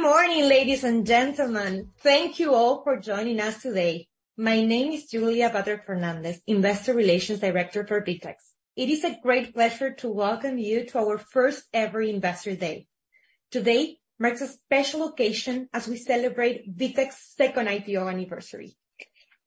Good morning, ladies and gentlemen. Thank you all for joining us today. My name is Julia Vater Fernández, Investor Relations Director for VTEX. It is a great pleasure to welcome you to our first ever Investor Day. Today marks a special occasion as we celebrate VTEX second IPO anniversary.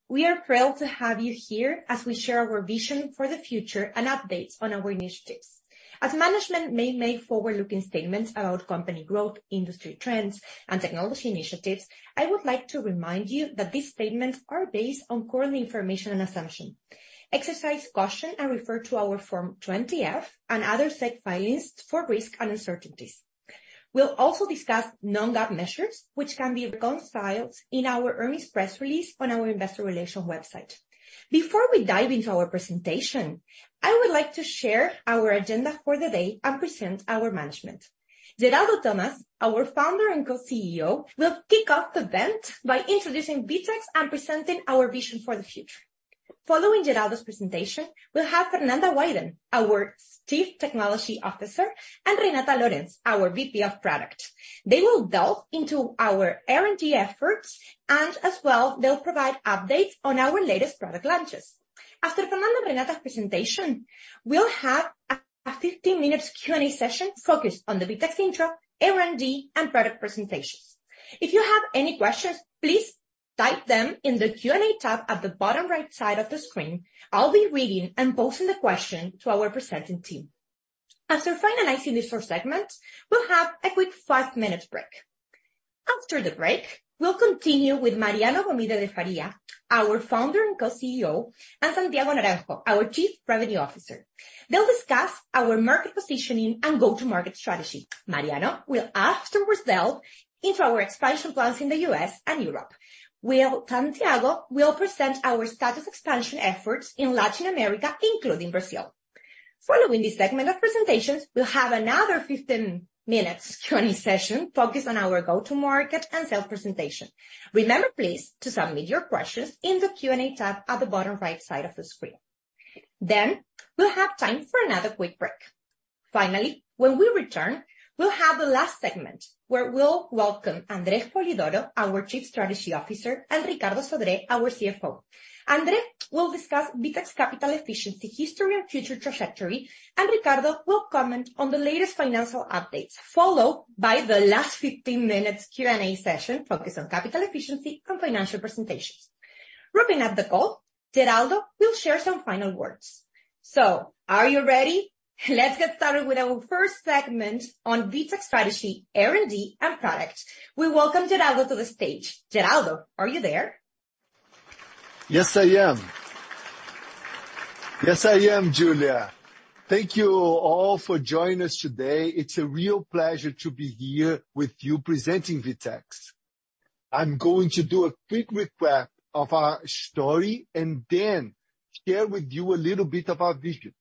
We are thrilled to have you here as we share our vision for the future and updates on our initiatives. As management may make forward-looking statements about company growth, industry trends, and technology initiatives, I would like to remind you that these statements are based on current information and assumption. Exercise caution and refer to our Form 20-F and other SEC filings for risk and uncertainties. We'll also discuss Non-GAAP measures, which can be reconciled in our earnings press release on our investor relations website. Before we dive into our presentation, I would like to share our agenda for the day and present our management. Geraldo Thomaz, our founder and Co-CEO, will kick off the event by introducing VTEX and presenting our vision for the future. Following Geraldo's presentation, we'll have Fernanda Weiden, our Chief Technology Officer, and Renata Lorenz, our VP of Product. They will delve into our R&D efforts, and as well, they'll provide updates on our latest product launches. After Fernanda and Renata's presentation, we'll have a 15 minutes Q&A session focused on the VTEX intro, R&D, and product presentations. If you have any questions, please type them in the Q&A tab at the bottom right side of the screen. I'll be reading and posting the question to our presenting team. After finalizing these four segments, we'll have a quick five-minute break. After the break, we'll continue with Mariano Gomide de Faria, our Founder and Co-CEO, and Santiago Naranjo, our Chief Revenue Officer. They'll discuss our market positioning and go-to-market strategy. Mariano will afterwards delve into our expansion plans in the U.S. and Europe, while Santiago will present our status expansion efforts in Latin America, including Brazil. Following this segment of presentations, we'll have another 15 minutes Q&A session focused on our go-to-market and sales presentation. Remember, please, to submit your questions in the Q&A tab at the bottom right side of the screen. We'll have time for another quick break. When we return, we'll have the last segment, where we'll welcome Andre Spolidoro, our Chief Strategy Officer, and Ricardo Camatta Sodré, our CFO. Andre will discuss VTEX capital efficiency, history, and future trajectory. Ricardo will comment on the latest financial updates, followed by the last 15 minutes Q&A session focused on capital efficiency and financial presentations. Wrapping up the call, Geraldo will share some final words. Are you ready? Let's get started with our first segment on VTEX strategy, R&D, and product. We welcome Geraldo to the stage. Geraldo, are you there? Yes, I am. Yes, I am, Julia. Thank you all for joining us today. It's a real pleasure to be here with you presenting VTEX. I'm going to do a quick recap of our story and then share with you a little bit of our vision.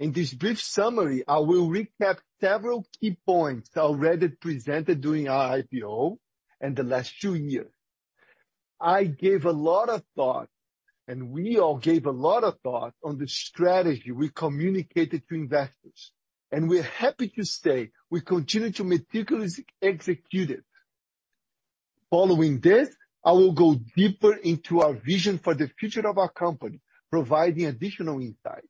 In this brief summary, I will recap several key points already presented during our IPO and the last two years. I gave a lot of thought, and we all gave a lot of thought on the strategy we communicated to investors, and we're happy to say we continue to meticulously execute it. Following this, I will go deeper into our vision for the future of our company, providing additional insight.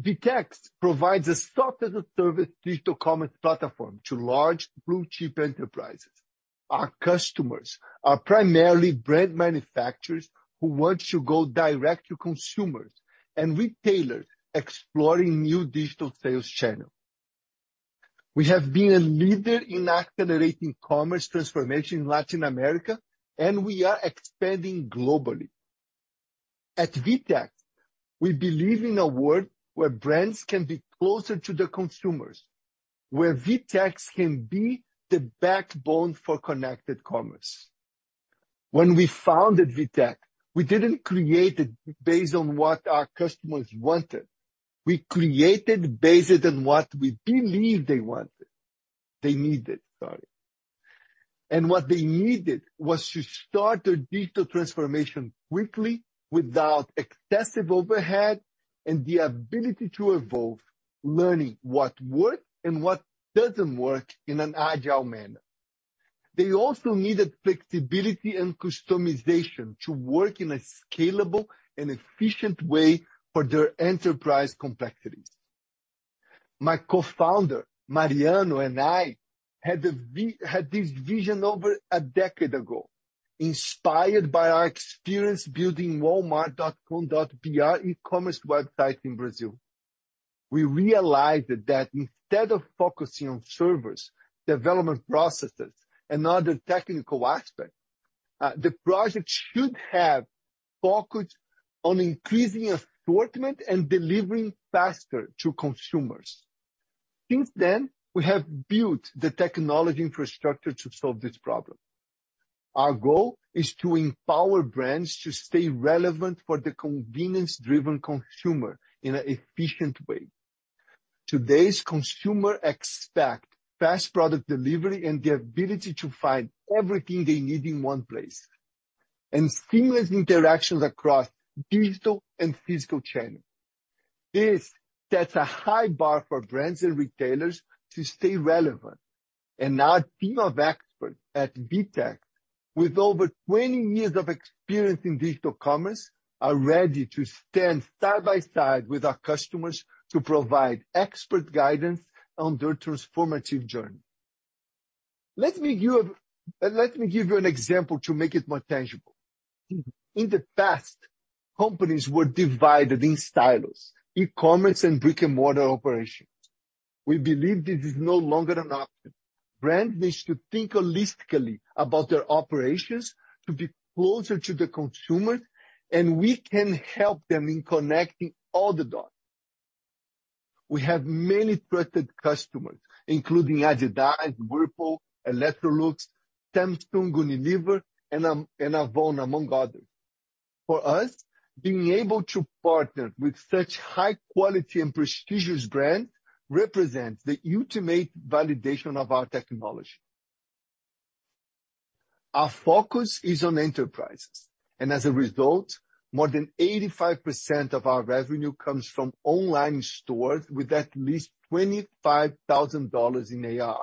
VTEX provides a software-as-a-service digital commerce platform to large blue-chip enterprises. Our customers are primarily brand manufacturers who want to go direct to consumers and retailers exploring new digital sales channel. We have been a leader in accelerating commerce transformation in Latin America, and we are expanding globally. At VTEX, we believe in a world where brands can be closer to their consumers, where VTEX can be the backbone for connected commerce. When we founded VTEX, we didn't create it based on what our customers wanted. We created based on what we believed they needed, sorry. What they needed was to start their digital transformation quickly, without excessive overhead and the ability to evolve, learning what works and what doesn't work in an agile manner. They also needed flexibility and customization to work in a scalable and efficient way for their enterprise complexities. My co-founder, Mariano, and I, had this vision over a decade ago, inspired by our experience building Walmart.com.br e-commerce website in Brazil. We realized that instead of focusing on servers, development processes, and other technical aspects, the project should have focused on increasing assortment and delivering faster to consumers. Since then, we have built the technology infrastructure to solve this problem. Our goal is to empower brands to stay relevant for the convenience-driven consumer in an efficient way. Today's consumer expect fast product delivery and the ability to find everything they need in one place, and seamless interactions across digital and physical channels. This sets a high bar for brands and retailers to stay relevant. Our team of experts at VTEX, with over 20 years of experience in digital commerce, are ready to stand side by side with our customers to provide expert guidance on their transformative journey. Let me give you an example to make it more tangible. In the past, companies were divided in silos, e-commerce and brick-and-mortar operations. We believe this is no longer an option. Brands need to think holistically about their operations to be closer to the consumers, we can help them in connecting all the dots. We have many trusted customers, including Adidas, Whirlpool, Electrolux, Samsung, Unilever, and Avon, among others. For us, being able to partner with such high quality and prestigious brands represents the ultimate validation of our technology. Our focus is on enterprises, as a result, more than 85% of our revenue comes from online stores with at least $25,000 in ARR.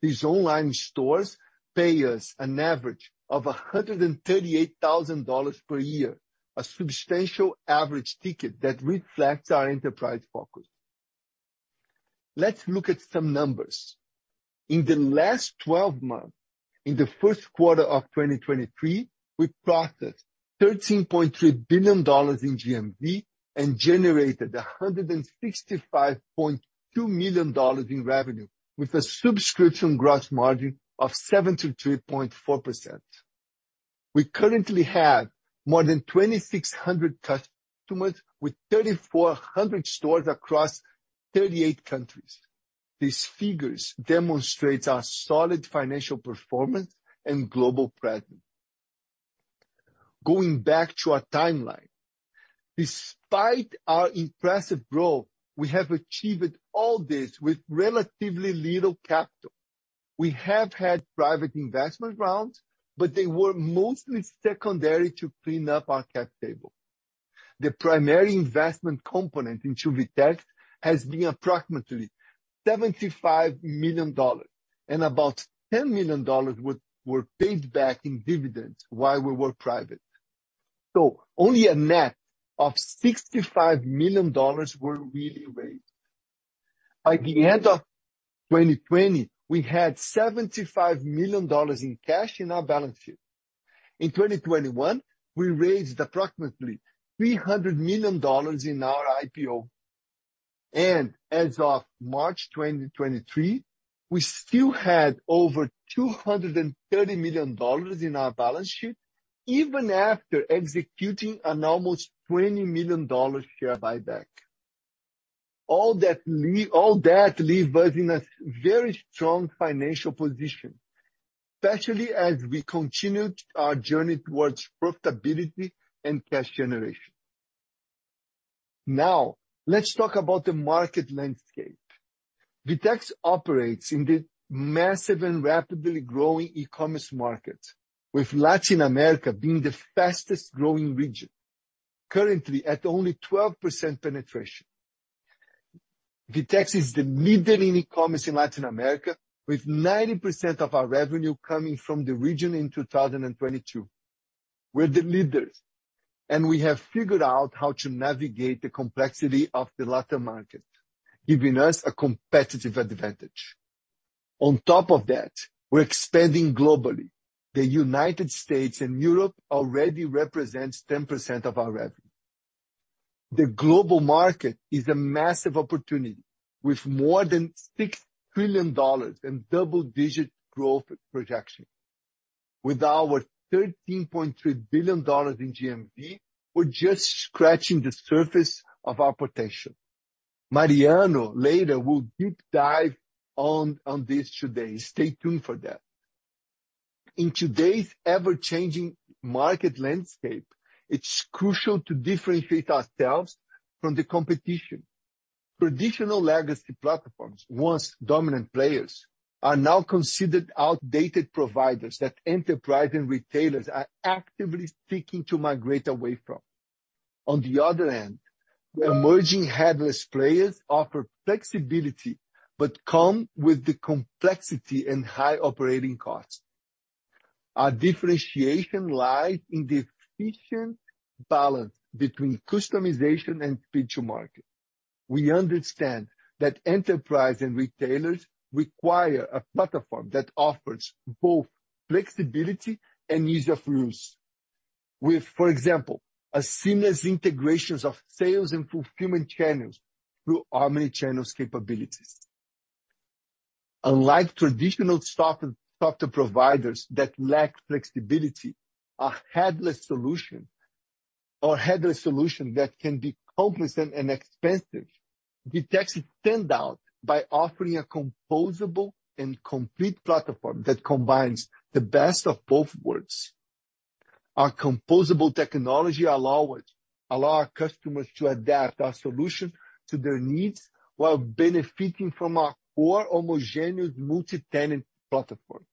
These online stores pay us an average of $138,000 per year, a substantial average ticket that reflects our enterprise focus. Let's look at some numbers. In the last 12 months, in the first quarter of 2023, we processed $13.3 billion in GMV and generated $165.2 million in revenue, with a subscription gross margin of 73.4%. We currently have more than 2,600 customers with 3,400 stores across 38 countries. These figures demonstrates our solid financial performance and global presence. Going back to our timeline. Despite our impressive growth, we have achieved all this with relatively little capital. We have had private investment rounds, they were mostly secondary to clean up our cap table. The primary investment component into VTEX has been approximately $75 million, about $10 million were paid back in dividends while we were private. Only a net of $65 million were really raised. At the end of 2020, we had $75 million in cash in our balance sheet. In 2021, we raised approximately $300 million in our IPO. As of March 2023, we still had over $230 million in our balance sheet, even after executing an almost $20 million share buyback. All that leaves us in a very strong financial position, especially as we continue our journey towards profitability and cash generation. Let's talk about the market landscape. VTEX operates in the massive and rapidly growing e-commerce market, with Latin America being the fastest growing region, currently at only 12% penetration. VTEX is the leader in e-commerce in Latin America, with 90% of our revenue coming from the region in 2022. We're the leaders, we have figured out how to navigate the complexity of the Latin market, giving us a competitive advantage. On top of that, we're expanding globally. The United States and Europe already represents 10% of our revenue. The global market is a massive opportunity, with more than $6 trillion in double-digit growth projection. With our $13.3 billion in GMV, we're just scratching the surface of our potential. Mariano later will deep dive on this today. Stay tuned for that. In today's ever-changing market landscape, it's crucial to differentiate ourselves from the competition. Traditional legacy platforms, once dominant players, are now considered outdated providers that enterprise and retailers are actively seeking to migrate away from. On the other hand, emerging headless players offer flexibility, but come with the complexity and high operating costs. Our differentiation lies in the efficient balance between customization and speed to market. We understand that enterprise and retailers require a platform that offers both flexibility and ease of use. With, for example, as seamless integrations of sales and fulfillment channels through omnichannel capabilities. Unlike traditional software providers that lack flexibility, a headless solution that can be complex and expensive, VTEX stand out by offering a composable and complete platform that combines the best of both worlds. Our composable technology allow our customers to adapt our solution to their needs while benefiting from our core homogeneous multitenant platform.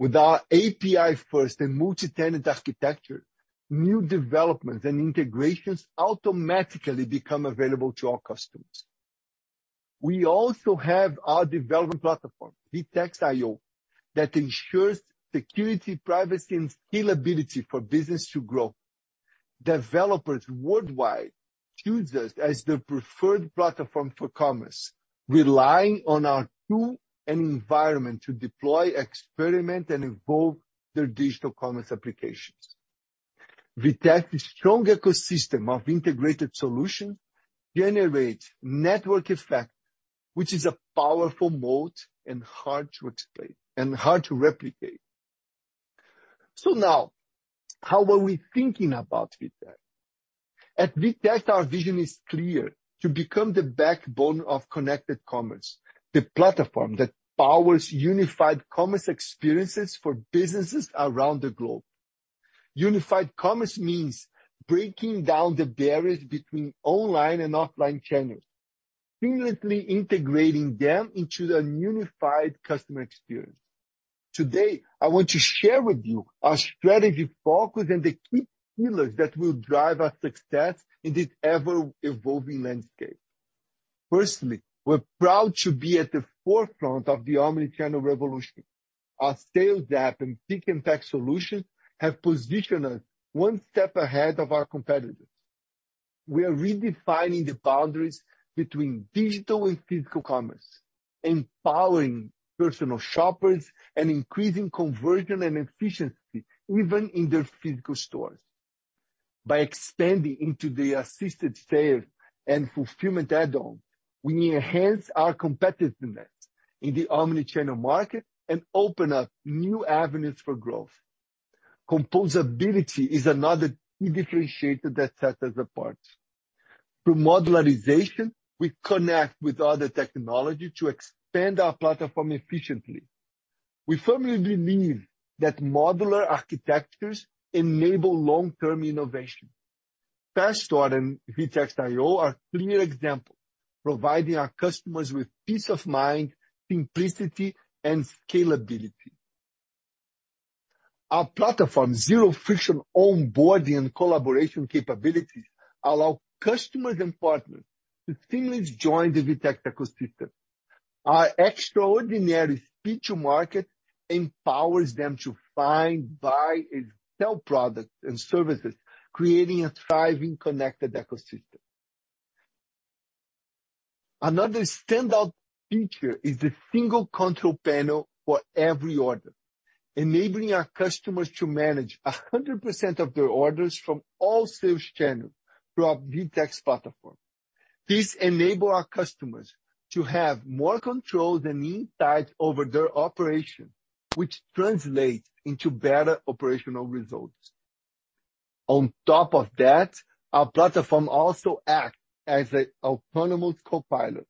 Our API first and multi-tenant architecture, new developments and integrations automatically become available to our customers. We also have our development platform, VTEX IO, that ensures security, privacy, and scalability for business to grow. Developers worldwide choose us as their preferred platform for commerce, relying on our tool and environment to deploy, experiment, and evolve their digital commerce applications. VTEX's strong ecosystem of integrated solutions generates network effect, which is a powerful moat and hard to explain, and hard to replicate. Now, how are we thinking about VTEX? At VTEX, our vision is clear: to become the backbone of connected commerce, the platform that powers unified commerce experiences for businesses around the globe. Unified commerce means breaking down the barriers between online and offline channels, seamlessly integrating them into a unified customer experience. Today, I want to share with you our strategy, focus, and the key pillars that will drive our success in this ever-evolving landscape. Firstly, we're proud to be at the forefront of the omnichannel revolution. Our Sales App and Pick and Pack solutions have positioned us one step ahead of our competitors. We are redefining the boundaries between digital and physical commerce, empowering personal shoppers and increasing conversion and efficiency even in their physical stores. By expanding into the assisted sales and fulfillment add-on, we enhance our competitiveness in the omnichannel market and open up new avenues for growth. Composability is another key differentiator that sets us apart. Through modularization, we connect with other technology to expand our platform efficiently. We firmly believe that modular architectures enable long-term innovation. FastStore and VTEX IO are clear examples, providing our customers with peace of mind, simplicity, and scalability. Our platform's zero-friction onboarding and collaboration capabilities allow customers and partners to seamlessly join the VTEX ecosystem. Our extraordinary speed to market empowers them to find, buy, and sell products and services, creating a thriving connected ecosystem. Another standout feature is the single control panel for every order, enabling our customers to manage 100% of their orders from all sales channels through our VTEX platform. This enable our customers to have more control and insight over their operation, which translates into better operational results. On top of that, our platform also acts as an autonomous copilot,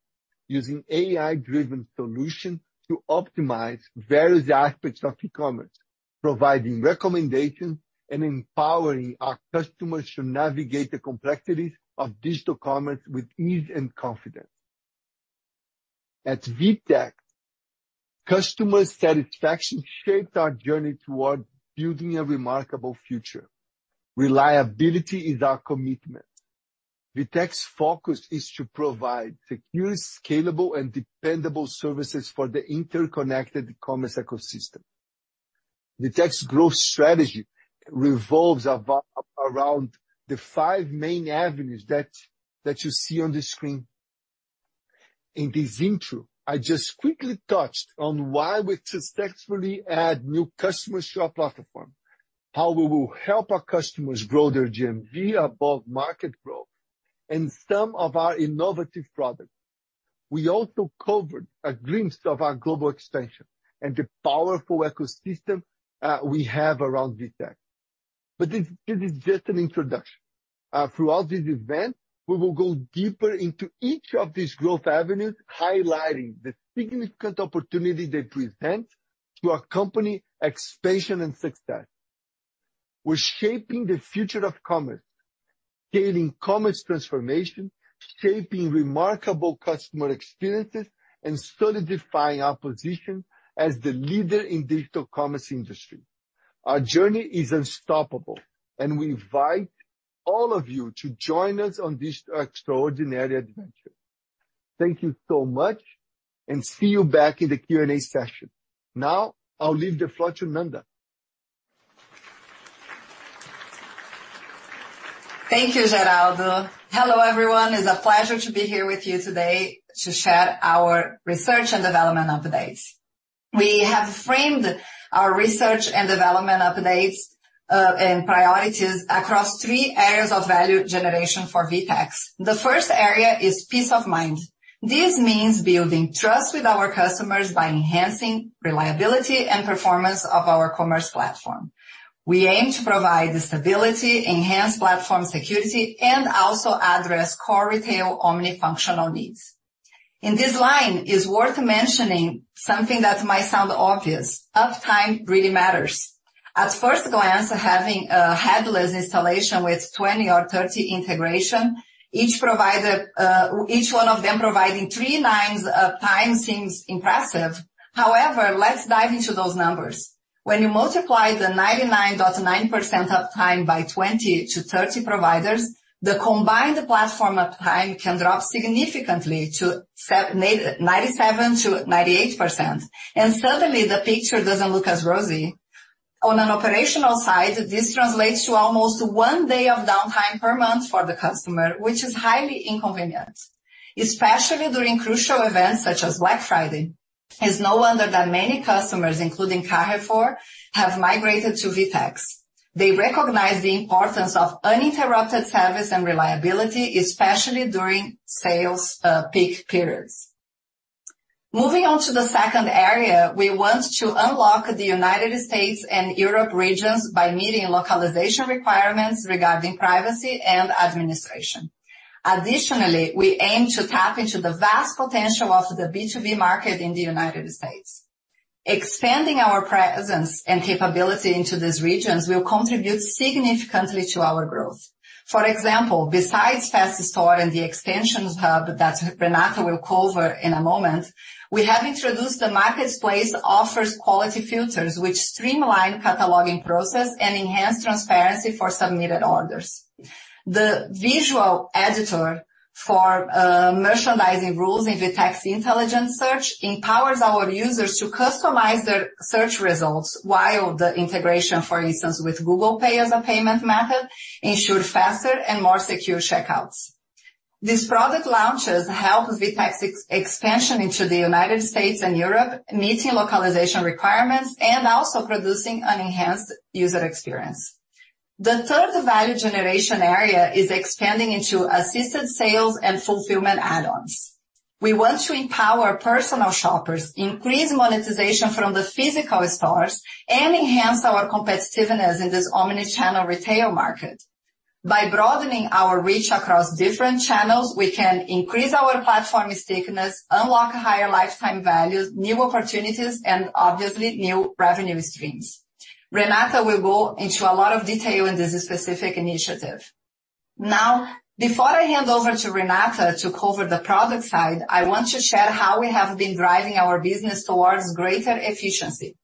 using AI-driven solution to optimize various aspects of e-commerce, providing recommendations and empowering our customers to navigate the complexities of digital commerce with ease and confidence. At VTEX, customer satisfaction shapes our journey towards building a remarkable future. Reliability is our commitment. VTEX's focus is to provide secure, scalable, and dependable services for the interconnected commerce ecosystem. VTEX's growth strategy revolves around the five main avenues that you see on the screen. In this intro, I just quickly touched on why we successfully add new customers to our platform, how we will help our customers grow their GMV above market growth, and some of our innovative products. We also covered a glimpse of our global expansion and the powerful ecosystem we have around VTEX. This is just an introduction. Throughout this event, we will go deeper into each of these growth avenues, highlighting the significant opportunity they present to our company expansion and success. We're shaping the future of commerce, scaling commerce transformation, shaping remarkable customer experiences, and solidifying our position as the leader in digital commerce industry. Our journey is unstoppable, and we invite all of you to join us on this extraordinary adventure. Thank you so much, and see you back in the Q&A session. Now, I'll leave the floor to Nanda. Thank you, Geraldo. Hello, everyone. It's a pleasure to be here with you today to share our research and development updates. We have framed our research and development updates and priorities across three areas of value generation for VTEX. The first area is peace of mind. This means building trust with our customers by enhancing reliability and performance of our commerce platform. We aim to provide stability, enhance platform security, and also address core retail omni-functional needs. In this line, it's worth mentioning something that might sound obvious: uptime really matters. At first glance, having a headless installation with 20 integration or 30 integration, each provider, each one of them providing three nines of time seems impressive. However, let's dive into those numbers. When you multiply the 99.9% uptime by 20 providers-30 providers, the combined platform uptime can drop significantly to 97%-98%, suddenly the picture doesn't look as rosy. On an operational side, this translates to almost one day of downtime per month for the customer, which is highly inconvenient, especially during crucial events such as Black Friday. It's no wonder that many customers, including Carrefour, have migrated to VTEX. They recognize the importance of uninterrupted service and reliability, especially during sales peak periods. Moving on to the second area, we want to unlock the United States and Europe regions by meeting localization requirements regarding privacy and administration. Additionally, we aim to tap into the vast potential of the B2B market in the United States. Expanding our presence and capability into these regions will contribute significantly to our growth. For example, besides FastStore and the Extensions Hub that Renata will cover in a moment, we have introduced the Marketplace Offers Quality Filters, which streamline cataloging process and enhance transparency for submitted orders. The visual editor for merchandising rules in VTEX's Intelligent Search empowers our users to customize their search results, while the integration, for instance, with Google Pay as a payment method, ensures faster and more secure checkouts. These product launches help VTEX's expansion into the United States and Europe, meeting localization requirements and also producing an enhanced user experience. The third value generation area is expanding into assisted sales and fulfillment add-ons. We want to empower personal shoppers, increase monetization from the physical stores, and enhance our competitiveness in this omnichannel retail market. By broadening our reach across different channels, we can increase our platform stickiness, unlock higher lifetime values, new opportunities, and obviously new revenue streams. Renata will go into a lot of detail in this specific initiative. Before I hand over to Renata to cover the product side, I want to share how we have been driving our business towards greater efficiency.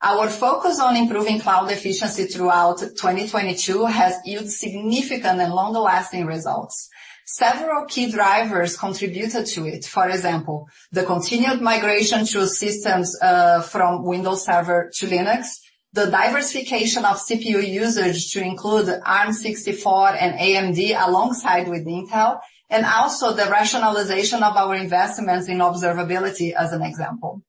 Our focus on improving cloud efficiency throughout 2022 has yield significant and long-lasting results. Several key drivers contributed to it. For example, the continued migration to systems from Windows Server to Linux, the diversification of CPU usage to include ARM64 and AMD, alongside with Intel, and also the rationalization of our investments in observability, as an example.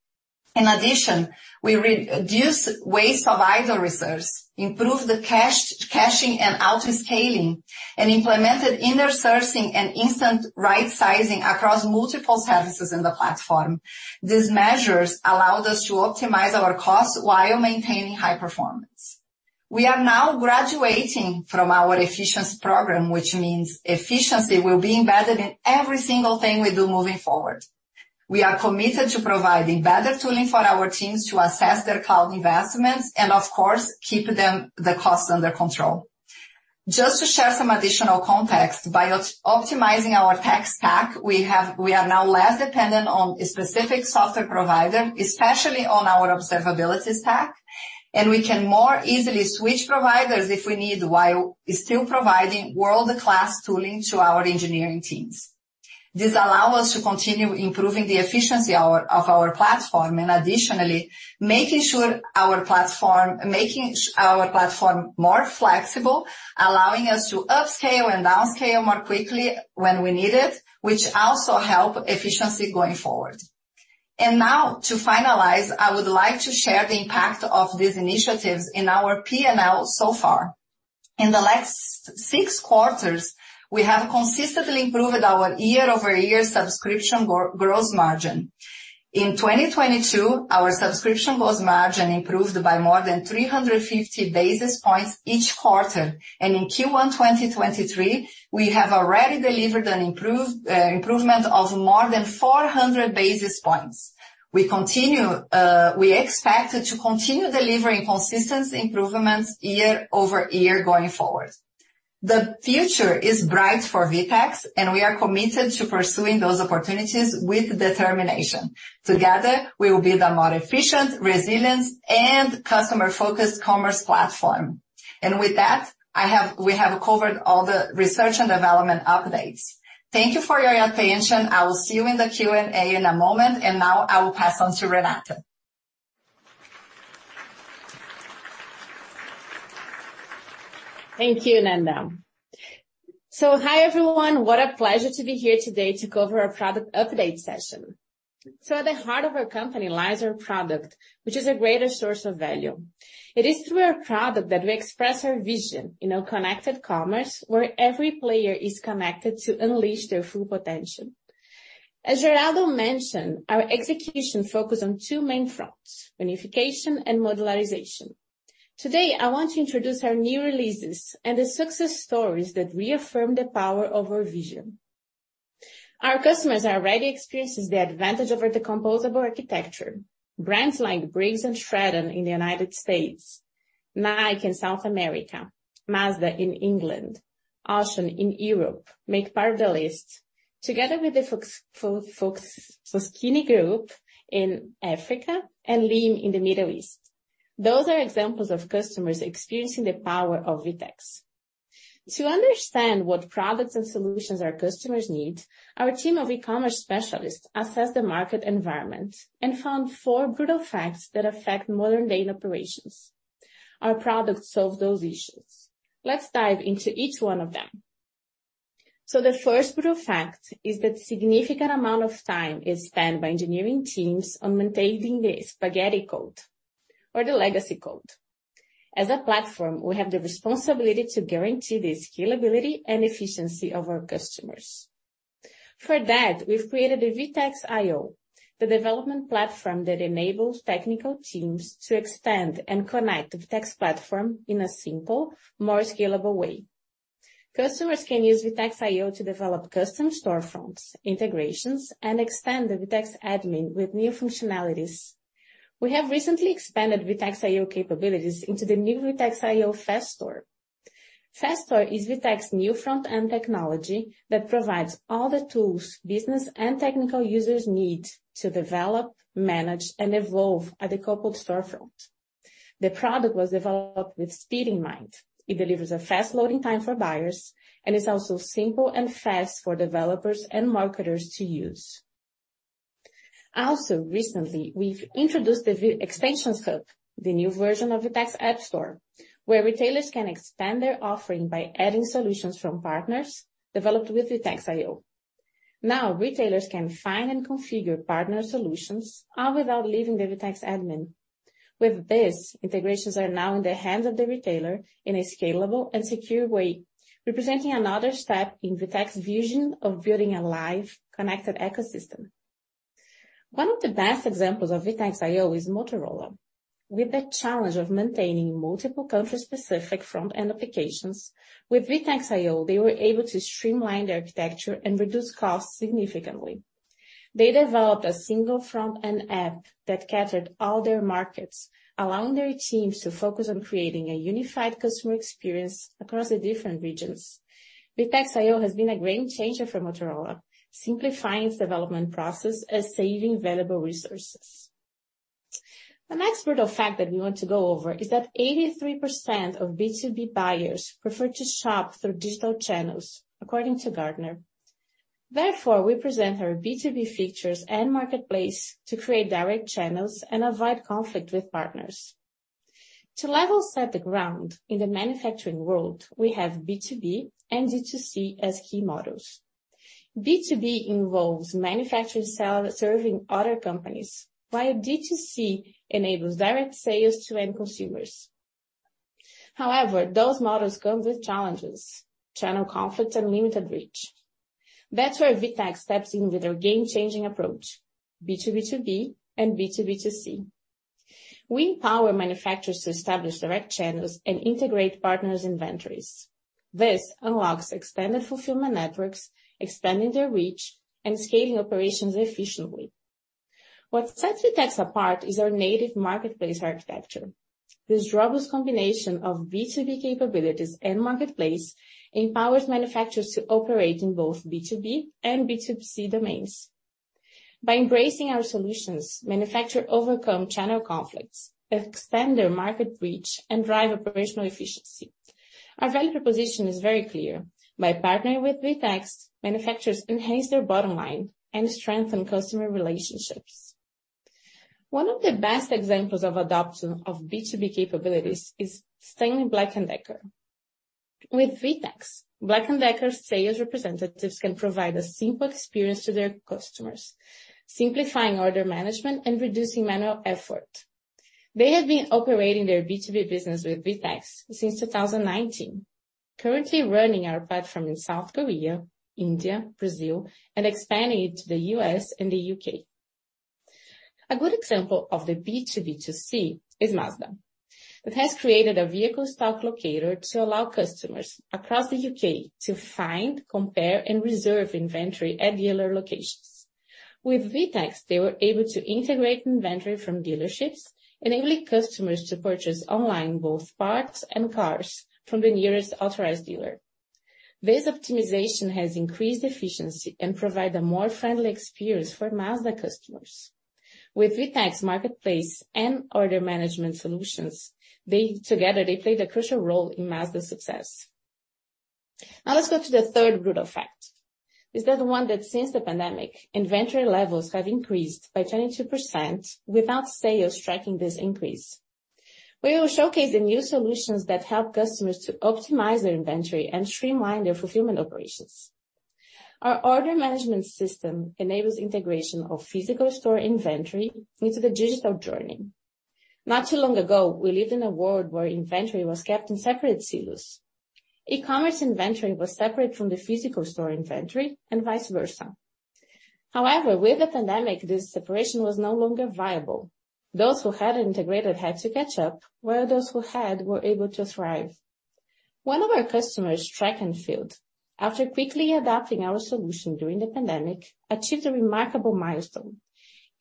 In addition, we reduced waste of idle resource, improved the caching and auto-scaling, and implemented InnerSource and instant right sizing across multiple services in the platform. These measures allowed us to optimize our costs while maintaining high performance. We are now graduating from our efficiency program, which means efficiency will be embedded in every single thing we do moving forward. We are committed to providing better tooling for our teams to assess their cloud investments and, of course, keep them, the costs under control. Just to share some additional context, by optimizing our tech stack, we are now less dependent on a specific software provider, especially on our observability stack, and we can more easily switch providers if we need, while still providing world-class tooling to our engineering teams. This allow us to continue improving the efficiency of our platform, and additionally, making our platform more flexible, allowing us to upscale and downscale more quickly when we need it, which also help efficiency going forward. Now, to finalize, I would like to share the impact of these initiatives in our PNL so far. In the last six quarters, we have consistently improved our year-over-year subscription gross margin. In 2022, our subscription gross margin improved by more than 350 basis points each quarter, and in Q1 2023, we have already delivered an improvement of more than 400 basis points. We expect to continue delivering consistent improvements year-over-year going forward. The future is bright for VTEX, and we are committed to pursuing those opportunities with determination. Together, we will build a more efficient, resilient, and customer-focused commerce platform. With that, we have covered all the research and development updates. Thank you for your attention. I will see you in the Q&A in a moment. Now I will pass on to Renata. Thank you, Nanda. Hi, everyone. What a pleasure to be here today to cover our product update session. At the heart of our company lies our product, which is a greater source of value. It is through our product that we express our vision in a connected commerce, where every player is connected to unleash their full potential. As Geraldo mentioned, our execution focus on two main fronts, unification and modularization. Today, I want to introduce our new releases and the success stories that reaffirm the power of our vision. Our customers are already experiences the advantage over the composable architecture. Brands like Briggs & Stratton in the United States, Nike in South America, Mazda in England, Auchan in Europe, make part of the list, together with the Foschini Group in Africa and Leem in the Middle East. Those are examples of customers experiencing the power of VTEX. To understand what products and solutions our customers need, our team of e-commerce specialists assessed the market environment and found four brutal facts that affect modern-day operations. Our products solve those issues. Let's dive into each one of them. The first brutal fact is that significant amount of time is spent by engineering teams on maintaining the spaghetti code or the legacy code. As a platform, we have the responsibility to guarantee the scalability and efficiency of our customers. For that, we've created the VTEX IO, the development platform that enables technical teams to extend and connect the VTEX platform in a simple, more scalable way. Customers can use VTEX IO to develop custom storefronts, integrations, and expand the VTEX Admin with new functionalities. We have recently expanded VTEX IO capabilities into the new VTEX IO FastStore. FastStore is VTEX new front-end technology that provides all the tools business and technical users need to develop, manage, and evolve at the coupled storefront. The product was developed with speed in mind. It delivers a fast loading time for buyers, and it's also simple and fast for developers and marketers to use. Recently, we've introduced the Extensions Hub, the new version of VTEX App Store, where retailers can expand their offering by adding solutions from partners developed with VTEX IO. Retailers can find and configure partner solutions, all without leaving the VTEX Admin. With this, integrations are now in the hands of the retailer in a scalable and secure way, representing another step in VTEX vision of building a live, connected ecosystem. One of the best examples of VTEX IO is Motorola. With the challenge of maintaining multiple country-specific front-end applications, with VTEX IO, they were able to streamline their architecture and reduce costs significantly. They developed a single front-end app that catered all their markets, allowing their teams to focus on creating a unified customer experience across the different regions. VTEX IO has been a game changer for Motorola, simplifying its development process and saving valuable resources. The next brutal fact that we want to go over is that 83% of B2B buyers prefer to shop through digital channels, according to Gartner. We present our B2B features and marketplace to create direct channels and avoid conflict with partners. To level set the ground in the manufacturing world, we have B2B and D2C as key models. B2B involves manufacturers serving other companies, while D2C enables direct sales to end consumers. However, those models come with challenges: channel conflict and limited reach. That's where VTEX steps in with our game-changing approach, B2B2B and B2B2C. We empower manufacturers to establish direct channels and integrate partners' inventories. This unlocks expanded fulfillment networks, expanding their reach and scaling operations efficiently. What sets VTEX apart is our native marketplace architecture. This robust combination of B2B capabilities and marketplace empowers manufacturers to operate in both B2B and B2C domains. By embracing our solutions, manufacturers overcome channel conflicts, extend their market reach, and drive operational efficiency. Our value proposition is very clear: by partnering with VTEX, manufacturers enhance their bottom line and strengthen customer relationships. One of the best examples of adoption of B2B capabilities is Stanley Black & Decker. With VTEX, Black & Decker sales representatives can provide a simple experience to their customers, simplifying order management and reducing manual effort. They have been operating their B2B business with VTEX since 2019, currently running our platform in South Korea, India, Brazil, and expanding it to the U.S. and the U.K. A good example of the B2B2C is Mazda. It has created a Vehicle Stock Locator to allow customers across the U.K. to find, compare, and reserve inventory at dealer locations. With VTEX, they were able to integrate inventory from dealerships, enabling customers to purchase online both parts and cars from the nearest authorized dealer. This optimization has increased efficiency and provide a more friendly experience for Mazda customers. With VTEX marketplace and order management solutions, together, they played a crucial role in Mazda's success. Let's go to the third brutal fact. Is that the one that since the pandemic, inventory levels have increased by 22% without sales tracking this increase? We will showcase the new solutions that help customers to optimize their inventory and streamline their fulfillment operations. Our order management system enables integration of physical store inventory into the digital journey. Not too long ago, we lived in a world where inventory was kept in separate silos. E-commerce inventory was separate from the physical store inventory and vice versa. With the pandemic, this separation was no longer viable. Those who hadn't integrated had to catch up, while those who had were able to thrive. One of our customers, Track&Field, after quickly adapting our solution during the pandemic, achieved a remarkable milestone.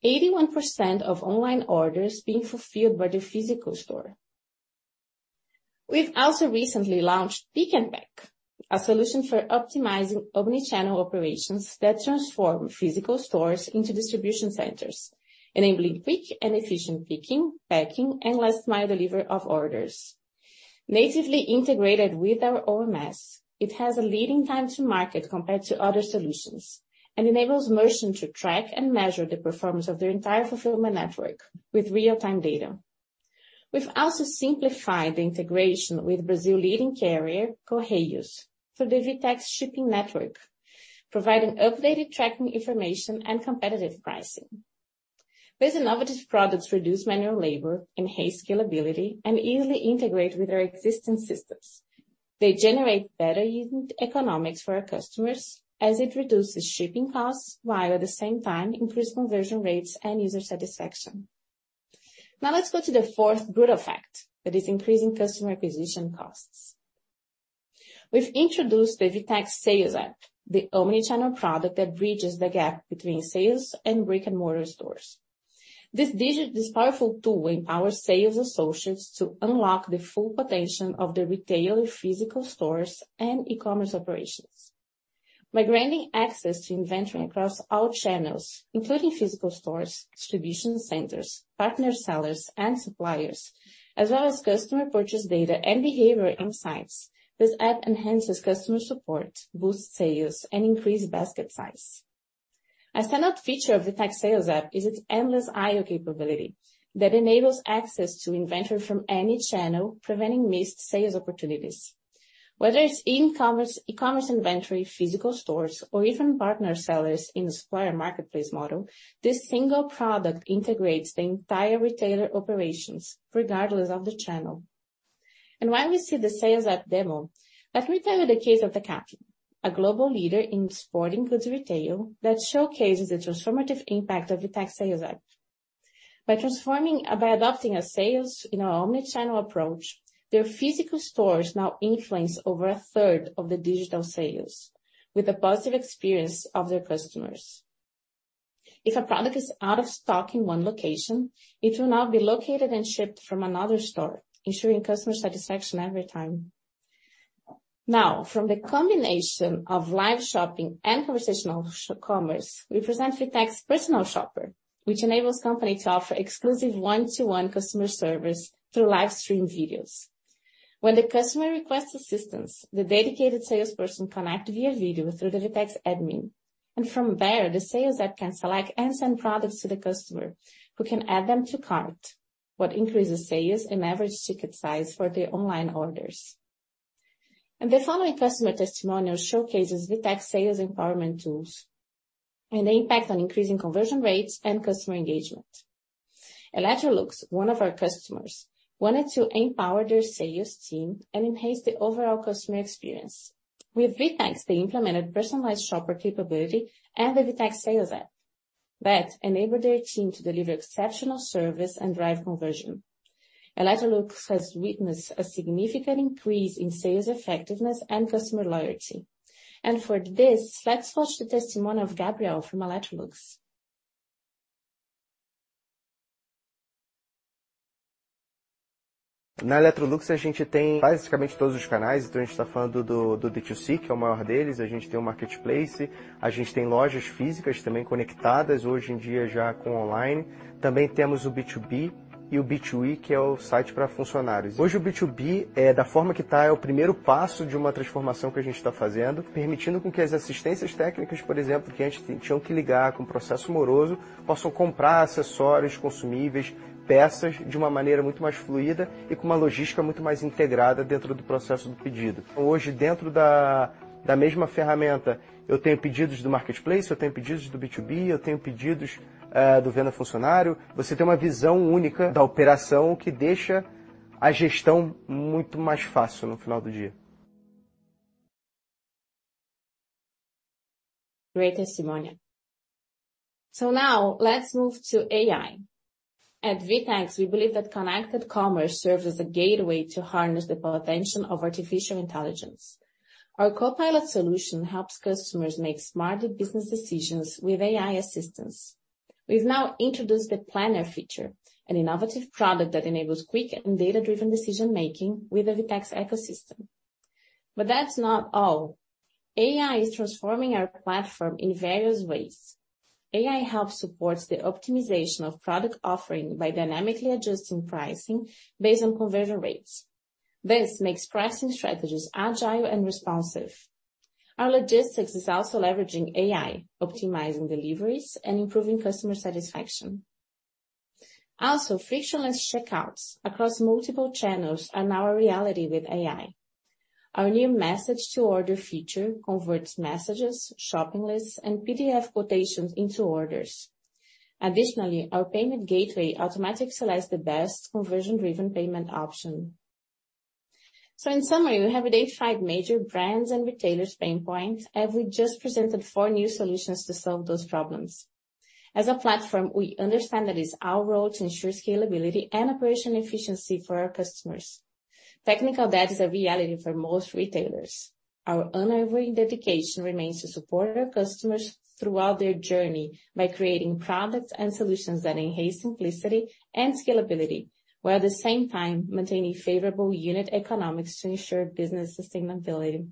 81% of online orders being fulfilled by the physical store. We've also recently launched Pick and Pack, a solution for optimizing omnichannel operations that transform physical stores into distribution centers, enabling quick and efficient picking, packing, and last mile delivery of orders. Natively integrated with our OMS, it has a leading time to market compared to other solutions, and enables merchants to track and measure the performance of their entire fulfillment network with real-time data. We've also simplified the integration with Brazil leading carrier, Correios, through the VTEX Shipping Network, providing updated tracking information and competitive pricing. These innovative products reduce manual labor, enhance scalability, and easily integrate with our existing systems. They generate better economics for our customers as it reduces shipping costs, while at the same time increase conversion rates and user satisfaction. Let's go to the fourth brutal fact, that is increasing customer acquisition costs. We've introduced the VTEX Sales App, the omnichannel product that bridges the gap between sales and brick-and-mortar stores. This powerful tool empowers sales associates to unlock the full potential of the retailer, physical stores, and e-commerce operations. By granting access to inventory across all channels, including physical stores, distribution centers, partner sellers, and suppliers, as well as customer purchase data and behavioral insights, this app enhances customer support, boosts sales, and increase basket size. A standout feature of the Sales App is its endless aisle capability that enables access to inventory from any channel, preventing missed sales opportunities. Whether it's e-commerce inventory, physical stores, or even partner sellers in the supplier marketplace model, this single product integrates the entire retailer operations, regardless of the channel. While we see the Sales App demo, let me tell you the case of Decathlon, a global leader in sporting goods retail that showcases the transformative impact of the VTEX Sales App. By adopting a sales in our omnichannel approach, their physical stores now influence over a third of the digital sales with the positive experience of their customers. If a product is out of stock in one location, it will now be located and shipped from another store, ensuring customer satisfaction every time. Now, from the combination of Live Shopping and conversational commerce, we present VTEX Personal Shopper, which enables company to offer exclusive one-to-one customer service through live stream videos. When the customer requests assistance, the dedicated salesperson connect via video through the VTEX Admin, and from there, the Sales App can select and send products to the customer, who can add them to cart, what increases sales and average ticket size for the online orders. The following customer testimonial showcases VTEX sales empowerment tools and the impact on increasing conversion rates and customer engagement. Electrolux, one of our customers, wanted to empower their sales team and enhance the overall customer experience. With VTEX, they implemented personalized shopper capability and the VTEX Sales App that enabled their team to deliver exceptional service and drive conversion. Electrolux has witnessed a significant increase in sales effectiveness and customer loyalty, and for this, let's watch the testimony of Gabriel from Electrolux. At Electrolux, we have basically all channels. We are talking about D2C, which is the biggest one. We have a marketplace, we have physical stores also connected today with online. We also have B2B and B2E, which is the site for employees. Today, the B2B, the way it is the first step of a transformation that we are undergoing, allowing technical assistance, for example, that we had to call with a slow process, to be able to buy accessories, consumables, parts in a much smoother way and with a much more integrated logistics within the order process. Today, within the same tool, I have orders from the marketplace, I have orders from B2B, I have orders from the employee sale. You have a unique view of the operation, which makes management much easier at the end of the day. Great testimonia! Now let's move to AI. At VTEX, we believe that connected commerce serves as a gateway to harness the potential of artificial intelligence. Our copilot solution helps customers make smarter business decisions with AI assistance. We've now introduced the Planner feature, an innovative product that enables quick and data-driven decision-making with the VTEX ecosystem. That's not all. AI is transforming our platform in various ways. AI helps supports the optimization of product offering by dynamically adjusting pricing based on conversion rates. This makes pricing strategies agile and responsive. Our logistics is also leveraging AI, optimizing deliveries, and improving customer satisfaction. Frictionless checkouts across multiple channels are now a reality with AI. Our new message-to-order feature converts messages, shopping lists, and PDF quotations into orders. Additionally, our payment gateway automatically selects the best conversion-driven payment option. In summary, we have identified major brands and retailers' pain points, and we just presented four new solutions to solve those problems. As a platform, we understand that it's our role to ensure scalability and operational efficiency for our customers. Technical debt is a reality for most retailers. Our unwavering dedication remains to support our customers throughout their journey by creating products and solutions that enhance simplicity and scalability, while at the same time maintaining favorable unit economics to ensure business sustainability.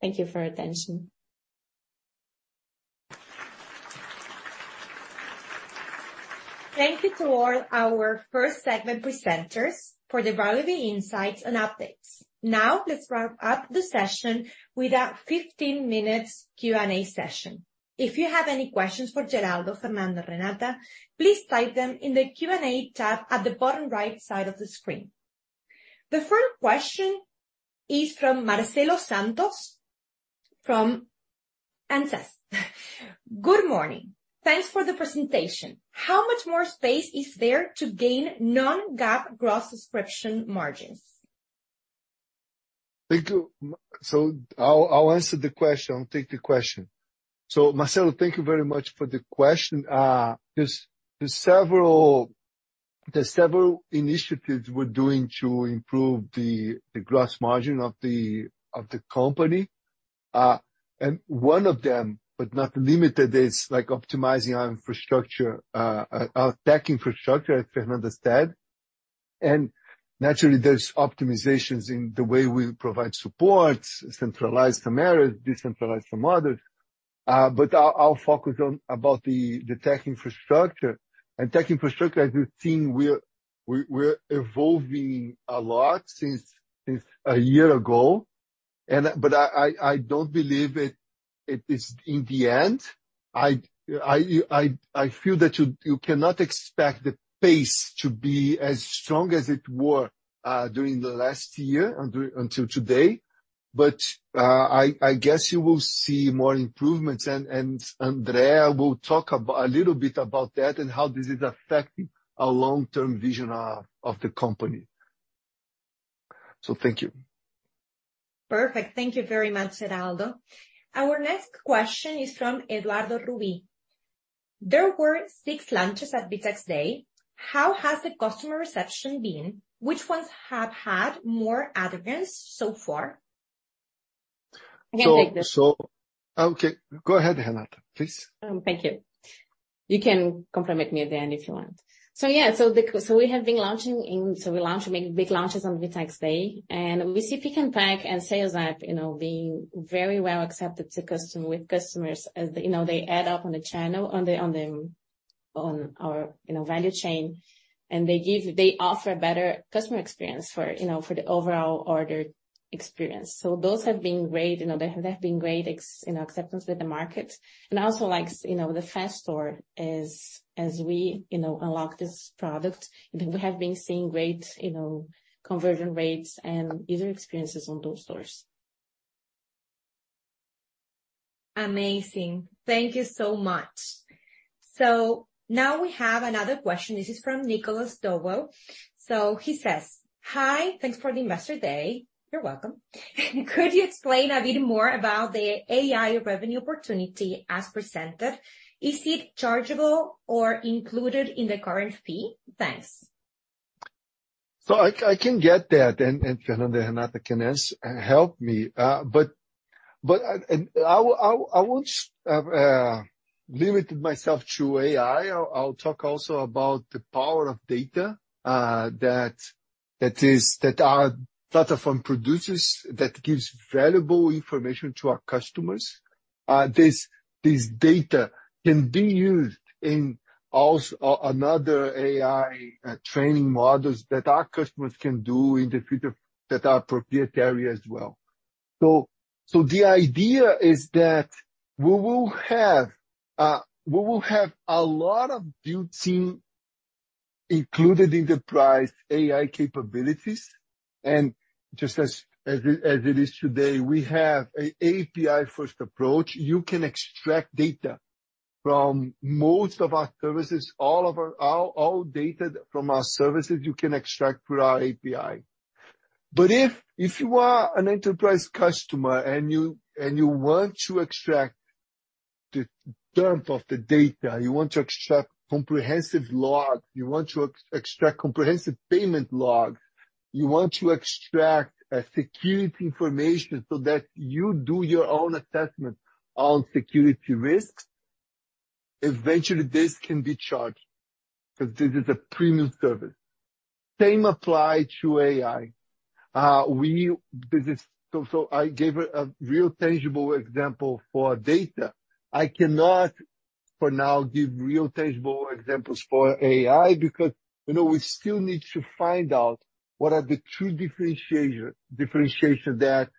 Thank you for your attention. Thank you to all our first segment presenters for the valuable insights and updates. Let's wrap up the session with a 15 minutes Q&A session. If you have any questions for Geraldo, Fernanda, Renata, please type them in the Q&A tab at the bottom right side of the screen. The first question is from Marcelo Santos, from JPMorgan. Good morning. Thanks for the presentation. How much more space is there to gain Non-GAAP gross subscription margins? Thank you. I'll answer the question. I'll take the question. Marcelo, thank you very much for the question. There's several initiatives we're doing to improve the gross margin of the company. One of them, but not limited, is like optimizing our infrastructure, our tech infrastructure, as Fernanda said. Naturally, there's optimizations in the way we provide support, centralize some areas, decentralize some others. But I'll focus on about the tech infrastructure. Tech infrastructure, as you've seen, we're evolving a lot since a year ago, but I don't believe it is in the end. I feel that you cannot expect the pace to be as strong as it were during the last year until today. I guess you will see more improvements, and Andrea will talk a little bit about that and how this is affecting our long-term vision of the company. Thank you. Perfect. Thank you very much, Geraldo. Our next question is from Eduardo Rubi. There were six launches at VTEX DAY. How has the customer reception been? Which ones have had more adherence so far? I can take this. Okay, go ahead, Renata, please. Thank you. You can complement me at the end if you want. Yeah, we have been launching in-- so we launched many big launches on VTEX DAY, and we see Pick and Pack and Sales App, you know, being very well accepted with customers as they, you know, they add up on the channel, on our, you know, value chain, and they offer a better customer experience for, you know, for the overall order experience. Those have been great, you know, they have been great, you know, acceptance with the market. I also like, you know, the FastStore as we, you know, unlock this product. We have been seeing great, you know, conversion rates and user experiences on those stores. Amazing. Thank you so much. Now we have another question. This is from Nicholas Dowo. He says: Hi, thanks for the investor day. You're welcome. Could you explain a bit more about the AI revenue opportunity as presented? Is it chargeable or included in the current fee? Thanks. I can get that, and Fernanda, Renata can help me. I won't limit myself to AI. I'll talk also about the power of data that our platform produces, that gives valuable information to our customers. This data can be used in another AI training models that our customers can do in the future that are proprietary as well. The idea is that we will have a lot of built-in, included in the price, AI capabilities. Just as it is today, we have a API-first approach. You can extract data from most of our services, all data from our services, you can extract through our API. If you are an enterprise customer and you want to extract the term of the data, you want to extract comprehensive logs, you want to extract comprehensive payment logs, you want to extract security information so that you do your own assessment on security risks, eventually this can be charged because this is a premium service. Same apply to AI. I gave a real tangible example for data. I cannot, for now, give real tangible examples for AI because, you know, we still need to find out what are the true differentiation that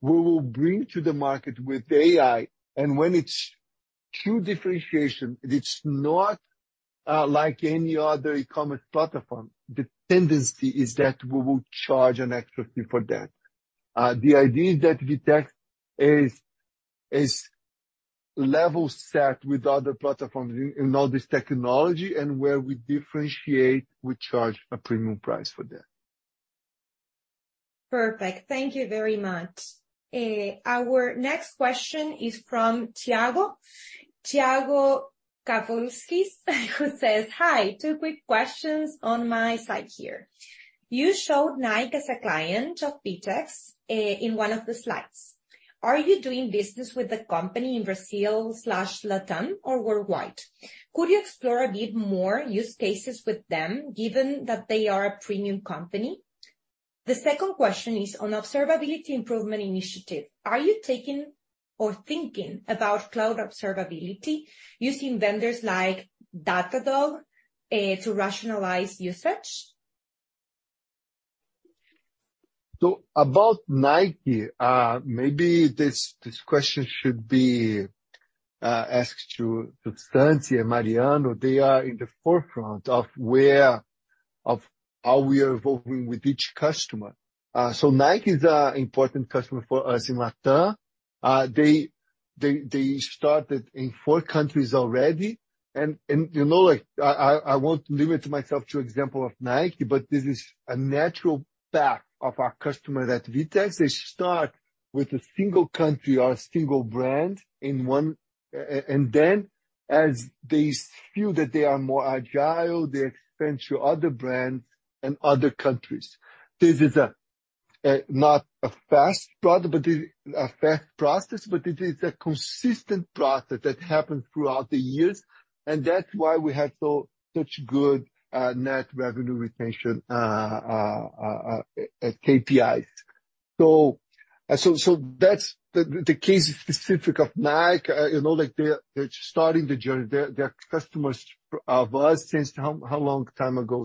we will bring to the market with AI. When it's true differentiation, it's not like any other e-commerce platform, the tendency is that we will charge an extra fee for that. The idea is that VTEX is level set with other platforms in all this technology, and where we differentiate, we charge a premium price for that. Perfect. Thank you very much. Our next question is from Tiago. Tiago Kapulskis, who says, "Hi, two quick questions on my side here. You showed Nike as a client of VTEX, in one of the slides. Are you doing business with the company in Brazil/LATAM or worldwide? Could you explore a bit more use cases with them, given that they are a premium company? The second question is on observability improvement initiative. Are you taking or thinking about cloud observability using vendors like Datadog, to rationalize usage? About Nike, maybe this question should be asked to Stanley and Mariano. hey are in the forefront of how we are evolving with each customer. Nike is an important customer for us in LATAM. They started in four countries already. You know, like, I won't limit myself to example of Nike, but this is a natural path of our customer that VTEX, they start with a single country or a single brand in one. As they feel that they are more agile, they expand to other brands and other countries. This is not a fast product, but a fast process, but it is a consistent process that happened throughout the years, and that's why we have such good net revenue retention at KPIs. That's the case specific of Nike. You know, like, they're starting the journey. They're customers of us since how long time ago,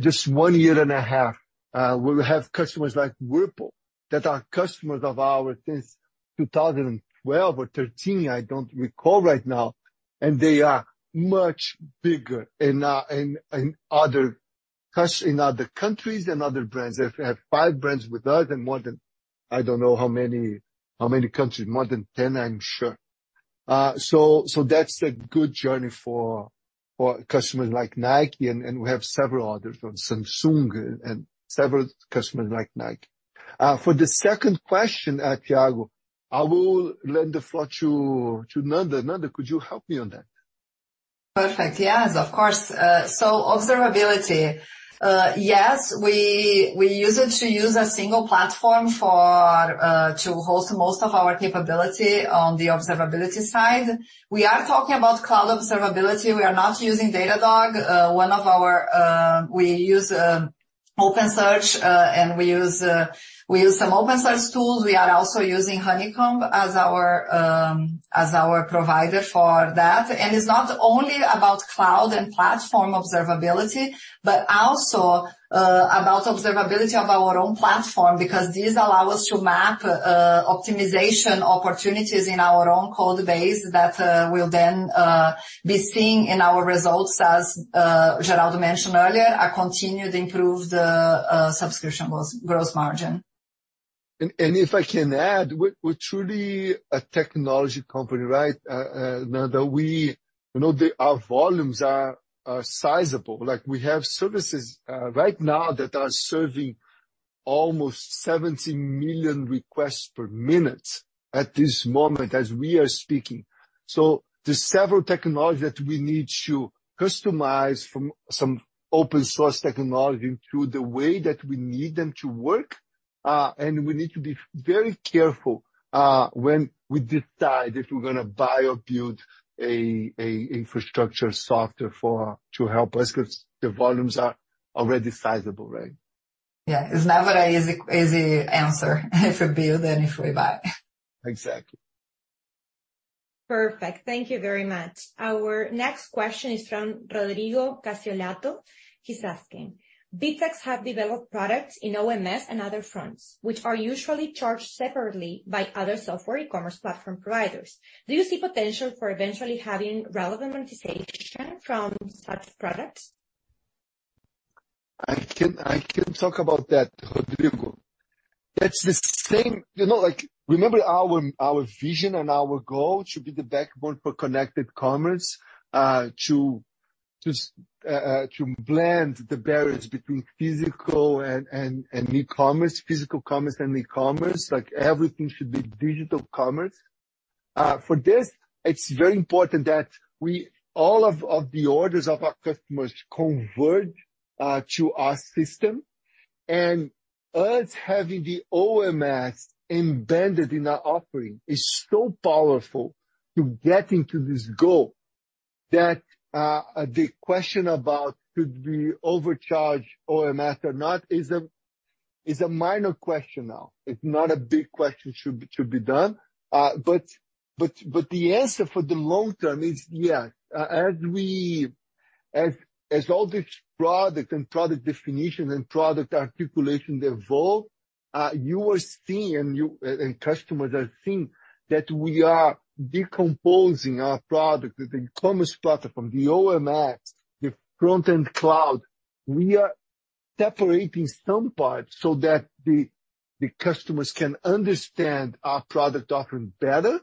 Stanley? one year. Just 1.5 years. We have customers like Whirlpool, that are customers of our since 2012 or 2013, I don't recall right now, and they are much bigger in other countries and other brands. They have five brands with us and more than, I don't know how many, how many countries, more than 10 countries, I'm sure. That's a good journey for customers like Nike, and we have several others, from Samsung and several customers like Nike. For the second question, Tiago, I will lend the floor to Nanda. Nanda, could you help me on that? Perfect. Yes, of course. Observability. Yes, we use it to use a single platform for to host most of our capability on the observability side. We are talking about cloud observability. We are not using Datadog. We use OpenSearch, and we use some OpenSearch tools. We are also using Honeycomb as our as our provider for that. It's not only about cloud and platform observability, but also about observability of our own platform, because this allow us to map optimization opportunities in our own code base that will then be seen in our results as Geraldo mentioned earlier, a continued improved subscription gross margin. If I can add, we're truly a technology company, right? Nanda, you know, our volumes are sizable. Like, we have services right now that are serving almost 70 million requests per minute at this moment, as we are speaking. There's several technologies that we need to customize from some open source technology to the way that we need them to work, and we need to be very careful, when we decide if we're gonna buy or build a infrastructure software for, to help us, because the volumes are already sizable, right? Yeah. It's never an easy answer, if we build and if we buy. Exactly. Perfect. Thank you very much. Our next question is from Rodrigo Cassiolatto. He's asking: VTEX have developed products in OMS and other fronts, which are usually charged separately by other software e-commerce platform providers. Do you see potential for eventually having relevant monetization from such products? I can talk about that, Rodrigo. It's the same, you know, like, remember our vision and our goal to be the backbone for connected commerce, to blend the barriers between physical and e-commerce, physical commerce and e-commerce, like everything should be digital commerce. For this, it's very important that all of the orders of our customers convert to our system. Us having the OMS embedded in our offering is so powerful to getting to this goal, that the question about should we overcharge OMS or not is a minor question now. It's not a big question to be done. But the answer for the long term is yes. As we, as all this product and product definition and product articulation evolve, you are seeing, and customers are seeing that we are decomposing our product, the commerce platform, the OMS, the front-end cloud. We are separating some parts so that the customers can understand our product offering better.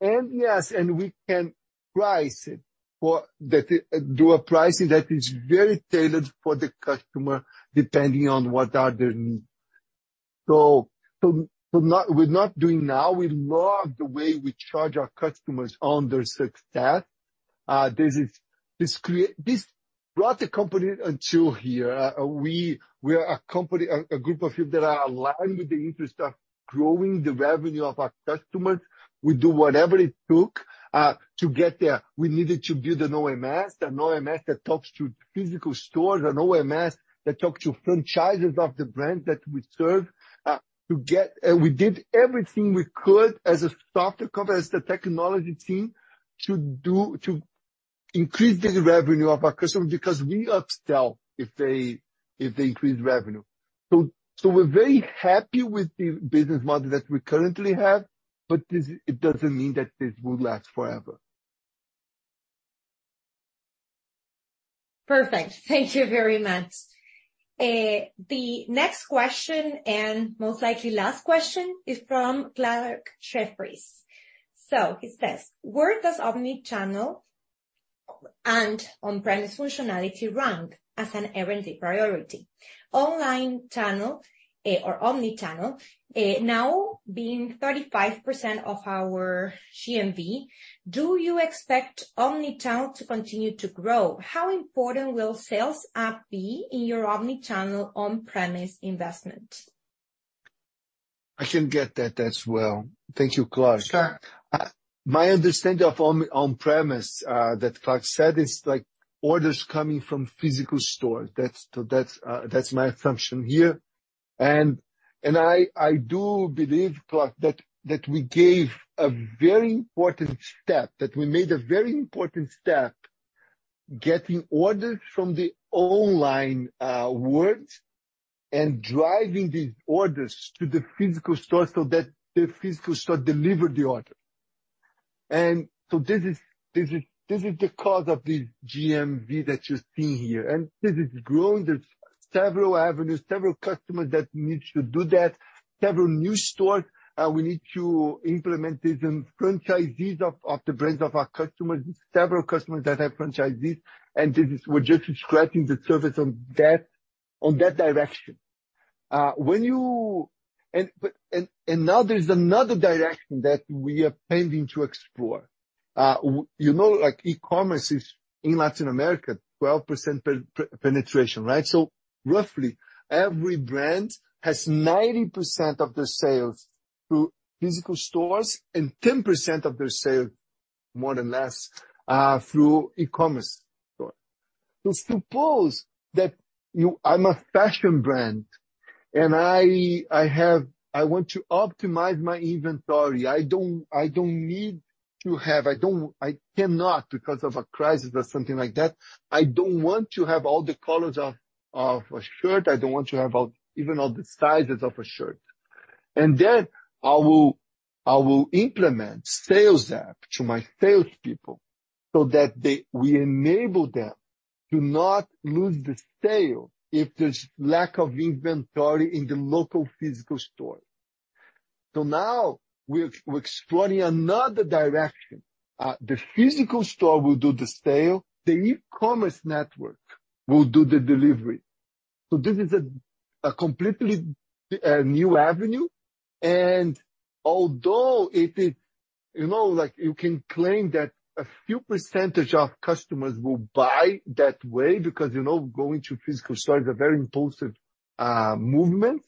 Yes, we can price it for that, do a pricing that is very tailored for the customer, depending on what are their needs. To not- we're not doing now, we love the way we charge our customers on their success. This is, this brought the company until here. We are a company, a group of people that are aligned with the interest of growing the revenue of our customers. We do whatever it took to get there. We needed to build an OMS, an OMS that talks to physical stores, an OMS that talks to franchises of the brand that we serve. We did everything we could as a software company, as the technology team, to increase the revenue of our customers, because we upsell if they increase revenue. We're very happy with the business model that we currently have. It doesn't mean that this will last forever. Perfect. Thank you very much. The next question, and most likely last question, is from Clarke Jefferies. It says, "Where does omnichannel and on-premise functionality rank as an R&D priority? Online channel, or omnichannel now being 35% of our GMV, do you expect omnichannel to continue to grow? How important will Sales App be in your omnichannel on-premise investment? I can get that as well. Thank you, Clarke. My understanding of on-premise, that Clarke said, is like orders coming from physical stores. That's, that's my assumption here. I do believe, Clarke, that we gave a very important step, that we made a very important step, getting orders from the online world and driving these orders to the physical store so that the physical store delivered the order. This is the cause of the GMV that you're seeing here, and this is growing. There's several avenues, several customers that need to do that, several new stores, we need to implement this, and franchisees of the brands of our customers, several customers that have franchisees, we're just scratching the surface on that direction. When you... Now there's another direction that we are planning to explore. you know, like, e-commerce is in Latin America, 12% penetration, right? Roughly every brand has 90% of their sales through physical stores and 10% of their sales, more or less, through e-commerce. Suppose that I'm a fashion brand, and I want to optimize my inventory. I don't need to have... I cannot, because of a crisis or something like that, I don't want to have all the colors of a shirt. I don't want to have all, even all the sizes of a shirt. Then I will implement Sales App to my salespeople so that we enable them to not lose the sale if there's lack of inventory in the local physical store. Now we're exploring another direction. The physical store will do the sale, the e-commerce network will do the delivery. This is a completely new avenue, and although it is, you know, like, you can claim that a few percentage of customers will buy that way because, you know, going to a physical store is a very impulsive movement.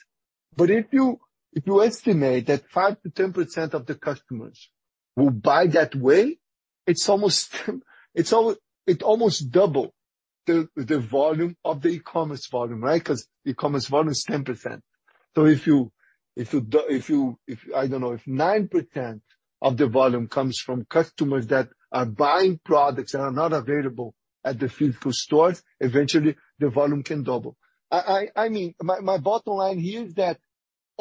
But if you, if you estimate that 5%-10% of the customers will buy that way, it's almost, it almost double the volume of the e-commerce volume, right? Because e-commerce volume is 10%. If you, if you... I don't know, if 9% of the volume comes from customers that are buying products that are not available at the physical stores, eventually the volume can double. I mean, my bottom line here is that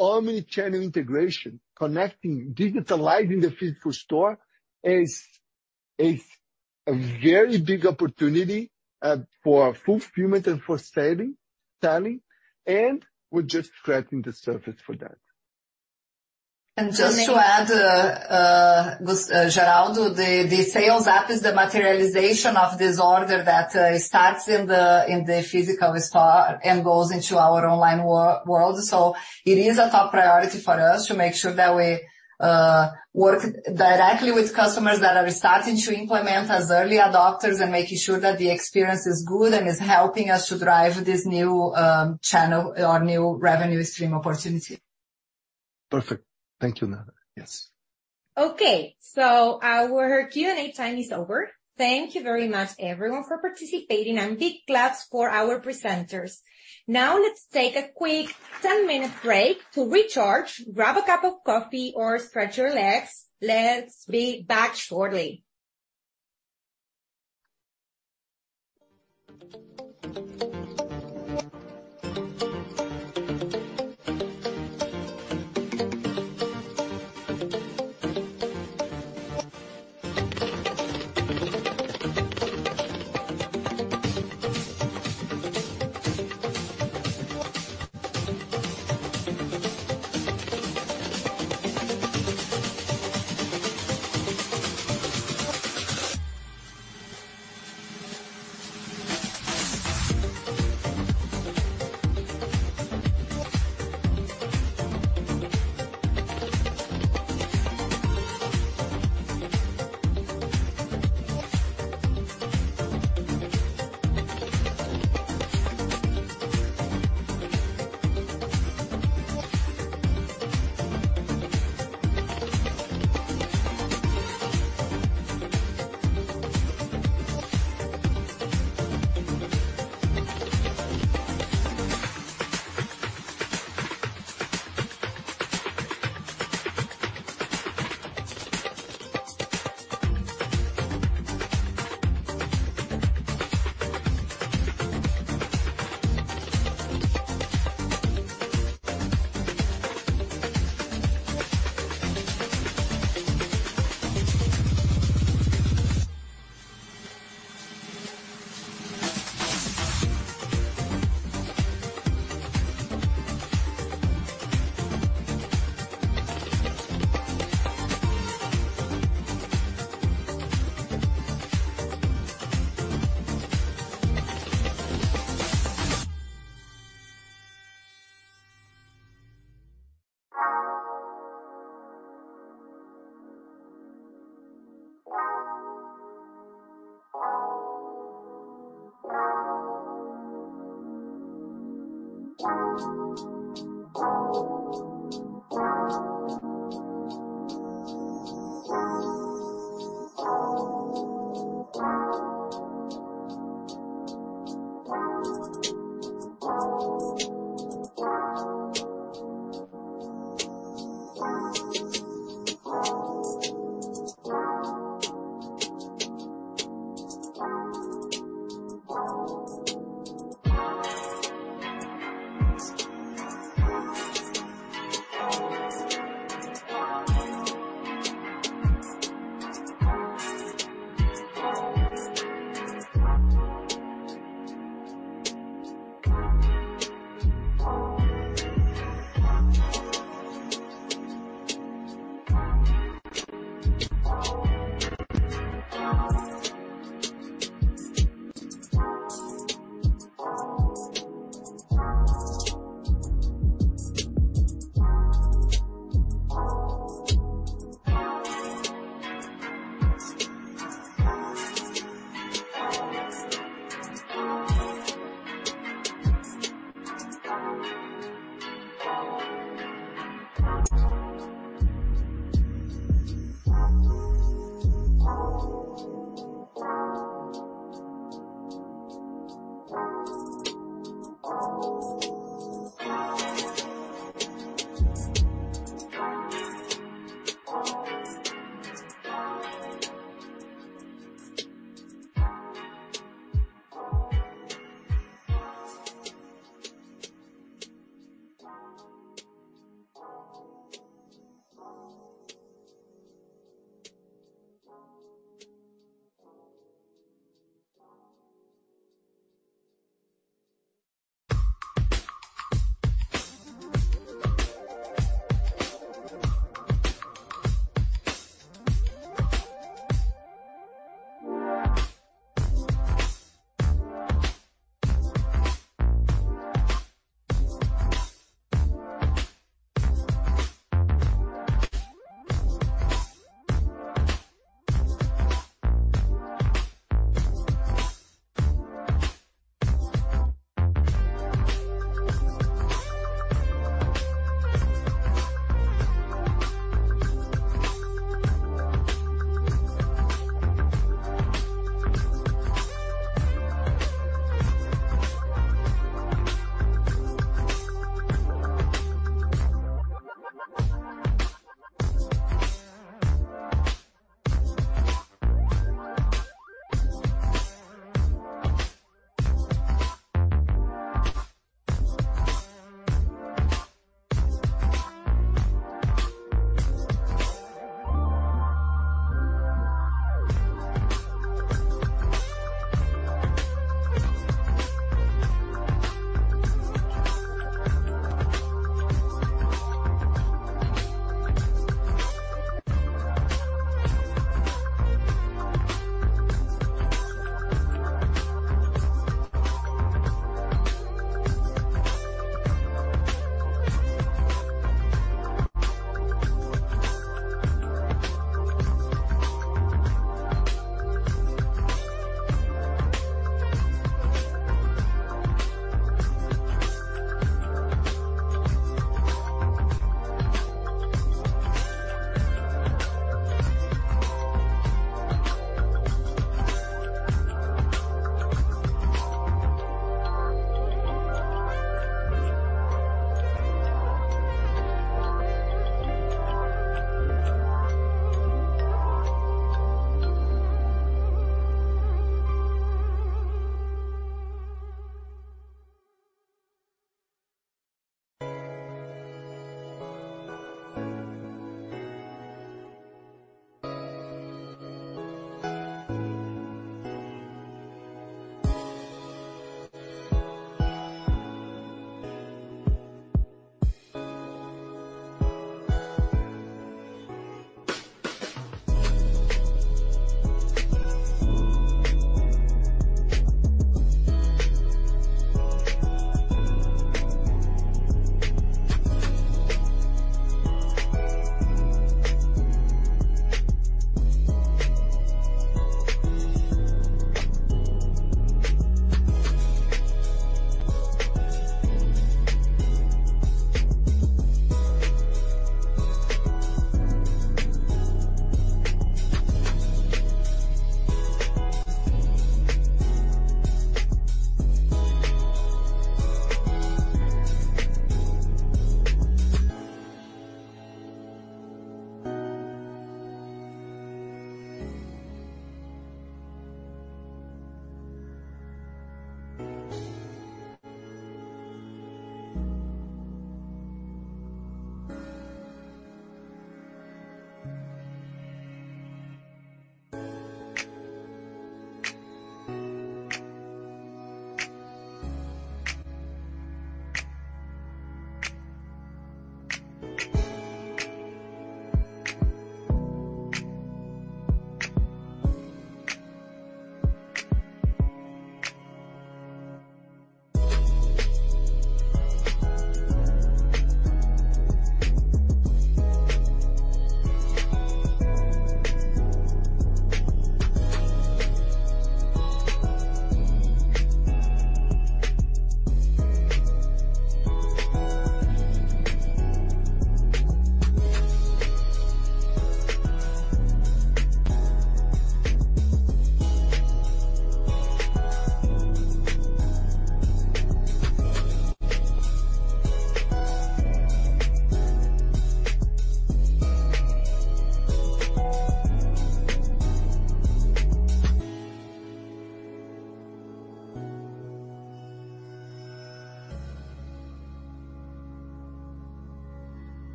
omnichannel integration, connecting, digitalizing the physical store is a very big opportunity for fulfillment and for selling, and we're just scratching the surface for that. Just to add, Geraldo, the Sales App is the materialization of this order that starts in the physical store and goes into our online world. It is a top priority for us to make sure that we work directly with customers that are starting to implement as early adopters and making sure that the experience is good and is helping us to drive this new channel or new revenue stream opportunity. Perfect. Thank you, Nanda. Yes. Our Q&A time is over. Thank you very much, everyone, for participating, big claps for our presenters. Now, let's take a quick 10-minute break to recharge, grab a cup of coffee, or stretch your legs. Let's be back shortly.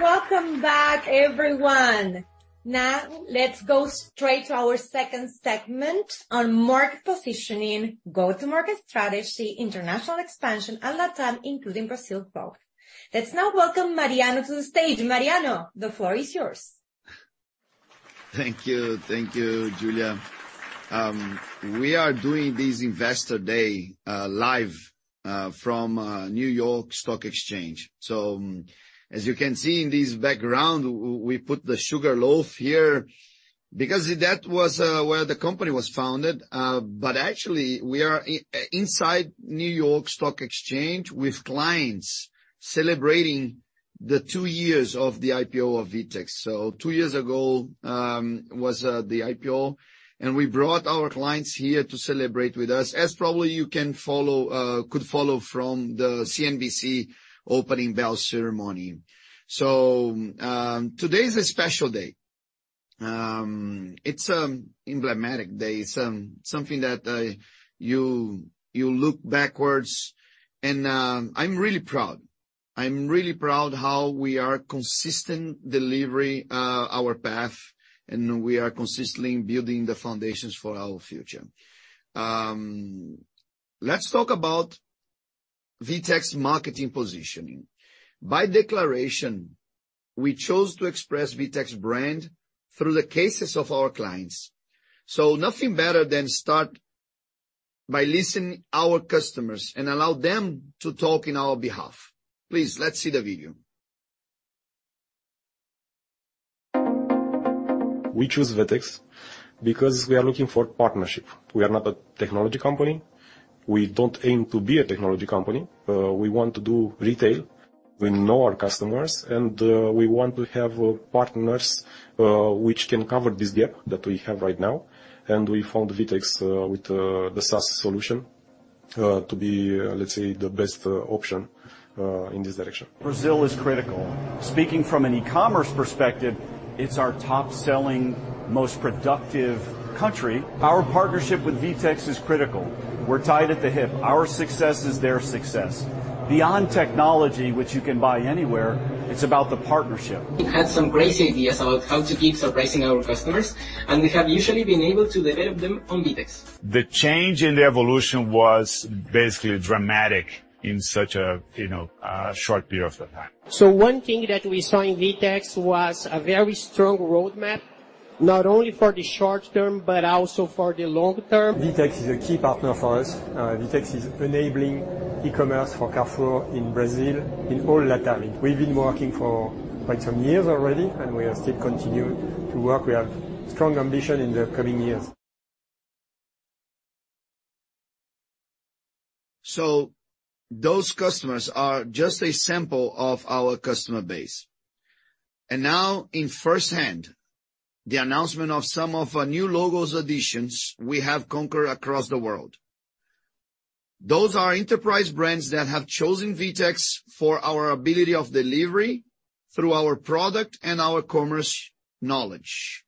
Welcome back, everyone. Now, let's go straight to our second segment on market positioning, go-to-market strategy, international expansion, and Latam, including Brazil growth. Let's now welcome Mariano to the stage. Mariano, the floor is yours. Thank you. Thank you, Julia. We are doing this Investor Day live from New York Stock Exchange. As you can see in this background, we put the Sugar Loaf here because that was where the company was founded. Actually, we are inside New York Stock Exchange with clients celebrating the two years of the IPO of VTEX. Two years ago was the IPO, and we brought our clients here to celebrate with us, as probably you can follow could follow from the CNBC opening bell ceremony. Today is a special day. It's emblematic day. It's something that you look backwards and I'm really proud. I'm really proud how we are consistent delivery our path, and we are consistently building the foundations for our future. Let's talk about VTEX marketing positioning. By declaration, we chose to express VTEX brand through the cases of our clients, so nothing better than start by listening our customers and allow them to talk in our behalf. Please, let's see the video. We choose VTEX because we are looking for partnership. We are not a technology company. We don't aim to be a technology company. We want to do retail. We know our customers, and we want to have partners which can cover this gap that we have right now. We found VTEX with the SaaS solution to be, let's say, the best option in this direction. Brazil is critical. Speaking from an e-commerce perspective, it's our top-selling, most productive country. Our partnership with VTEX is critical. We're tied at the hip. Our success is their success. Beyond technology, which you can buy anywhere, it's about the partnership. We've had some great ideas about how to keep surprising our customers. We have usually been able to develop them on VTEX. The change in the evolution was basically dramatic in such a, you know, a short period of time. One thing that we saw in VTEX was a very strong roadmap. ... not only for the short term, but also for the long term. VTEX is a key partner for us. VTEX is enabling e-commerce for Carrefour in Brazil, in all Latin. We've been working for quite some years already. We are still continuing to work. We have strong ambition in the coming years. Those customers are just a sample of our customer base. In firsthand, the announcement of some of our new logos additions we have conquered across the world. Those are enterprise brands that have chosen VTEX for our ability of delivery through our product and our commerce knowledge.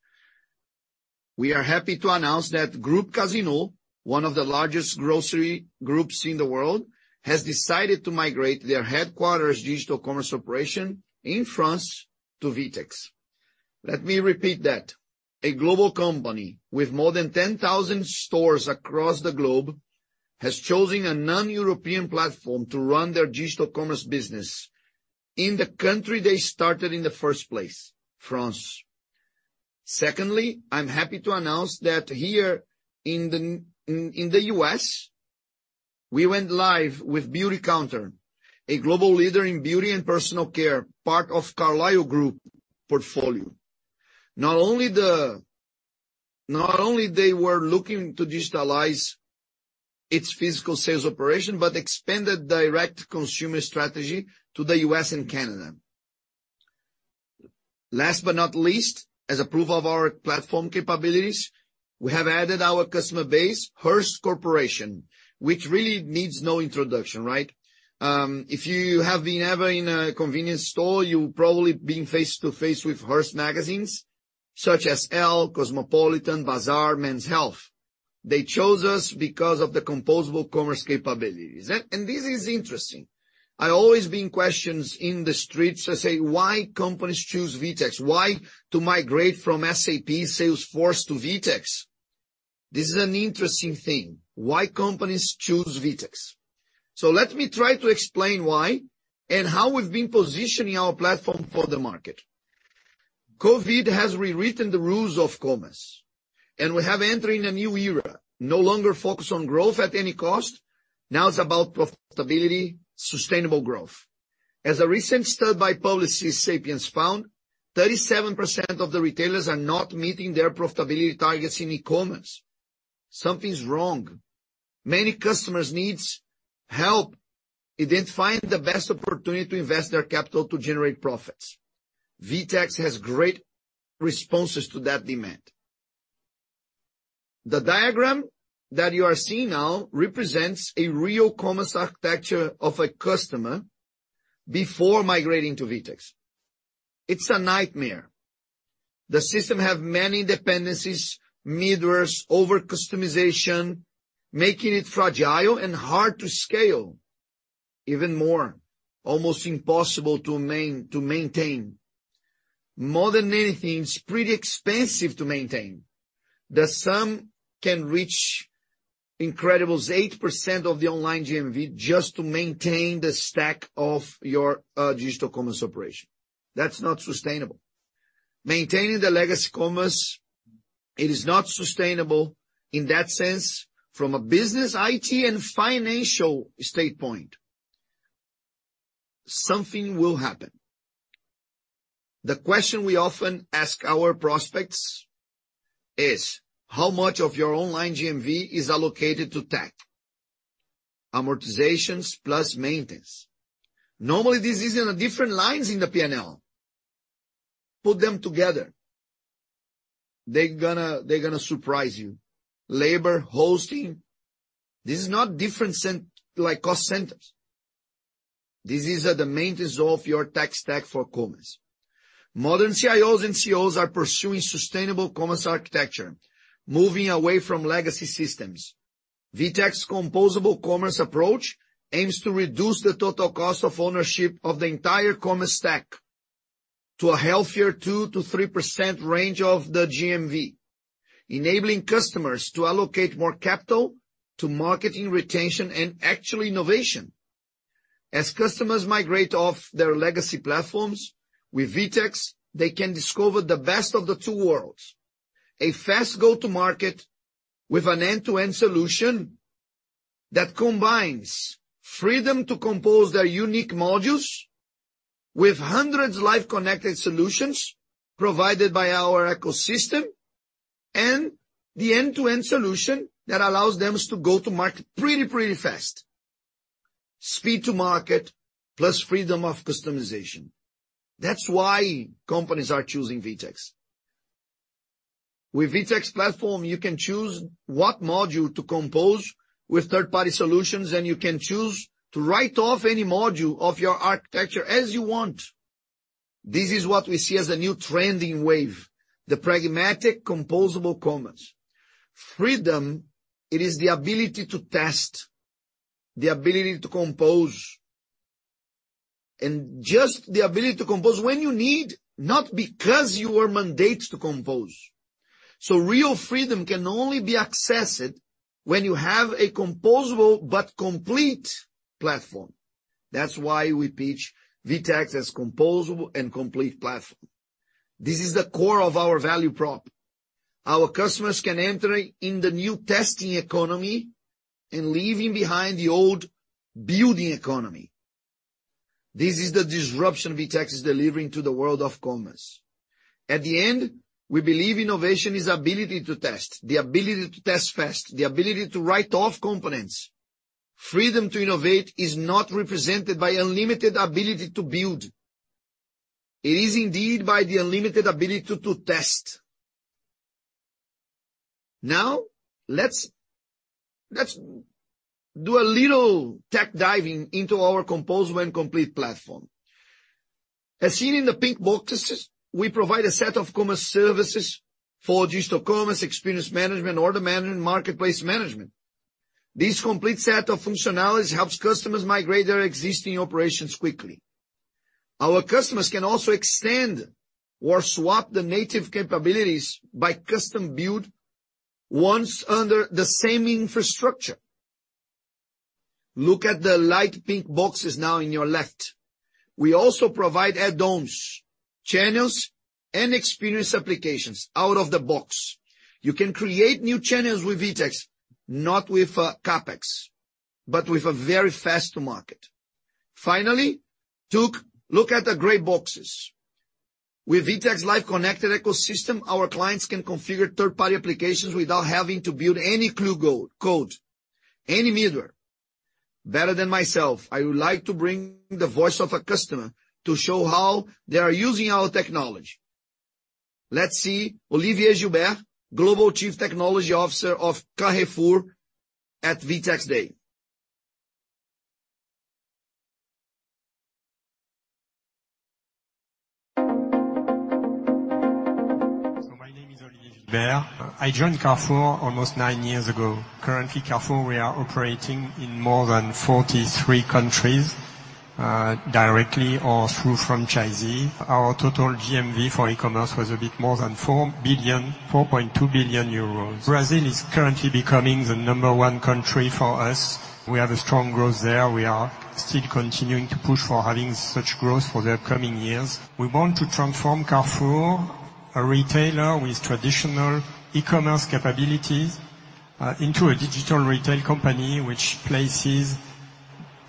We are happy to announce that Groupe Casino, one of the largest grocery groups in the world, has decided to migrate their headquarters' digital commerce operation in France to VTEX. Let me repeat that. A global company with more than 10,000 stores across the globe, has chosen a non-European platform to run their digital commerce business in the country they started in the first place, France. Secondly, I'm happy to announce that here in the U.S., we went live with Beautycounter, a global leader in beauty and personal care, part of Carlyle Group portfolio. Not only they were looking to digitalize its physical sales operation, but expand the direct consumer strategy to the U.S. and Canada. Last but not least, as a proof of our platform capabilities, we have added our customer base, Hearst Corporation, which really needs no introduction, right? If you have been ever in a convenience store, you've probably been face to face with Hearst magazines, such as ELLE, Cosmopolitan, Bazaar, Men's Health. They chose us because of the composable commerce capabilities. This is interesting. I always been questions in the streets that say, "Why companies choose VTEX? Why to migrate from SAP Salesforce to VTEX?" This is an interesting thing, why companies choose VTEX. Let me try to explain why and how we've been positioning our platform for the market. COVID has rewritten the rules of commerce, we have entering a new era, no longer focused on growth at any cost. Now it's about profitability, sustainable growth. As a recent study by Policy Sapiens found, 37% of the retailers are not meeting their profitability targets in e-commerce. Something's wrong. Many customers needs help identifying the best opportunity to invest their capital to generate profits. VTEX has great responses to that demand. The diagram that you are seeing now represents a real commerce architecture of a customer before migrating to VTEX. It's a nightmare. The system have many dependencies, middlewares, over-customization, making it fragile and hard to scale. Even more, almost impossible to maintain. More than anything, it's pretty expensive to maintain. The sum can reach incredible 8% of the online GMV just to maintain the stack of your digital commerce operation. That's not sustainable. Maintaining the legacy commerce, it is not sustainable in that sense, from a business, IT, and financial state point. Something will happen. The question we often ask our prospects is: How much of your online GMV is allocated to tech? Amortizations plus maintenance. Normally, this is in a different lines in the P&L. Put them together, they're gonna surprise you. Labor, hosting, this is not different like, cost centers. This is the maintenance of your tech stack for commerce. Modern CIOs and CEOs are pursuing sustainable commerce architecture, moving away from legacy systems. VTEX composable commerce approach aims to reduce the total cost of ownership of the entire commerce stack to a healthier 2%-3% range of the GMV, enabling customers to allocate more capital to marketing, retention, and actually innovation. As customers migrate off their legacy platforms, with VTEX, they can discover the best of the two worlds: a fast go-to-market with an end-to-end solution that combines freedom to compose their unique modules with hundreds live connected solutions provided by our ecosystem, and the end-to-end solution that allows them to go to market pretty fast. Speed to market, plus freedom of customization. That's why companies are choosing VTEX. With VTEX platform, you can choose what module to compose with third-party solutions, and you can choose to write off any module of your architecture as you want. This is what we see as a new trending wave, the pragmatic composable commerce. Freedom, it is the ability to test, the ability to compose, and just the ability to compose when you need, not because you are mandated to compose. Real freedom can only be accessed when you have a composable but complete platform. That's why we pitch VTEX as composable and complete platform. This is the core of our value prop. Our customers can enter in the new testing economy and leaving behind the old building economy. This is the disruption VTEX is delivering to the world of commerce. At the end, we believe innovation is ability to test, the ability to test fast, the ability to write off components. Freedom to innovate is not represented by unlimited ability to build. It is indeed by the unlimited ability to test. Let's do a little tech diving into our composable and complete platform. As seen in the pink boxes, we provide a set of commerce services for digital commerce, experience management, order management, and marketplace management. These complete set of functionalities helps customers migrate their existing operations quickly. Our customers can also extend or swap the native capabilities by custom build, once under the same infrastructure. Look at the light pink boxes now in your left. We also provide add-ons, channels, and experience applications out of the box. You can create new channels with VTEX, not with CapEx, but with a very fast market. Finally, look at the gray boxes. With VTEX live connected ecosystem, our clients can configure third-party applications without having to build any code, any middleware. Better than myself, I would like to bring the voice of a customer to show how they are using our technology. Let's see Olivier Gibert, Global Chief Technology Officer of Carrefour, at VTEX Day. My name is Olivier Gibert. I joined Carrefour almost nine years ago. Currently, Carrefour, we are operating in more than 43 countries, directly or through franchisee. Our total GMV for e-commerce was a bit more than 4.2 billion euros. Brazil is currently becoming the number one country for us. We have a strong growth there. We are still continuing to push for having such growth for the upcoming years. We want to transform Carrefour, a retailer with traditional e-commerce capabilities, into a digital retail company, which places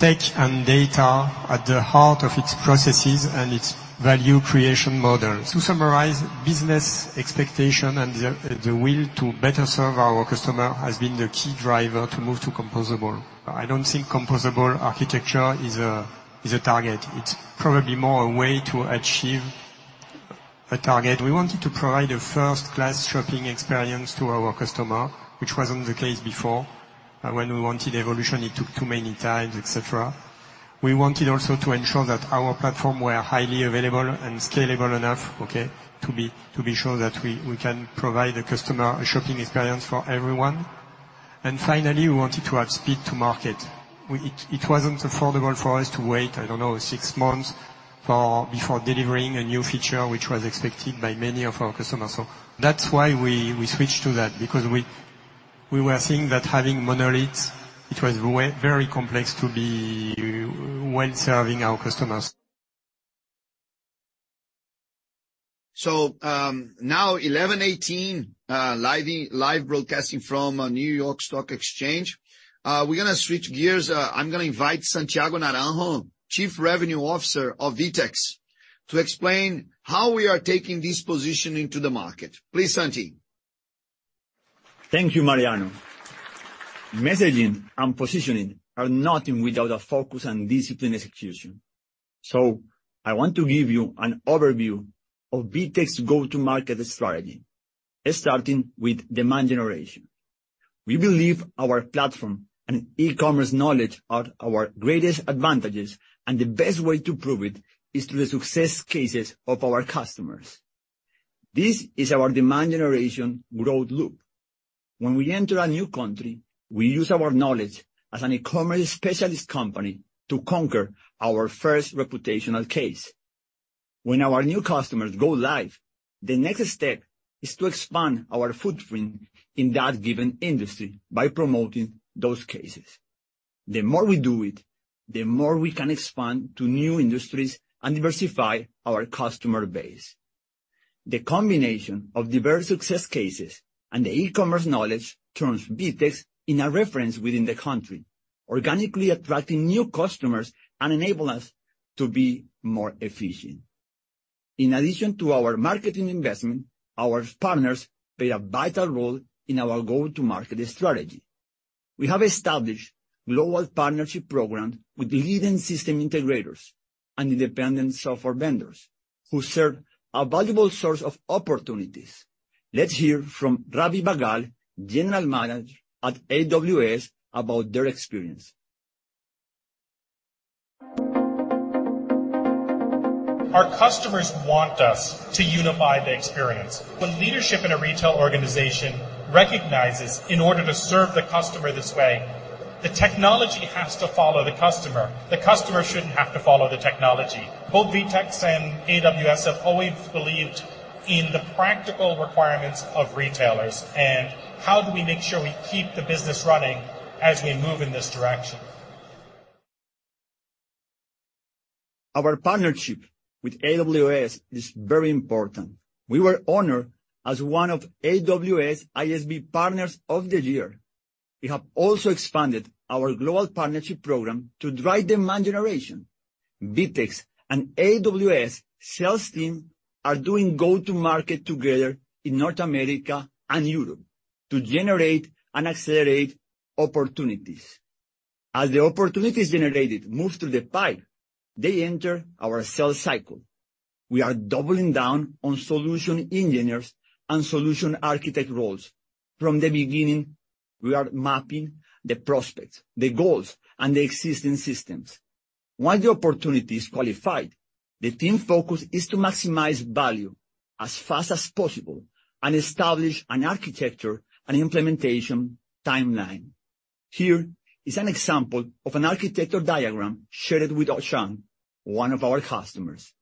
tech and data at the heart of its processes and its value creation model. To summarize, business expectation and the will to better serve our customer has been the key driver to move to composable. I don't think composable architecture is a target. It's probably more a way to achieve a target. We wanted to provide a first-class shopping experience to our customer, which wasn't the case before. When we wanted evolution, it took too many times, et cetera. We wanted also to ensure that our platform were highly available and scalable enough, okay, to be sure that we can provide a customer a shopping experience for everyone. Finally, we wanted to have speed to market. It wasn't affordable for us to wait, I don't know, six months before delivering a new feature, which was expected by many of our customers. That's why we switched to that, because we were seeing that having monolith, it was way very complex to be well-serving our customers. Now 11:18 A.M., live broadcasting from New York Stock Exchange. We're gonna switch gears. I'm gonna invite Santiago Naranjo, Chief Revenue Officer of VTEX, to explain how we are taking this positioning to the market. Please, Santi. Thank you, Mariano. Messaging and positioning are nothing without a focus and discipline execution. I want to give you an overview of VTEX go-to-market strategy, starting with demand generation. We believe our platform and e-commerce knowledge are our greatest advantages, and the best way to prove it is through the success cases of our customers. This is our demand generation growth loop. When we enter a new country, we use our knowledge as an e-commerce specialist company to conquer our first reputational case. When our new customers go live, the next step is to expand our footprint in that given industry by promoting those cases. The more we do it, the more we can expand to new industries and diversify our customer base. The combination of diverse success cases and the e-commerce knowledge turns VTEX in a reference within the country, organically attracting new customers and enable us to be more efficient. In addition to our marketing investment, our partners play a vital role in our go-to-market strategy. We have established global partnership program with the leading system integrators and independent software vendors who serve a valuable source of opportunities. Let's hear from Ravi Bagal, General Manager at AWS, about their experience. Our customers want us to unify the experience. When leadership in a retail organization recognizes, in order to serve the customer this way, the technology has to follow the customer. The customer shouldn't have to follow the technology. Both VTEX and AWS have always believed in the practical requirements of retailers and how do we make sure we keep the business running as we move in this direction? Our partnership with AWS is very important. We were honored as one of AWS ISV Partners of the Year. We have also expanded our global partnership program to drive demand generation. VTEX and AWS sales team are doing go-to-market together in North America and Europe to generate and accelerate opportunities. As the opportunities generated move through the pipe, they enter our sales cycle. We are doubling down on solution engineers and solution architect roles. From the beginning, we are mapping the prospects, the goals, and the existing systems. Once the opportunity is qualified, the team focus is to maximize value as fast as possible and establish an architecture and implementation timeline. Here is an example of an architecture diagram shared with Auchan, one of our customers.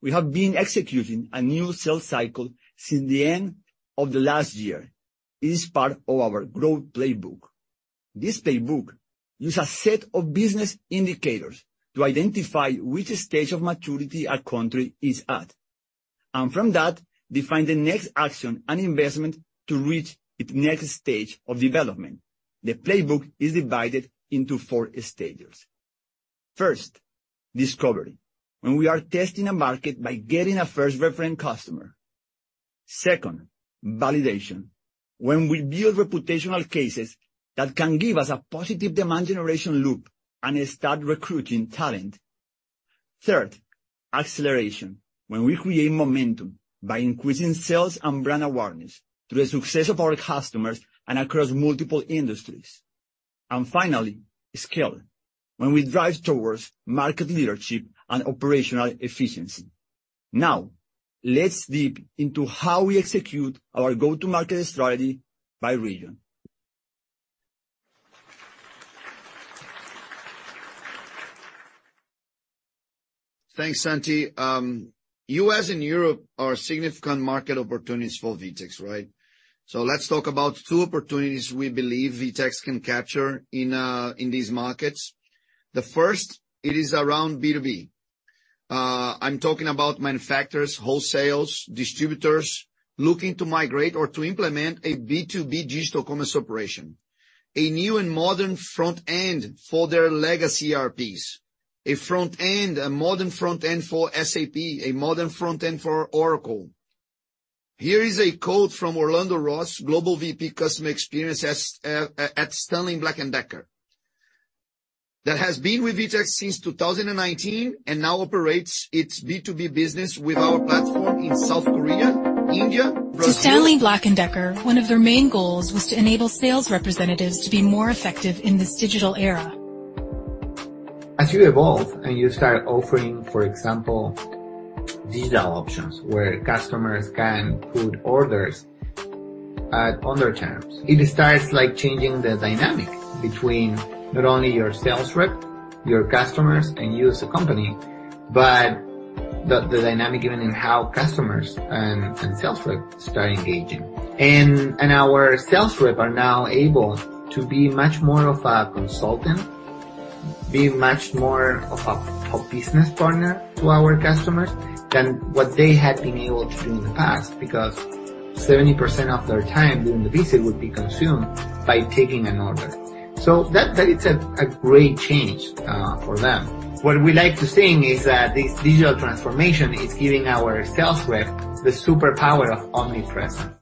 We have been executing a new sales cycle since the end of the last year. It is part of our growth playbook. This playbook use a set of business indicators to identify which stage of maturity a country is at, and from that, define the next action and investment to reach its next stage of development. The playbook is divided into four stages. First, discovery, when we are testing a market by getting a first reference customer. Second, validation, when we build reputational cases that can give us a positive demand generation loop and start recruiting talent. Third, acceleration, when we create momentum by increasing sales and brand awareness through the success of our customers and across multiple industries. Finally, scale, when we drive towards market leadership and operational efficiency. Now, let's dig into how we execute our go-to-market strategy by region. Thanks, Santi. US and Europe are significant market opportunities for VTEX, right? let's talk about two opportunities we believe VTEX can capture in these markets. The first, it is around B2B. I'm talking about manufacturers, wholesalers, distributors, looking to migrate or to implement a B2B digital commerce operation, a new and modern front end for their legacy ERPs. A modern front end for SAP, a modern front end for Oracle. Here is a quote from Orlando Ross, Global VP Customer Experience at Stanley Black & Decker, that has been with VTEX since 2019 and now operates its B2B business with our platform in South Korea, India, Brazil- To Stanley Black & Decker, one of their main goals was to enable sales representatives to be more effective in this digital era. As you evolve and you start offering, for example, digital options, where customers can put orders at on their terms, it starts, like, changing the dynamic between not only your sales rep, your customers, and you as a company, but the dynamic even in how customers and sales rep start engaging. Our sales rep are now able to be much more of a consultant, be much more of a business partner to our customers than what they had been able to do in the past, because 70% of their time during the visit would be consumed by taking an order. That is a great change for them. What we like to think is that this digital transformation is giving our sales rep the superpower of omnipresence.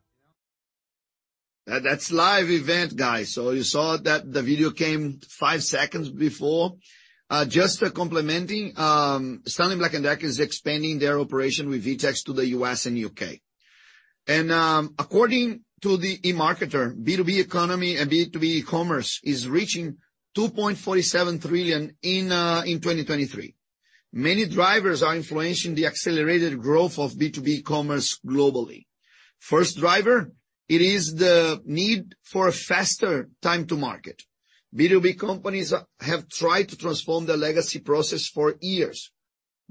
That's live event, guys. You saw that the video came five seconds before. Just complementing, Stanley Black & Decker is expanding their operation with VTEX to the US and UK. According to the eMARKETER, B2B economy and B2B e-commerce is reaching $2.47 trillion in 2023. Many drivers are influencing the accelerated growth of B2B commerce globally. First driver, it is the need for a faster time to market. B2B companies have tried to transform their legacy process for years.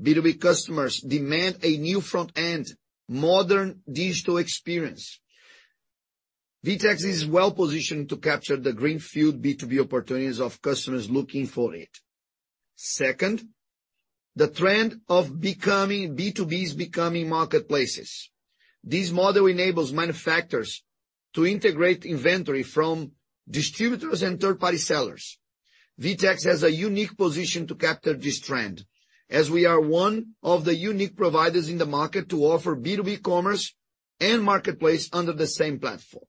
B2B customers demand a new front end, modern digital experience. VTEX is well positioned to capture the greenfield B2B opportunities of customers looking for it. Second, B2B is becoming marketplaces. This model enables manufacturers to integrate inventory from distributors and third-party sellers. VTEX has a unique position to capture this trend, as we are one of the unique providers in the market to offer B2B commerce and marketplace under the same platform.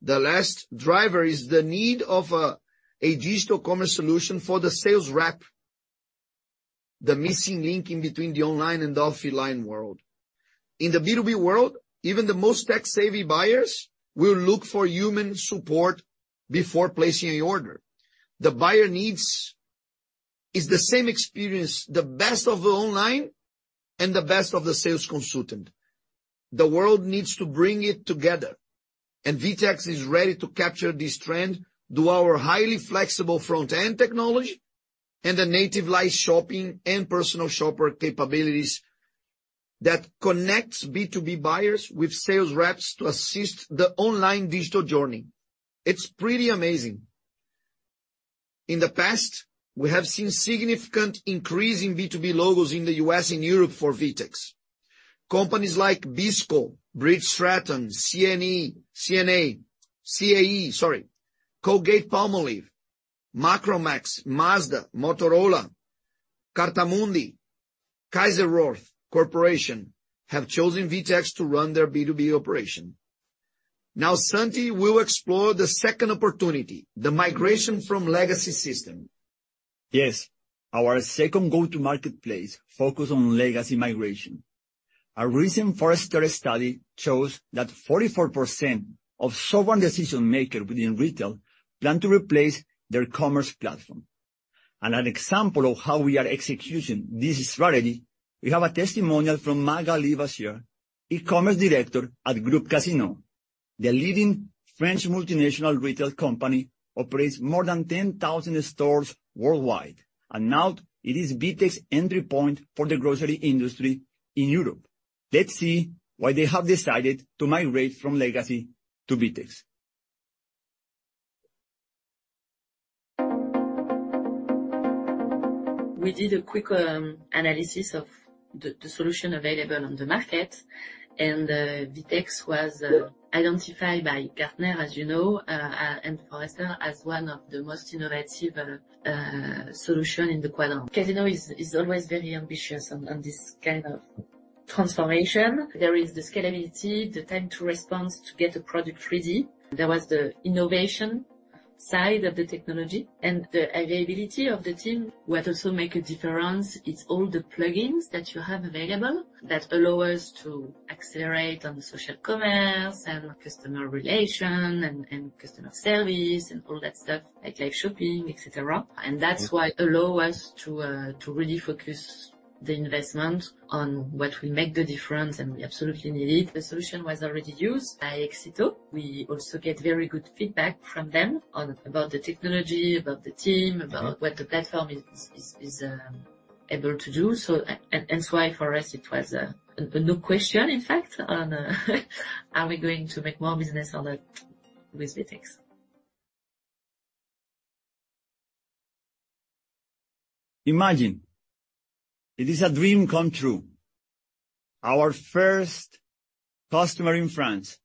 The last driver is the need of a digital commerce solution for the sales rep, the missing link in between the online and the offline world. In the B2B world, even the most tech-savvy buyers will look for human support before placing an order. The buyer needs is the same experience, the best of the online and the best of the sales consultant. The world needs to bring it together, VTEX is ready to capture this trend through our highly flexible front-end technology and the native Live Shopping and personal shopper capabilities that connects B2B buyers with sales reps to assist the online digital journey. It's pretty amazing. In the past, we have seen significant increase in B2B logos in the U.S. and Europe for VTEX. Companies like bisco, Briggs & Stratton, CNE, CNA, CAE, sorry, Colgate-Palmolive, Macromex, Mazda, Motorola, Cartamundi, Kayser-Roth Corporation, have chosen VTEX to run their B2B operation. Now, Santi will explore the second opportunity, the migration from legacy system. Yes, our second go-to-market place focus on legacy migration. A recent Forrester study shows that 44% of sovereign decision maker within retail plan to replace their commerce platform. An example of how we are executing this strategy, we have a testimonial from Magali Vaissière, E-commerce Director at Groupe Casino. The leading French multinational retail company operates more than 10,000 stores worldwide, and now it is VTEX entry point for the grocery industry in Europe. Let's see why they have decided to migrate from legacy to VTEX. We did a quick analysis of the solution available on the market, and VTEX was identified by Gartner, as you know, and Forrester, as one of the most innovative solution in the quadrant. Casino is always very ambitious on this kind of transformation. There is the scalability, the time to response to get a product ready. There was the innovation side of the technology and the availability of the team. What also make a difference is all the plugins that you have available that allow us to accelerate on the social commerce and customer relation and customer service, and all that stuff, like Live Shopping, et cetera. That's why allow us to really focus the investment on what will make the difference, and we absolutely need it. The solution was already used by Éxito. We also get very good feedback from them on about the technology, about the team, about what the platform is able to do so. That's why for us it was a, no question, in fact, on, are we going to make more business With VTEX? Imagine it is a dream come true. Our first customer in France,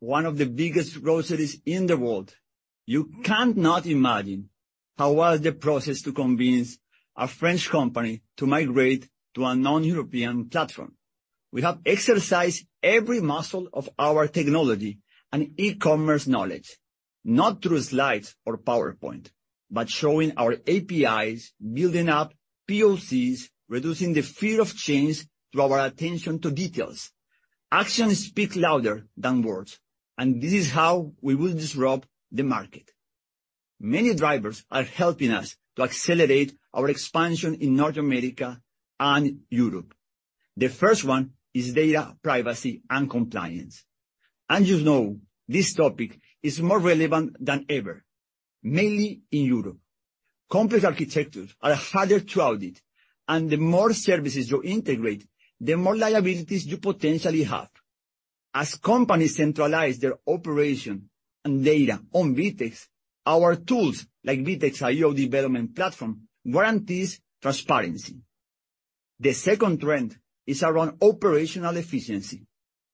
one of the biggest groceries in the world. You cannot imagine how was the process to convince a French company to migrate to a non-European platform. We have exercised every muscle of our technology and e-commerce knowledge, not through slides or PowerPoint, but showing our APIs, building up POCs, reducing the fear of change through our attention to details. Actions speak louder than words. This is how we will disrupt the market. Many drivers are helping us to accelerate our expansion in North America and Europe. The first one is data privacy and compliance. You know, this topic is more relevant than ever, mainly in Europe. Complex architectures are harder to audit, and the more services you integrate, the more liabilities you potentially have. As companies centralize their operation and data on VTEX, our tools, like VTEX IO development platform, guarantees transparency. The second trend is around operational efficiency.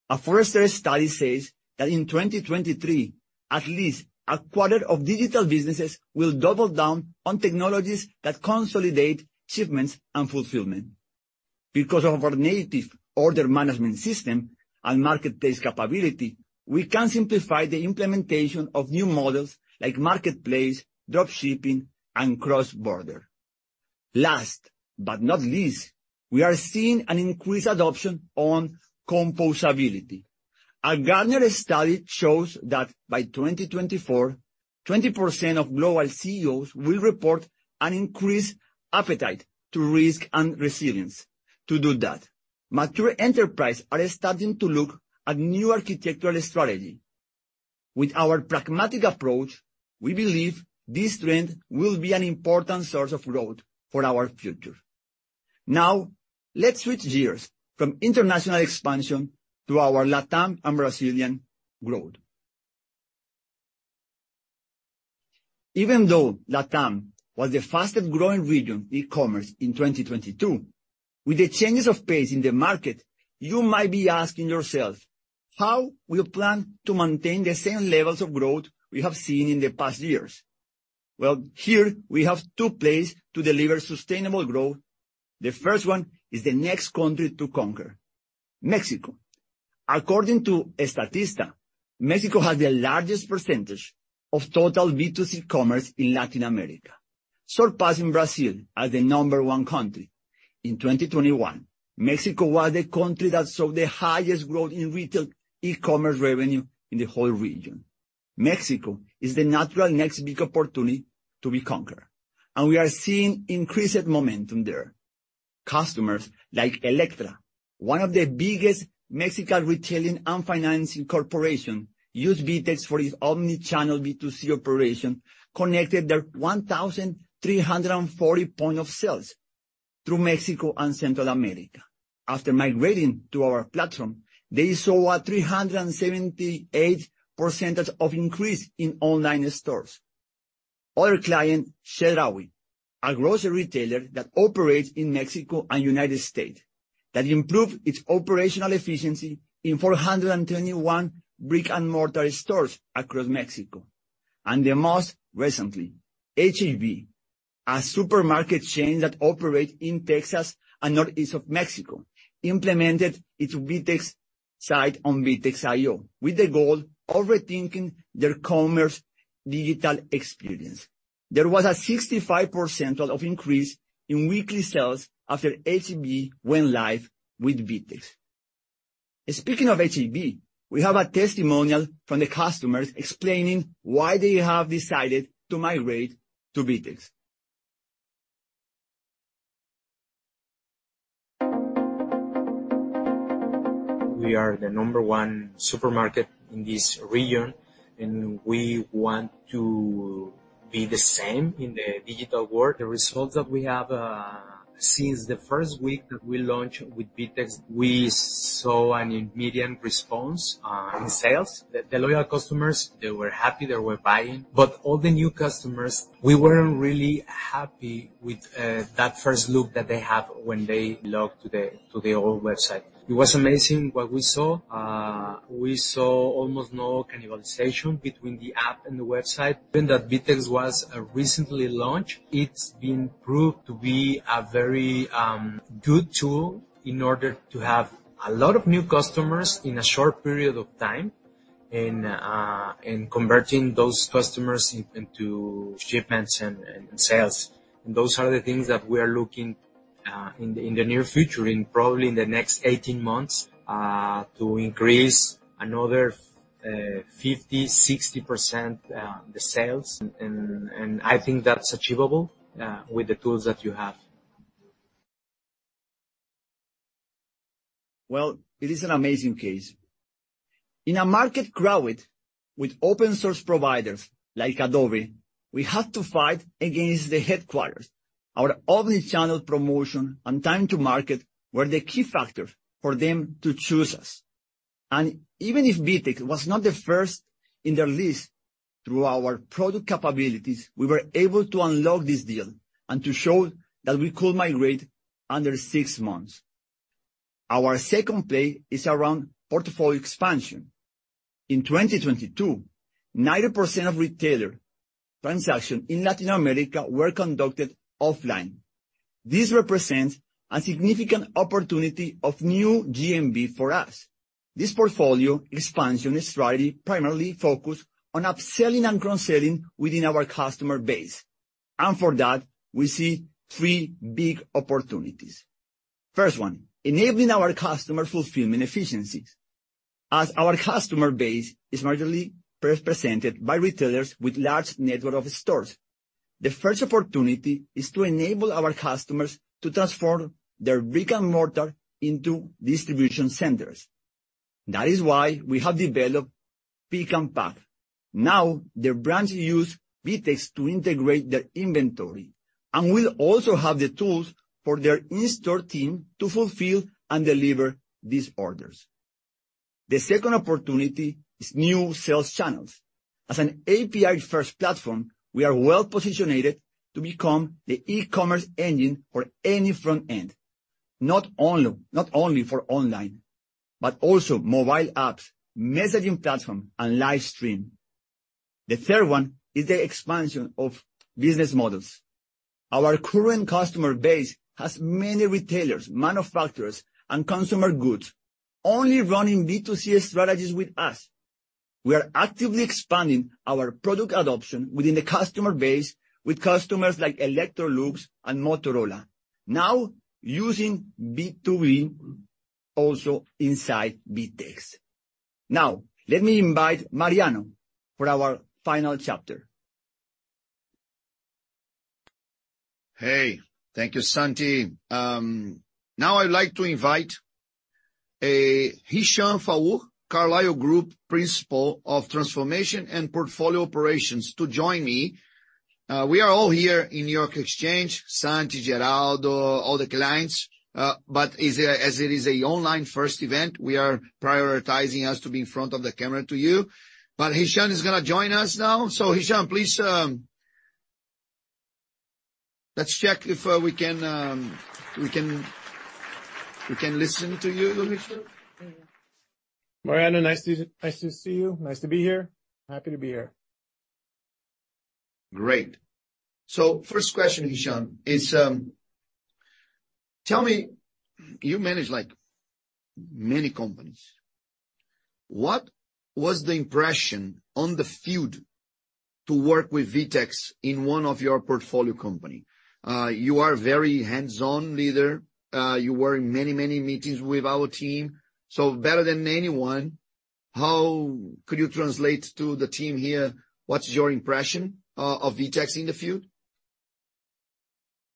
A Forrester study says that in 2023, at least a quarter of digital businesses will double down on technologies that consolidate shipments and fulfillment. Because of our native order management system and marketplace capability, we can simplify the implementation of new models like marketplace, dropshipping, and cross-border. Last but not least, we are seeing an increased adoption on composability. A Gartner study shows that by 2024, 20% of global CEOs will report an increased appetite to risk and resilience. To do that, mature enterprise are starting to look at new architectural strategy. With our pragmatic approach, we believe this trend will be an important source of growth for our future. Let's switch gears from international expansion to our Latam and Brazilian growth. Even though Latam was the fastest growing region e-commerce in 2022, with the changes of pace in the market, you might be asking yourself, how we plan to maintain the same levels of growth we have seen in the past years? Well, here we have 2 place to deliver sustainable growth. The first one is the next country to conquer, Mexico. According to Statista, Mexico has the largest percentage of total B2C commerce in Latin America, surpassing Brazil as the number 1 country. In 2021, Mexico was the country that saw the highest growth in retail e-commerce revenue in the whole region. Mexico is the natural next big opportunity to be conquered, we are seeing increased momentum there. Customers like Elektra, one of the biggest Mexican retailing and financing corporation, use VTEX for its omnichannel B2C operation, connected their 1,340 point of sales through Mexico and Central America. After migrating to our platform, they saw a 378% of increase in online stores. Other client, Chedraui, a grocery retailer that operates in Mexico and United States, that improved its operational efficiency in 421 brick-and-mortar stores across Mexico. The most recently, H-E-B, a supermarket chain that operates in Texas and northeast of Mexico, implemented its VTEX site on VTEX IO with the goal overthinking their commerce digital experience. There was a 65% of increase in weekly sales after H-E-B went live with VTEX. Speaking of H-E-B, we have a testimonial from the customers explaining why they have decided to migrate to VTEX. We are the number one supermarket in this region. We want to be the same in the digital world. The results that we have since the first week that we launched with VTEX, we saw an immediate response in sales. The loyal customers, they were happy, they were buying. All the new customers, we weren't really happy with that first look that they have when they logged to the old website. It was amazing what we saw. We saw almost no cannibalization between the app and the website. Given that VTEX was recently launched, it's been proved to be a very good tool in order to have a lot of new customers in a short period of time, and in converting those customers into shipments and sales. Those are the things that we are looking in the near future, in probably in the next 18 months, to increase another 50%-60% the sales. I think that's achievable with the tools that you have. Well, it is an amazing case. In a market crowded with open source providers like Adobe, we have to fight against the headquarters. Our omnichannel promotion and time to market were the key factors for them to choose us. Even if VTEX was not the first in their list, through our product capabilities, we were able to unlock this deal and to show that we could migrate under six months. Our second play is around portfolio expansion. In 2022, 90% of retailer transaction in Latin America were conducted offline. This represents a significant opportunity of new GMV for us. This portfolio expansion is really primarily focused on upselling and cross-selling within our customer base, for that, we see three big opportunities. First one, enabling our customer fulfillment efficiencies. As our customer base is majorly represented by retailers with large network of stores, the first opportunity is to enable our customers to transform their brick-and-mortar into distribution centers. That is why we have developed Pick and Pack. Now, the brands use VTEX to integrate their inventory, and will also have the tools for their in-store team to fulfill and deliver these orders. The second opportunity is new sales channels. As an API-first platform, we are well-positioned to become the e-commerce engine for any front end, not only, not only for online, but also mobile apps, messaging platform, and live stream. The third one is the expansion of business models. Our current customer base has many retailers, manufacturers, and consumer goods only running B2C strategies with us. We are actively expanding our product adoption within the customer base with customers like Electrolux and Motorola, now using B2B also inside VTEX. Let me invite Mariano for our final chapter. Hey, thank you, Santi. Now I'd like to invite Hisham Faour, The Carlyle Group Principal of Transformation and Portfolio Operations, to join me. We are all here in New York Exchange, Santi, Geraldo, all the clients. As it is a online first event, we are prioritizing us to be in front of the camera to you. Hisham is going to join us now. Hisham, please. Let's check if we can listen to you, Hisham. Mariano, nice to see you. Nice to be here. Happy to be here. Great. First question, Hisham, is, tell me, you manage, like, many companies. What was the impression on the field to work with VTEX in one of your portfolio company? You are very hands-on leader. You were in many, many meetings with our team, so better than anyone, how could you translate to the team here, what's your impression, of VTEX in the field?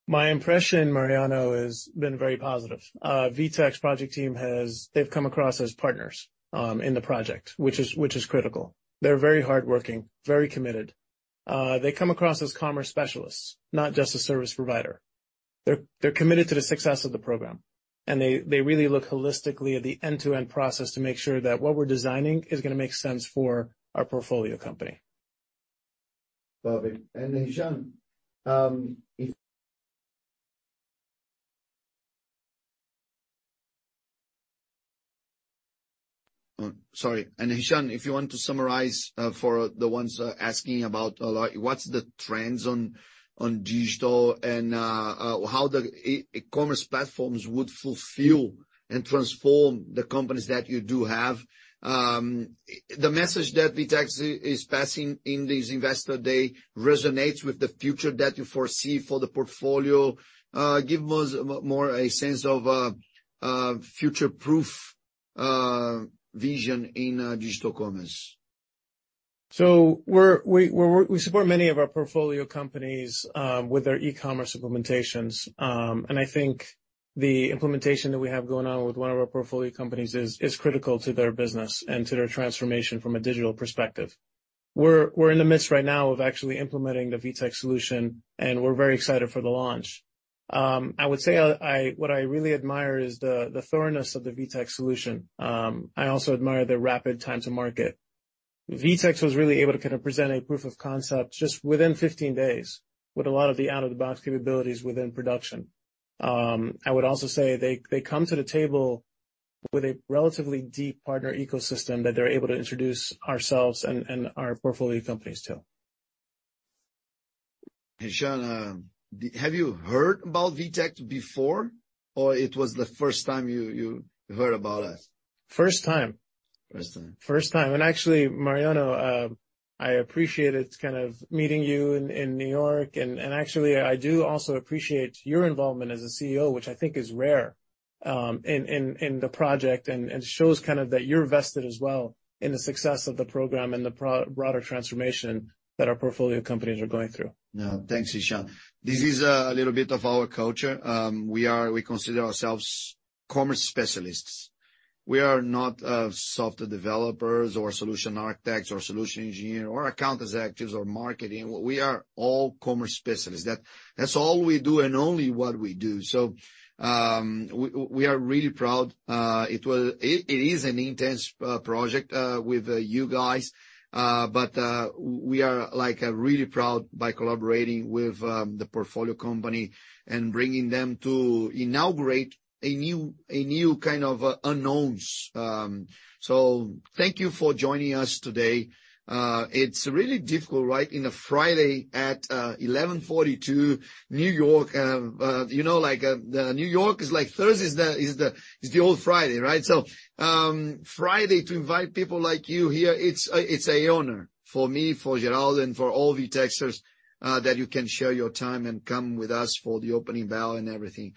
My impression, Mariano, has been very positive. VTEX project team has. They've come across as partners in the project, which is critical. They're very hardworking, very committed. They come across as commerce specialists, not just a service provider. They're committed to the success of the program, and they really look holistically at the end-to-end process to make sure that what we're designing is gonna make sense for our portfolio company. Perfect. Hisham, if you want to summarize for the ones asking about like, what's the trends on digital and how the e-commerce platforms would fulfill and transform the companies that you do have. The message that VTEX is passing in this Investor Day resonates with the future that you foresee for the portfolio. Give us more a sense of future-proof vision in digital commerce. We support many of our portfolio companies with their e-commerce implementations. I think the implementation that we have going on with one of our portfolio companies is critical to their business and to their transformation from a digital perspective. We're in the midst right now of actually implementing the VTEX solution. We're very excited for the launch. I would say what I really admire is the thoroughness of the VTEX solution. I also admire their rapid time to market. VTEX was really able to kind of present a proof of concept just within 15 days, with a lot of the out-of-the-box capabilities within production. I would also say they come to the table with a relatively deep partner ecosystem that they're able to introduce ourselves and our portfolio companies to. Hisham, have you heard about VTEX before, or it was the first time you heard about us? First time. First time. First time. Actually, Mariano, I appreciate it, kind of meeting you in New York. Actually, I do also appreciate your involvement as a CEO, which I think is rare in the project, and shows kind of that you're vested as well in the success of the program and the broader transformation that our portfolio companies are going through. No, thanks, Hisham. This is a little bit of our culture. We consider ourselves commerce specialists. We are not software developers or solution architects or solution engineer or account executives or marketing. We are all commerce specialists. That's all we do and only what we do. We are really proud. It is an intense project with you guys, but we are, like, really proud by collaborating with the portfolio company and bringing them to inaugurate a new kind of unknowns. Thank you for joining us today. It's really difficult, right? In a Friday at 11:42 A.M., New York, you know, like, the New York is the old Friday, right? Friday, to invite people like you here, it's a honor for me, for Geraldo, and for all VTEXers, that you can share your time and come with us for the opening bell and everything.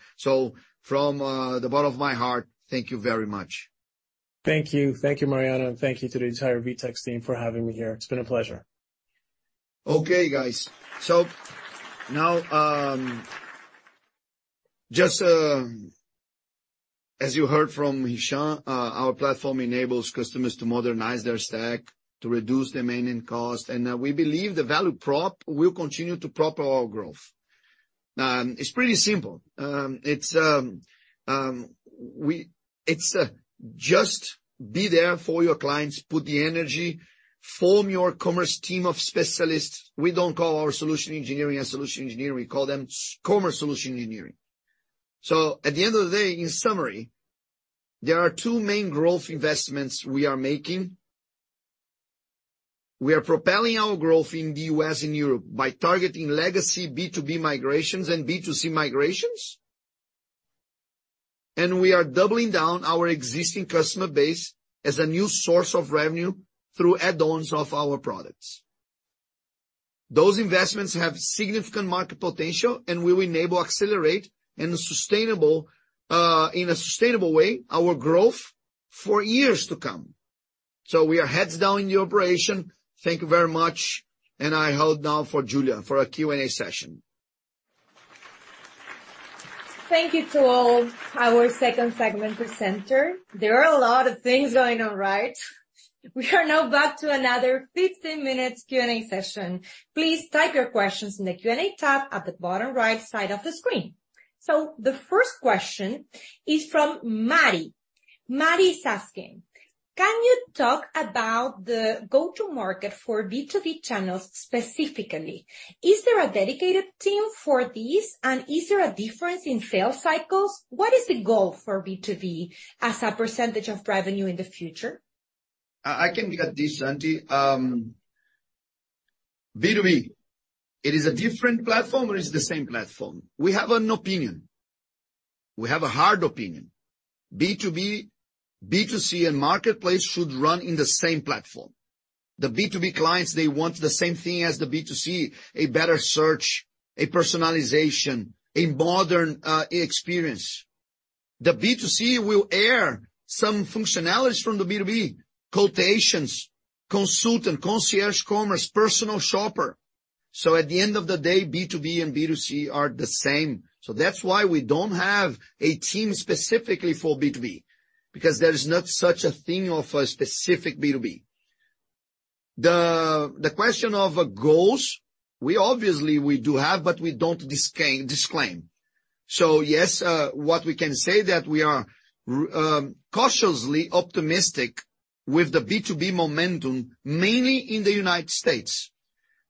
From the bottom of my heart: thank you very much. Thank you. Thank you, Mariano, and thank you to the entire VTEX team for having me here. It's been a pleasure. Okay, guys. Now, just as you heard from Hisham, our platform enables customers to modernize their stack, to reduce their maintenance cost, and we believe the value prop will continue to propel our growth. It's pretty simple. It's just be there for your clients, put the energy, form your commerce team of specialists. We don't call our solution engineering a solution engineering, we call them commerce solution engineering. At the end of the day, in summary, there are two main growth investments we are making. We are propelling our growth in the US and Europe by targeting legacy B2B migrations and B2C migrations, and we are doubling down our existing customer base as a new source of revenue through add-ons of our products. Those investments have significant market potential and will enable accelerate in a sustainable, in a sustainable way, our growth for years to come. We are heads down in the operation. Thank you very much. I hold now for Julia for our Q&A session. Thank you to all our second segment presenter. There are a lot of things going on, right? We are now back to another 15 minutes Q&A session. Please type your questions in the Q&A tab at the bottom right side of the screen. The first question is from Marty. Marty is asking: Can you talk about the go-to-market for B2B channels specifically? Is there a dedicated team for this, and is there a difference in sales cycles? What is the goal for B2B as a % of revenue in the future? I can look at this, Santi. B2B, it is a different platform or it's the same platform? We have an opinion. We have a hard opinion. B2B, B2C, and marketplace should run in the same platform. The B2B clients, they want the same thing as the B2C: a better search, a personalization, a modern experience. The B2C will air some functionalities from the B2B: quotations, consultant, concierge commerce, personal shopper. At the end of the day, B2B and B2C are the same. That's why we don't have a team specifically for B2B. Because there is not such a thing of a specific B2B. The question of goals, we obviously we do have, but we don't disclaim. Yes, what we can say that we are cautiously optimistic with the B2B momentum, mainly in the United States.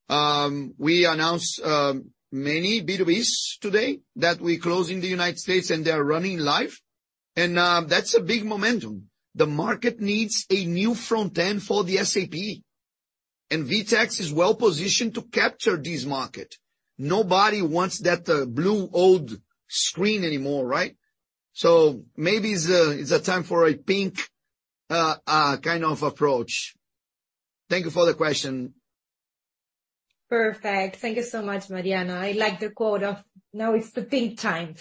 We announced many B2Bs today that we close in the United States, and they are running live, and that's a big momentum. The market needs a new front end for the SAP. VTEX is well positioned to capture this market. Nobody wants that blue, old screen anymore, right? Maybe it's a time for a pink kind of approach. Thank you for the question. Perfect. Thank you so much, Mariano. I like the quote of, "Now it's the pink time."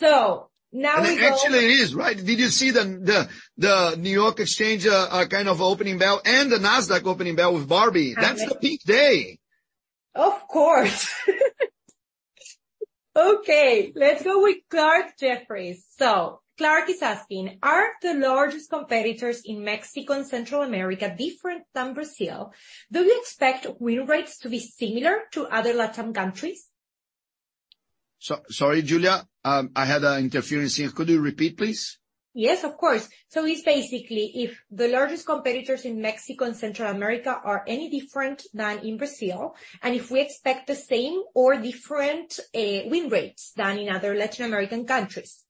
Now we go- Actually, it is, right? Did you see the New York Exchange, kind of opening bell and the Nasdaq opening bell with Barbie? Uh- That's a peak day! Of course. Okay, let's go with Clarke Jefferies. Clarke is asking, "Are the largest competitors in Mexico and Central America different than Brazil? Do you expect win rates to be similar to other Latin countries? Sorry, Julia, I had a interference here. Could you repeat, please? Yes, of course. It's basically if the largest competitors in Mexico and Central America are any different than in Brazil, and if we expect the same or different win rates than in other Latin American countries.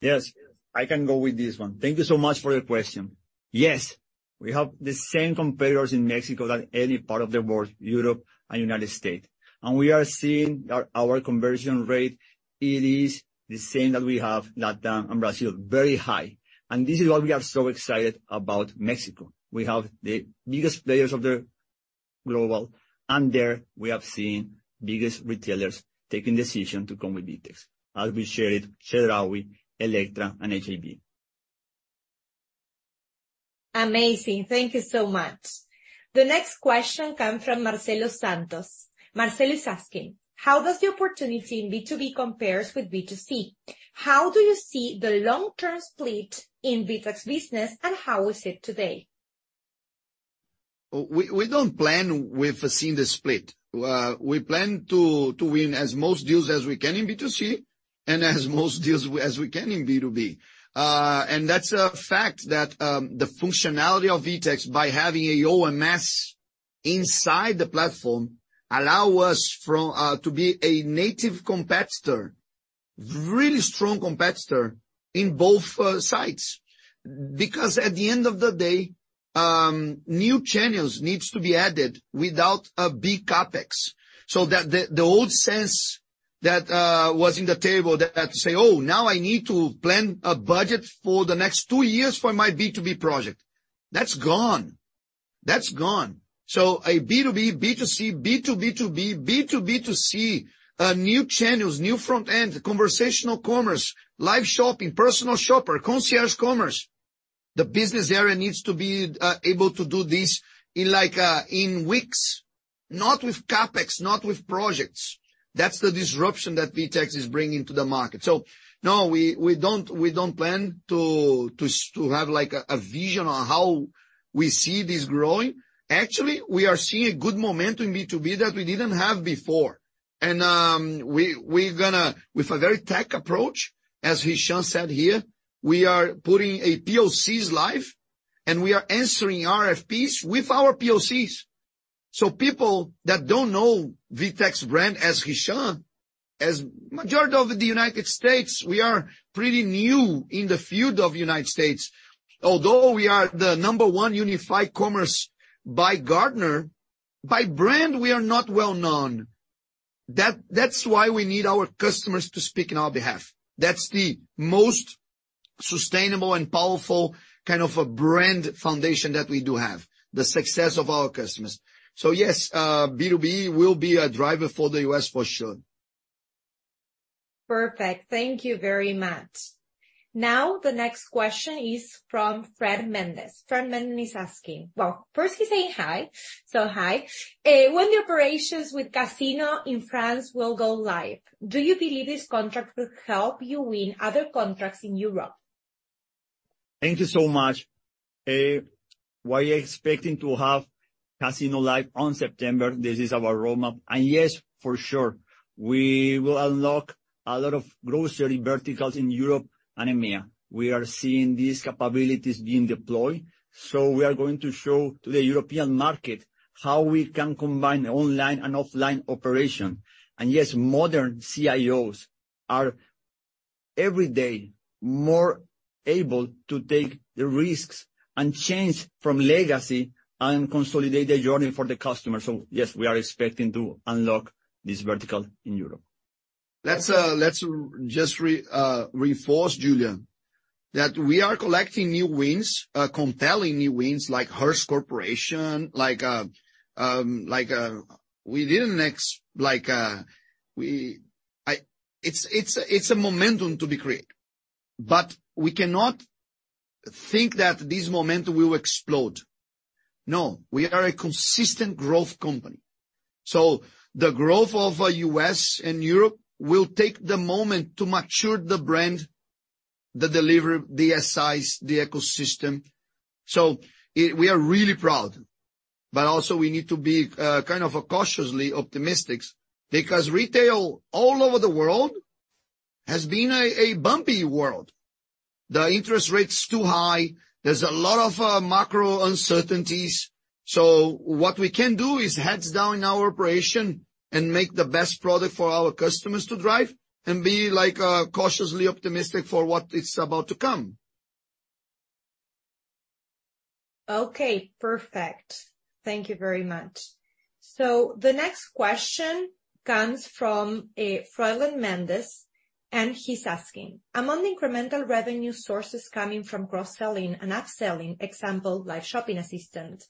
Yes, I can go with this one. Thank you so much for your question. Yes, we have the same competitors in Mexico than any part of the world, Europe and United States. We are seeing our conversion rate, it is the same that we have Latin and Brazil, very high. This is why we are so excited about Mexico. We have the biggest players of the global, there we have seen biggest retailers taking decision to come with VTEX, as we shared, Chedraui, Elektra and H-E-B. Amazing. Thank you so much. The next question come from Marcelo Santos. Marcelo is asking: "How does the opportunity in B2B compares with B2C? How do you see the long-term split in VTEX business, and how is it today? We don't plan with seeing the split. We plan to win as most deals as we can in B2C and as most deals as we can in B2B. And that's a fact that the functionality of VTEX by having a OMS inside the platform allow us from to be a native competitor, really strong competitor in both sides. Because at the end of the day, new channels needs to be added without a big CapEx. That the old sense that was in the table that say, "Oh, now I need to plan a budget for the next two years for my B2B project," that's gone. That's gone. A B2B, B2C, B2B2B, B2B2C, new channels, new front end, conversational commerce, Live Shopping, Personal Shopper, concierge commerce, the business area needs to be able to do this in like weeks, not with CapEx, not with projects. That's the disruption that VTEX is bringing to the market. No, we don't, we don't plan to have, like, a vision on how we see this growing. Actually, we are seeing a good momentum in B2B that we didn't have before, and we're gonna, with a very tech approach, as Hisham said here, we are putting a POCs live, and we are answering RFPs with our POCs. People that don't know VTEX brand, as Hisham, as majority of the United States, we are pretty new in the field of United States. Although we are the number 1 unified commerce by Gartner, by brand, we are not well known. That's why we need our customers to speak in our behalf. That's the most sustainable and powerful kind of a brand foundation that we do have, the success of our customers. Yes, B2B will be a driver for the US for sure. Perfect. Thank you very much. The next question is from Fred Mendes. Fred Mendes is asking. Well, first he's saying hi, so hi. "When the operations with Casino in France will go live, do you believe this contract will help you win other contracts in Europe? Thank you so much. We are expecting to have Casino live on September. This is our roadmap. Yes, for sure, we will unlock a lot of grocery verticals in Europe and EMEA. We are seeing these capabilities being deployed, so we are going to show to the European market how we can combine online and offline operation. Yes, modern CIOs are every day more able to take the risks and change from legacy and consolidate the journey for the customer. Yes, we are expecting to unlock this vertical in Europe. Let's reinforce, Julia, that we are collecting new wins, compelling new wins like Hearst Corporation, It's a momentum to be created, but we cannot think that this momentum will explode. We are a consistent growth company. The growth of U.S. and Europe will take the moment to mature the brand, the delivery, the size, the ecosystem. We are really proud, but also we need to be kind of cautiously optimistic, because retail all over the world has been a bumpy world. The interest rate's too high. There's a lot of macro uncertainties. What we can do is heads down in our operation and make the best product for our customers to drive and be, like, cautiously optimistic for what is about to come. Okay, perfect. Thank you very much. The next question comes from Froilan Mendez, and he's asking: Among the incremental revenue sources coming from cross-selling and upselling, example, live shopping assistant,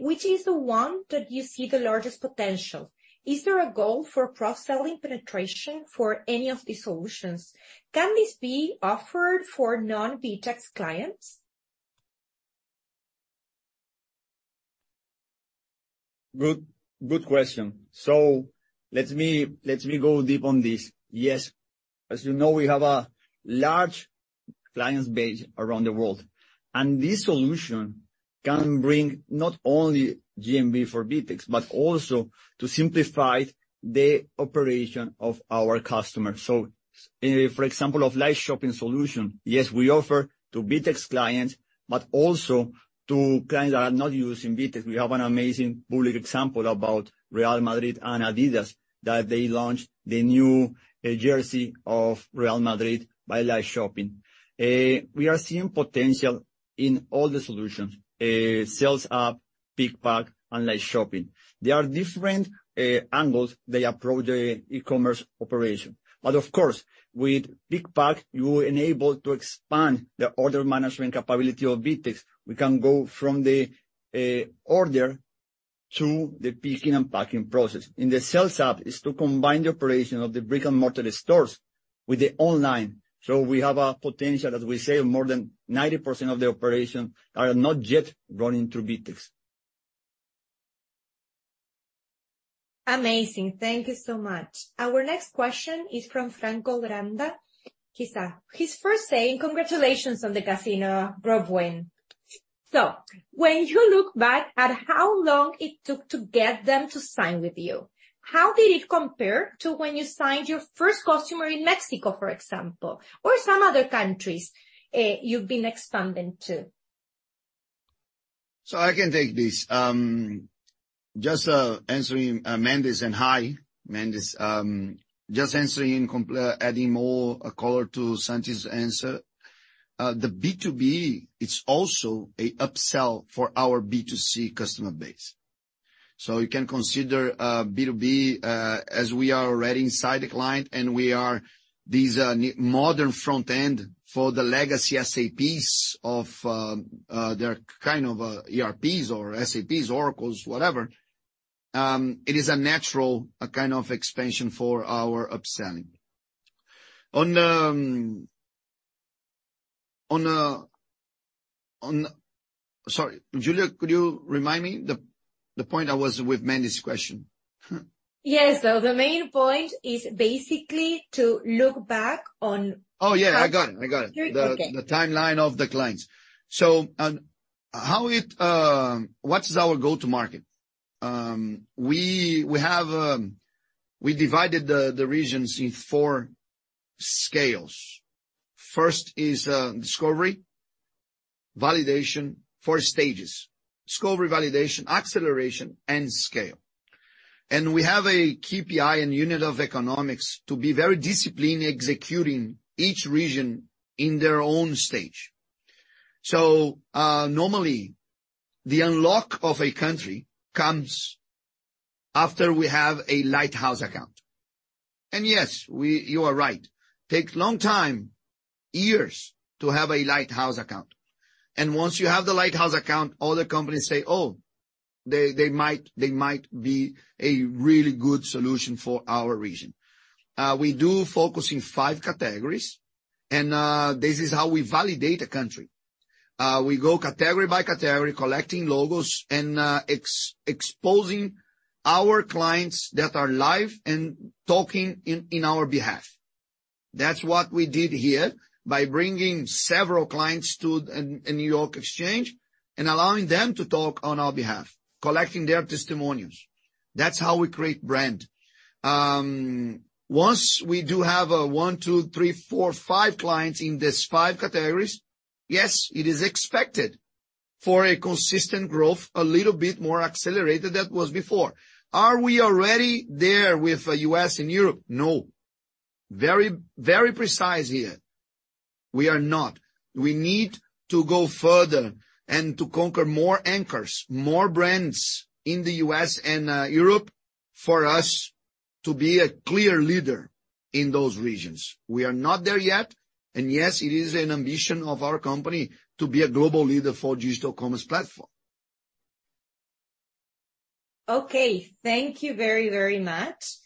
which is the one that you see the largest potential? Is there a goal for cross-selling penetration for any of these solutions? Can this be offered for non-VTEX clients? Good question. Let me go deep on this. Yes, as you know, we have a large client base around the world, and this solution can bring not only GMV for VTEX, but also to simplify the operation of our customers. For example, of Live Shopping solution, yes, we offer to VTEX clients, but also to clients that are not using VTEX. We have an amazing bullet example about Real Madrid and Adidas, that they launched the new jersey of Real Madrid by Live Shopping. We are seeing potential in all the solutions, Sales App, Pick and Pack and Live Shopping. They are different angles they approach the e-commerce operation. Of course, with Pick and Pack, you enable to expand the order management capability of VTEX. We can go from the order to the picking and packing process. In the Sales App is to combine the operation of the brick-and-mortar stores with the online. We have a potential, as we say, more than 90% of the operation are not yet running through VTEX. Amazing. Thank you so much. Our next question is from Franco Landa. He's first saying congratulations on the Casino growth win. When you look back at how long it took to get them to sign with you, how did it compare to when you signed your first customer in Mexico, for example, or some other countries you've been expanding to? I can take this. Just answering Mendes, and hi, Mendes. Just answering, adding more color to Santi's answer. The B2B, it's also a upsell for our B2C customer base. You can consider B2B as we are already inside the client, and we are these modern front end for the legacy SAPs of... They're kind of ERPs or SAPs, Oracles, whatever. It is a natural kind of expansion for our upselling. On... Sorry, Julia, could you remind me the point I was with Mendes' question? Yes. The main point is basically to look back. Oh, yeah, I got it. I got it. Okay. The timeline of the clients. What is our go-to market? We have, we divided the regions in four scales. First is discovery, validation, four stages, discovery, validation, acceleration, and scale. We have a KPI and unit of economics to be very disciplined, executing each region in their own stage. Normally, the unlock of a country comes after we have a lighthouse account. Yes, you are right. Takes long time, years, to have a lighthouse account, and once you have the lighthouse account, other companies say, "Oh, they might be a really good solution for our region." We do focus in five categories, and this is how we validate a country. We go category by category, collecting logos and exposing our clients that are live and talking in our behalf. That's what we did here by bringing several clients to the New York Stock Exchange and allowing them to talk on our behalf, collecting their testimonials. That's how we create brand. Once we do have one, two, three, four, five clients in these five categories, yes, it is expected for a consistent growth, a little bit more accelerated than it was before. Are we already there with U.S. and Europe? No. Very precise here. We are not. We need to go further and to conquer more anchors, more brands in the U.S. and Europe, for us to be a clear leader in those regions. We are not there yet, yes, it is an ambition of our company to be a global leader for digital commerce platform. Okay, thank you very much.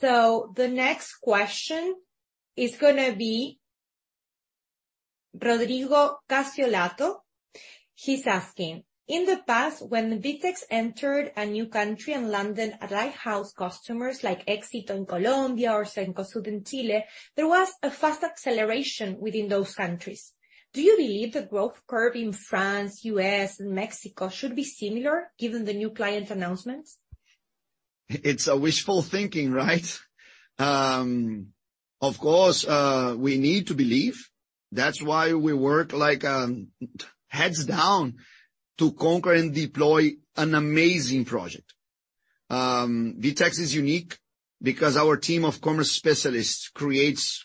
The next question is gonna be Rodrigo Casiolato. He's asking: in the past, when VTEX entered a new country and landed at lighthouse customers like Éxito in Colombia or Cencosud in Chile, there was a fast acceleration within those countries. Do you believe the growth curve in France, US, and Mexico should be similar, given the new client announcements? It's a wishful thinking, right? Of course, we need to believe. That's why we work like heads down to conquer and deploy an amazing project. VTEX is unique because our team of commerce specialists creates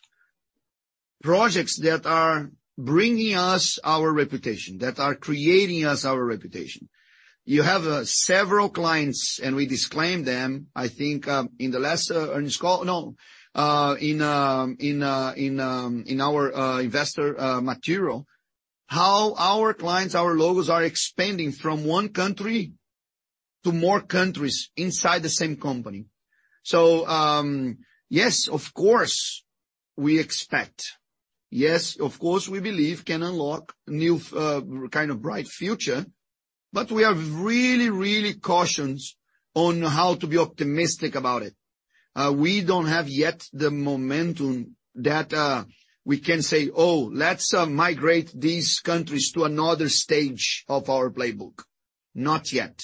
projects that are bringing us our reputation, that are creating us our reputation. You have several clients, and we disclaim them, I think, in our investor material, how our clients, our logos, are expanding from one country to more countries inside the same company. Yes, of course, we expect. Yes, of course, we believe can unlock new kind of bright future, but we are really, really cautions on how to be optimistic about it. We don't have yet the momentum that we can say, "Oh, let's migrate these countries to another stage of our playbook." Not yet.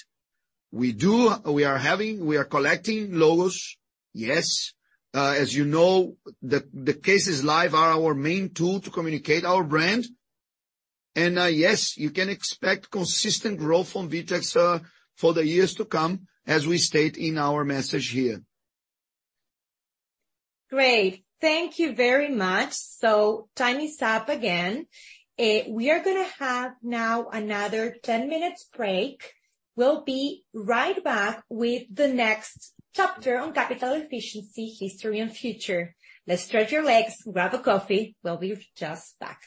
We are collecting logos, yes. As you know, the cases live are our main tool to communicate our brand. Yes, you can expect consistent growth from VTEX for the years to come, as we state in our message here. Great. Thank you very much. Time is up again. We are gonna have now another 10 minutes break. We'll be right back with the next chapter on capital efficiency, history, and future. Let's stretch your legs, grab a coffee. We'll be just back.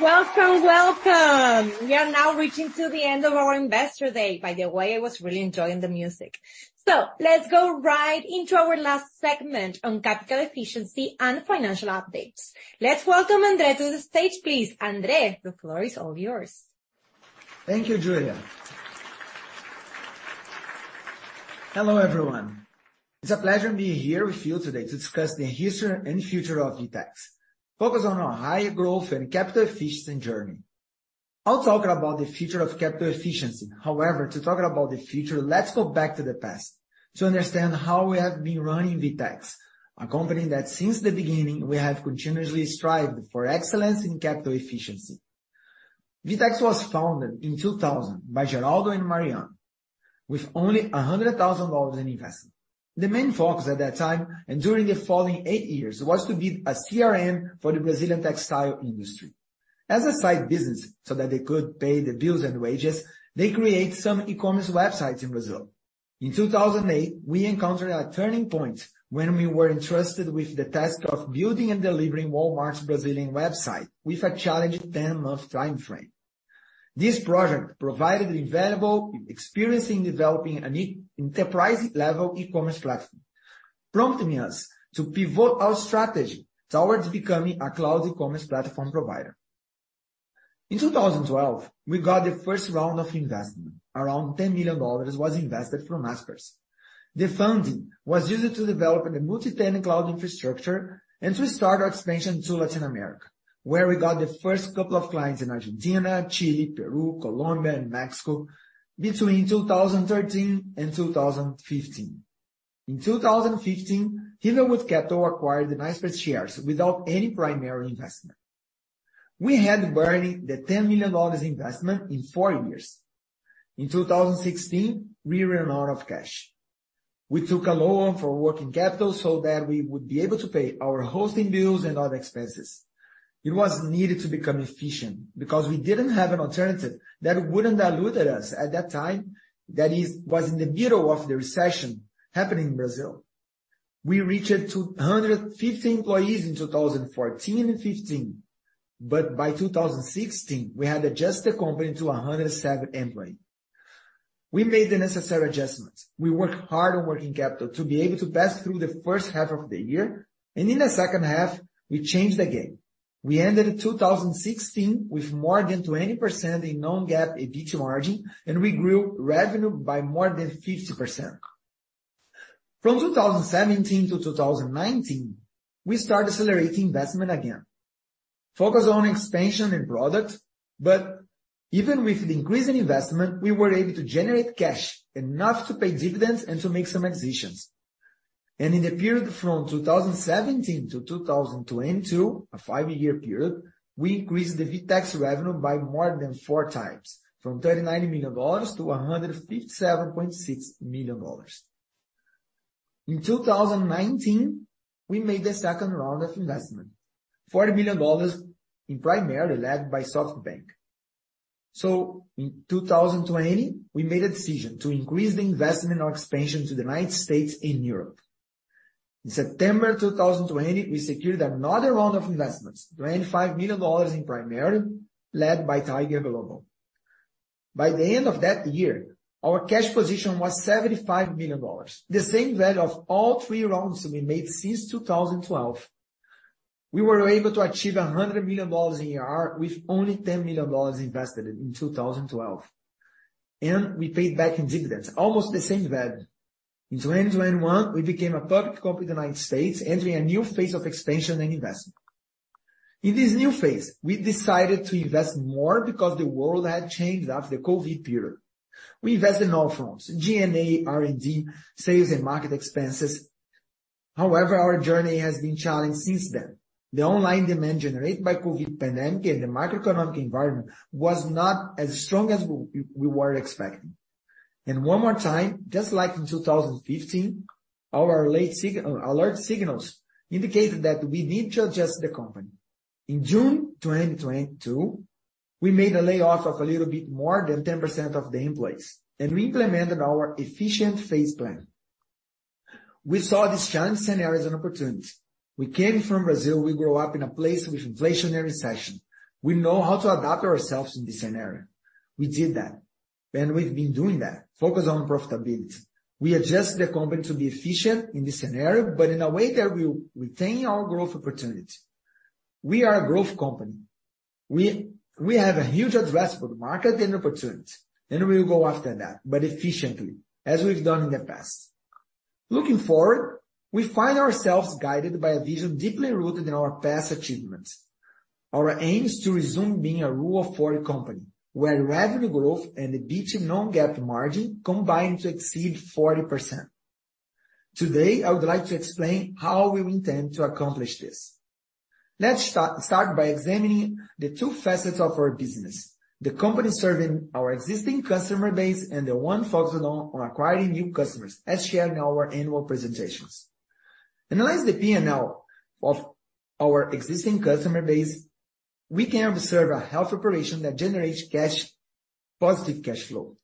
Welcome, welcome! We are now reaching to the end of our investor day. By the way, I was really enjoying the music. Let's go right into our last segment on capital efficiency and financial updates. Let's welcome Andre to the stage, please. Andre, the floor is all yours. Thank you, Julia. Hello, everyone. It's a pleasure being here with you today to discuss the history and future of VTEX. Focus on our higher growth and capital efficiency journey. I'll talk about the future of capital efficiency. To talk about the future, let's go back to the past to understand how we have been running VTEX, a company that since the beginning, we have continuously strived for excellence in capital efficiency. VTEX was founded in 2000 by Geraldo and Mariano, with only $100,000 in investment. The main focus at that time, and during the following eight years, was to build a CRM for the Brazilian textile industry. As a side business, so that they could pay the bills and wages, they created some e-commerce websites in Brazil. In 2008, we encountered a turning point when we were entrusted with the task of building and delivering Walmart's Brazilian website with a challenging 10-month timeframe. This project provided invaluable experience in developing a new enterprise-level e-commerce platform, prompting us to pivot our strategy towards becoming a cloud e-commerce platform provider. In 2012, we got the first round of investment. Around $10 million was invested from Naspers. The funding was used to develop the multi-tenant cloud infrastructure and to start our expansion to Latin America, where we got the first couple of clients in Argentina, Chile, Peru, Colombia and Mexico between 2013 and 2015. In 2015, Riverwood Capital acquired the Naspers without any primary investment. We had burned the $10 million investment in four years. In 2016, we ran out of cash. We took a loan for working capital so that we would be able to pay our hosting bills and other expenses. It was needed to become efficient because we didn't have an alternative that wouldn't dilute us at that time. That is, was in the middle of the recession happening in Brazil. We reached 250 employees in 2014 and 2015, but by 2016, we had adjusted the company to 107 employees. We made the necessary adjustments. We worked hard on working capital to be able to pass through the first half of the year, and in the second half, we changed the game. We ended 2016 with more than 20% in Non-GAAP EBIT margin, and we grew revenue by more than 50%. From 2017 to 2019, we started accelerating investment again, focused on expansion and product. Even with the increase in investment, we were able to generate cash enough to pay dividends and to make some acquisitions. In the period from 2017 to 2022, a five-year period, we increased the VTEX revenue by more than four times, from $39 million-$157.6 million. In 2019, we made the second round of investment, $40 million, primarily led by SoftBank. In 2020, we made a decision to increase the investment and expansion to the United States and Europe. In September 2020, we secured another round of investments, $25 million in primary, led by Tiger Global. By the end of that year, our cash position was $75 million, the same value of all three rounds we made since 2012. We were able to achieve $100 million in ARR with only $10 million invested in 2012, and we paid back in dividends almost the same value. In 2021, we became a public company in the United States, entering a new phase of expansion and investment. In this new phase, we decided to invest more because the world had changed after the COVID period. We invest in all forms, G&A, R&D, sales, and market expenses. However, our journey has been challenged since then. The online demand generated by COVID pandemic and the macroeconomic environment was not as strong as we were expecting. One more time, just like in 2015, our late alert signals indicated that we need to adjust the company. In June 2022, we made a layoff of a little bit more than 10% of the employees, and we implemented our efficient phase plan. We saw this challenge scenario as an opportunity. We came from Brazil. We grew up in a place with inflationary recession. We know how to adapt ourselves in this scenario. We did that, and we've been doing that, focused on profitability. We adjust the company to be efficient in this scenario, but in a way that we retain our growth opportunity. We are a growth company. We have a huge address for the market and opportunity, and we will go after that, but efficiently, as we've done in the past. Looking forward, we find ourselves guided by a vision deeply rooted in our past achievements. Our aim is to resume being a Rule of 40 company, where revenue growth and EBIT Non-GAAP margin combine to exceed 40%. Today, I would like to explain how we intend to accomplish this. Let's start by examining the two facets of our business: the company serving our existing customer base and the one focused on acquiring new customers, as shared in our annual presentations. Analyze the PNL of our existing customer base, we can observe a healthy operation that generates cash, positive cash flow.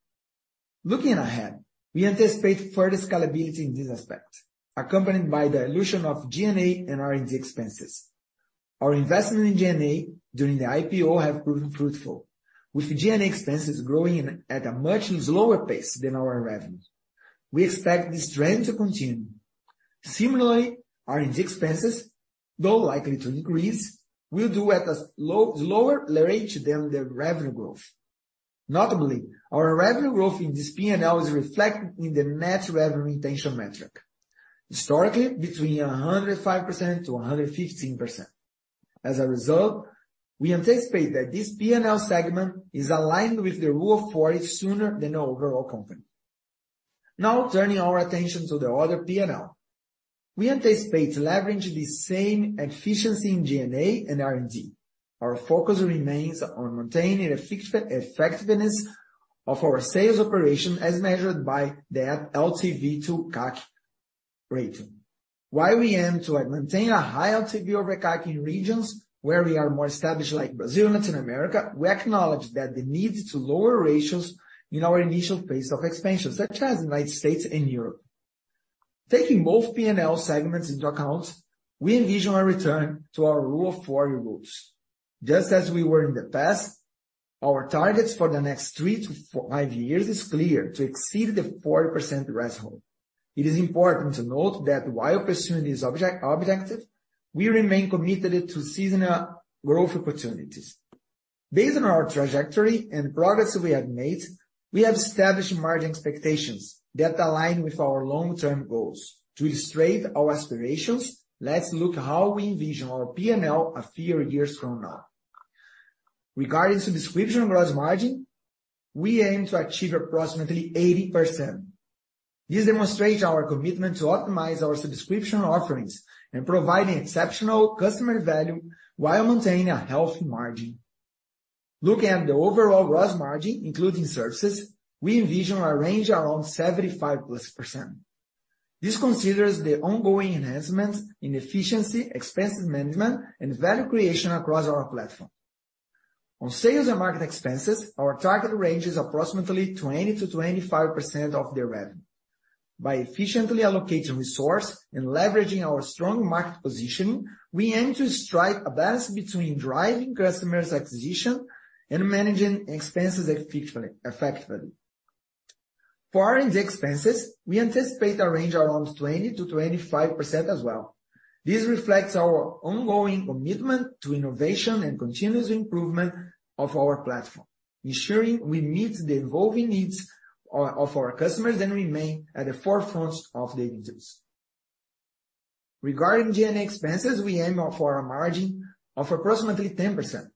Looking ahead, we anticipate further scalability in this aspect, accompanied by the dilution of G&A and R&D expenses. Our investment in G&A during the IPO have proven fruitful, with G&A expenses growing at a much slower pace than our revenue. We expect this trend to continue. Similarly, R&D expenses, though likely to increase, will do at a lower rate than the revenue growth. Notably, our revenue growth in this P&L is reflected in the net revenue retention metric, historically between 105%-115%. As a result, we anticipate that this P&L segment is aligned with the Rule of 40 sooner than the overall company. Now, turning our attention to the other P&L, we anticipate leveraging the same efficiency in G&A and R&D. Our focus remains on maintaining the effectiveness of our sales operation as measured by the LTV to CAC ratio. While we aim to maintain a high LTV over CAC in regions where we are more established, like Brazil, Latin America, we acknowledge that the need to lower ratios in our initial phase of expansion, such as United States and Europe. Taking both P&L segments into account, we envision a return to our Rule of 40 rules. Just as we were in the past, our targets for the next three to five years is clear to exceed the 40% threshold. It is important to note that while pursuing this objective, we remain committed to seasonal growth opportunities. Based on our trajectory and progress we have made, we have established margin expectations that align with our long-term goals. To illustrate our aspirations, let's look how we envision our P&L a few years from now. Regarding subscription gross margin, we aim to achieve approximately 80%. This demonstrates our commitment to optimize our subscription offerings and providing exceptional customer value while maintaining a healthy margin. Looking at the overall gross margin, including services, we envision a range around 75%+. This considers the ongoing enhancements in efficiency, expense management, and value creation across our platform. On sales and market expenses, our target range is approximately 20%-25% of the revenue. By efficiently allocating resource and leveraging our strong market positioning, we aim to strike a balance between driving customers' acquisition and managing expenses effectively. For R&D expenses, we anticipate a range around 20%-25% as well. This reflects our ongoing commitment to innovation and continuous improvement of our platform, ensuring we meet the evolving needs of our customers and remain at the forefront of the industry. Regarding G&A expenses, we aim for a margin of approximately 10%.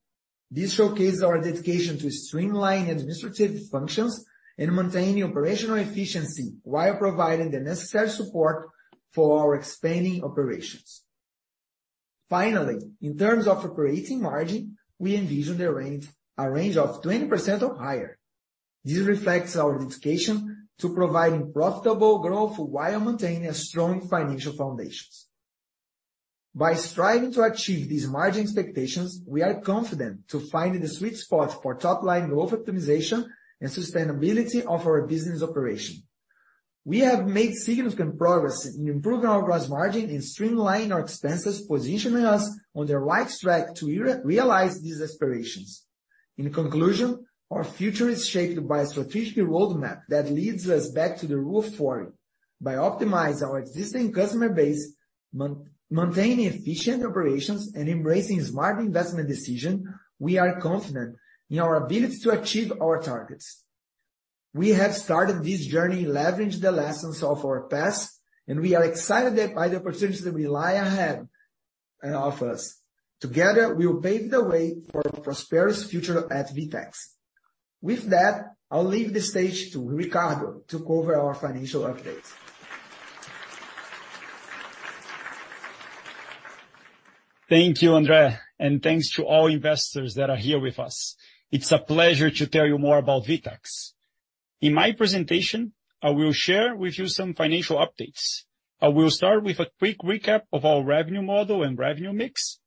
This showcases our dedication to streamline administrative functions and maintaining operational efficiency while providing the necessary support for our expanding operations. Finally, in terms of operating margin, we envision a range of 20% or higher. This reflects our dedication to providing profitable growth while maintaining strong financial foundations. By striving to achieve these margin expectations, we are confident to find the sweet spot for top-line growth, optimization, and sustainability of our business operation. We have made significant progress in improving our gross margin and streamlining our expenses, positioning us on the right track to realize these aspirations. In conclusion, our future is shaped by a strategic roadmap that leads us back to the Rule of 40. By optimizing our existing customer base, maintaining efficient operations, and embracing smart investment decision, we are confident in our ability to achieve our targets. We have started this journey, leverage the lessons of our past, and we are excited by the opportunities that lie ahead and offer us. Together, we will pave the way for a prosperous future at VTEX. I'll leave the stage to Ricardo to cover our financial updates. Thank you, Andre. Thanks to all investors that are here with us. It's a pleasure to tell you more about VTEX. In my presentation, I will share with you some financial updates. I will start with a quick recap of our revenue model and revenue mix.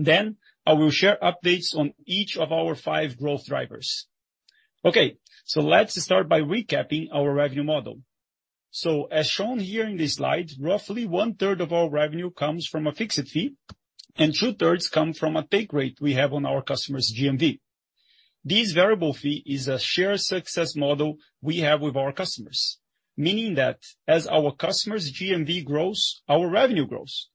I will share updates on each of our five growth drivers. Okay, let's start by recapping our revenue model. As shown here in this slide, roughly one third of our revenue comes from a fixed fee, and two-thirds come from a take rate we have on our customers' GMV. This variable fee is a shared success model we have with our customers, meaning that as our customers' GMV grows, our revenue grows.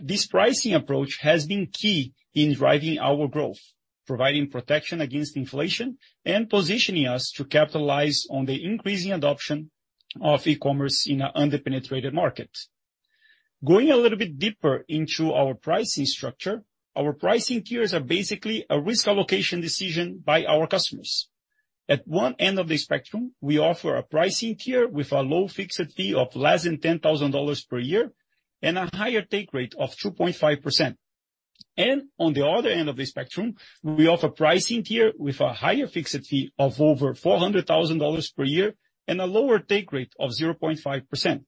This pricing approach has been key in driving our growth, providing protection against inflation, and positioning us to capitalize on the increasing adoption of e-commerce in an under-penetrated market. Going a little bit deeper into our pricing structure, our pricing tiers are basically a risk allocation decision by our customers. At one end of the spectrum, we offer a pricing tier with a low fixed fee of less than $10,000 per year and a higher take rate of 2.5%. On the other end of the spectrum, we offer pricing tier with a higher fixed fee of over $400,000 per year, and a lower take rate of 0.5%.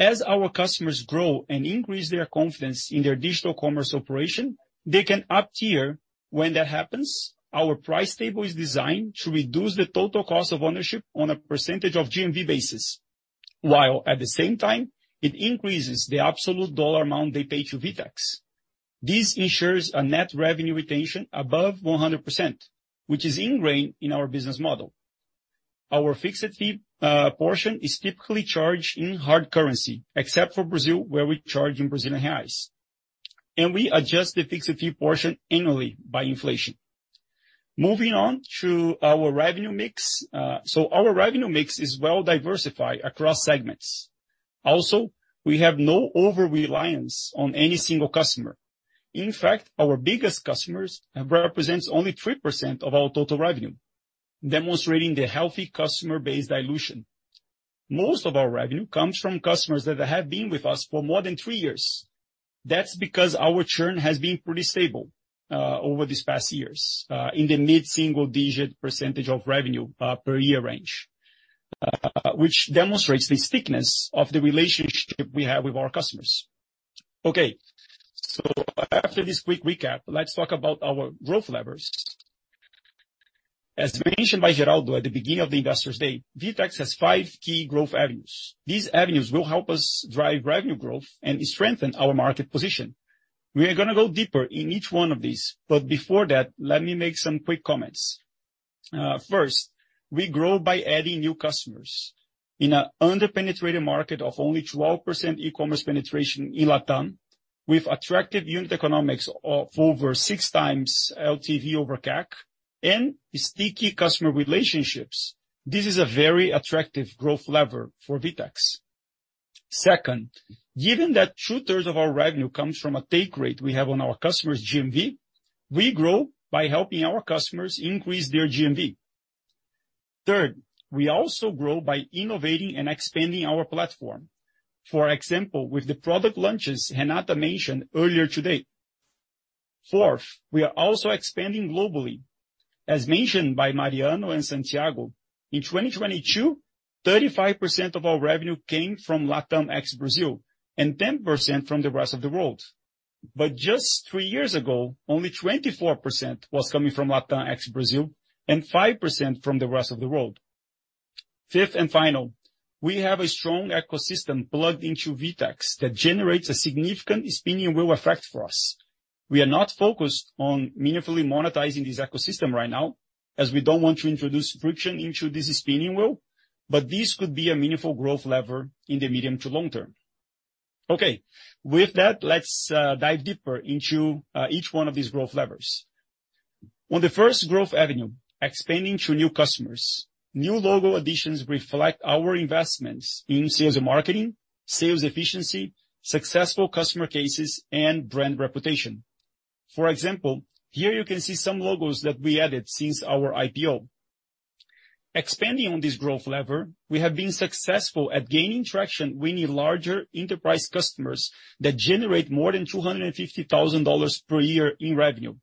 As our customers grow and increase their confidence in their digital commerce operation, they can up tier. When that happens, our price table is designed to reduce the total cost of ownership on a percentage of GMV basis, while at the same time, it increases the absolute dollar amount they pay to VTEX. This ensures a net revenue retention above 100%, which is ingrained in our business model. Our fixed fee portion is typically charged in hard currency, except for Brazil, where we charge in Brazilian reais. We adjust the fixed fee portion annually by inflation. Moving on to our revenue mix. Our revenue mix is well diversified across segments. Also, we have no over-reliance on any single customer. In fact, our biggest customers represents only 3% of our total revenue, demonstrating the healthy customer base dilution. Most of our revenue comes from customers that have been with us for more than three years. That's because our churn has been pretty stable over these past years, in the mid-single-digit percentage of revenue per year range, which demonstrates the thickness of the relationship we have with our customers. Okay, after this quick recap, let's talk about our growth levers. As mentioned by Geraldo at the beginning of the VTEX Investor Day, VTEX has five key growth avenues. These avenues will help us drive revenue growth and strengthen our market position. We are gonna go deeper in each one of these, but before that, let me make some quick comments. First, we grow by adding new customers. In a under-penetrated market of only 12% e-commerce penetration in LatAm, we've attracted unit economics of over 6x LTV to CAC and sticky customer relationships. This is a very attractive growth lever for VTEX. Second, given that two-thirds of our revenue comes from a take rate we have on our customers' GMV, we grow by helping our customers increase their GMV. Third, we also grow by innovating and expanding our platform. For example, with the product launches Renata mentioned earlier today. Fourth, we are also expanding globally. As mentioned by Mariano and Santiago, in 2022, 35% of our revenue came from Latam ex-Brazil, and 10% from the rest of the world. Just three years ago, only 24% was coming from Latam ex-Brazil and 5% from the rest of the world. Fifth and final, we have a strong ecosystem plugged into VTEX that generates a significant spinning wheel effect for us. We are not focused on meaningfully monetizing this ecosystem right now, as we don't want to introduce friction into this spinning wheel, but this could be a meaningful growth lever in the medium to long term. Okay. With that, let's dive deeper into each one of these growth levers. On the first growth avenue, expanding to new customers. New logo additions reflect our investments in sales and marketing, sales efficiency, successful customer cases, and brand reputation. For example, here you can see some logos that we added since our IPO. Expanding on this growth lever, we have been successful at gaining traction winning larger enterprise customers that generate more than $250,000 per year in revenue.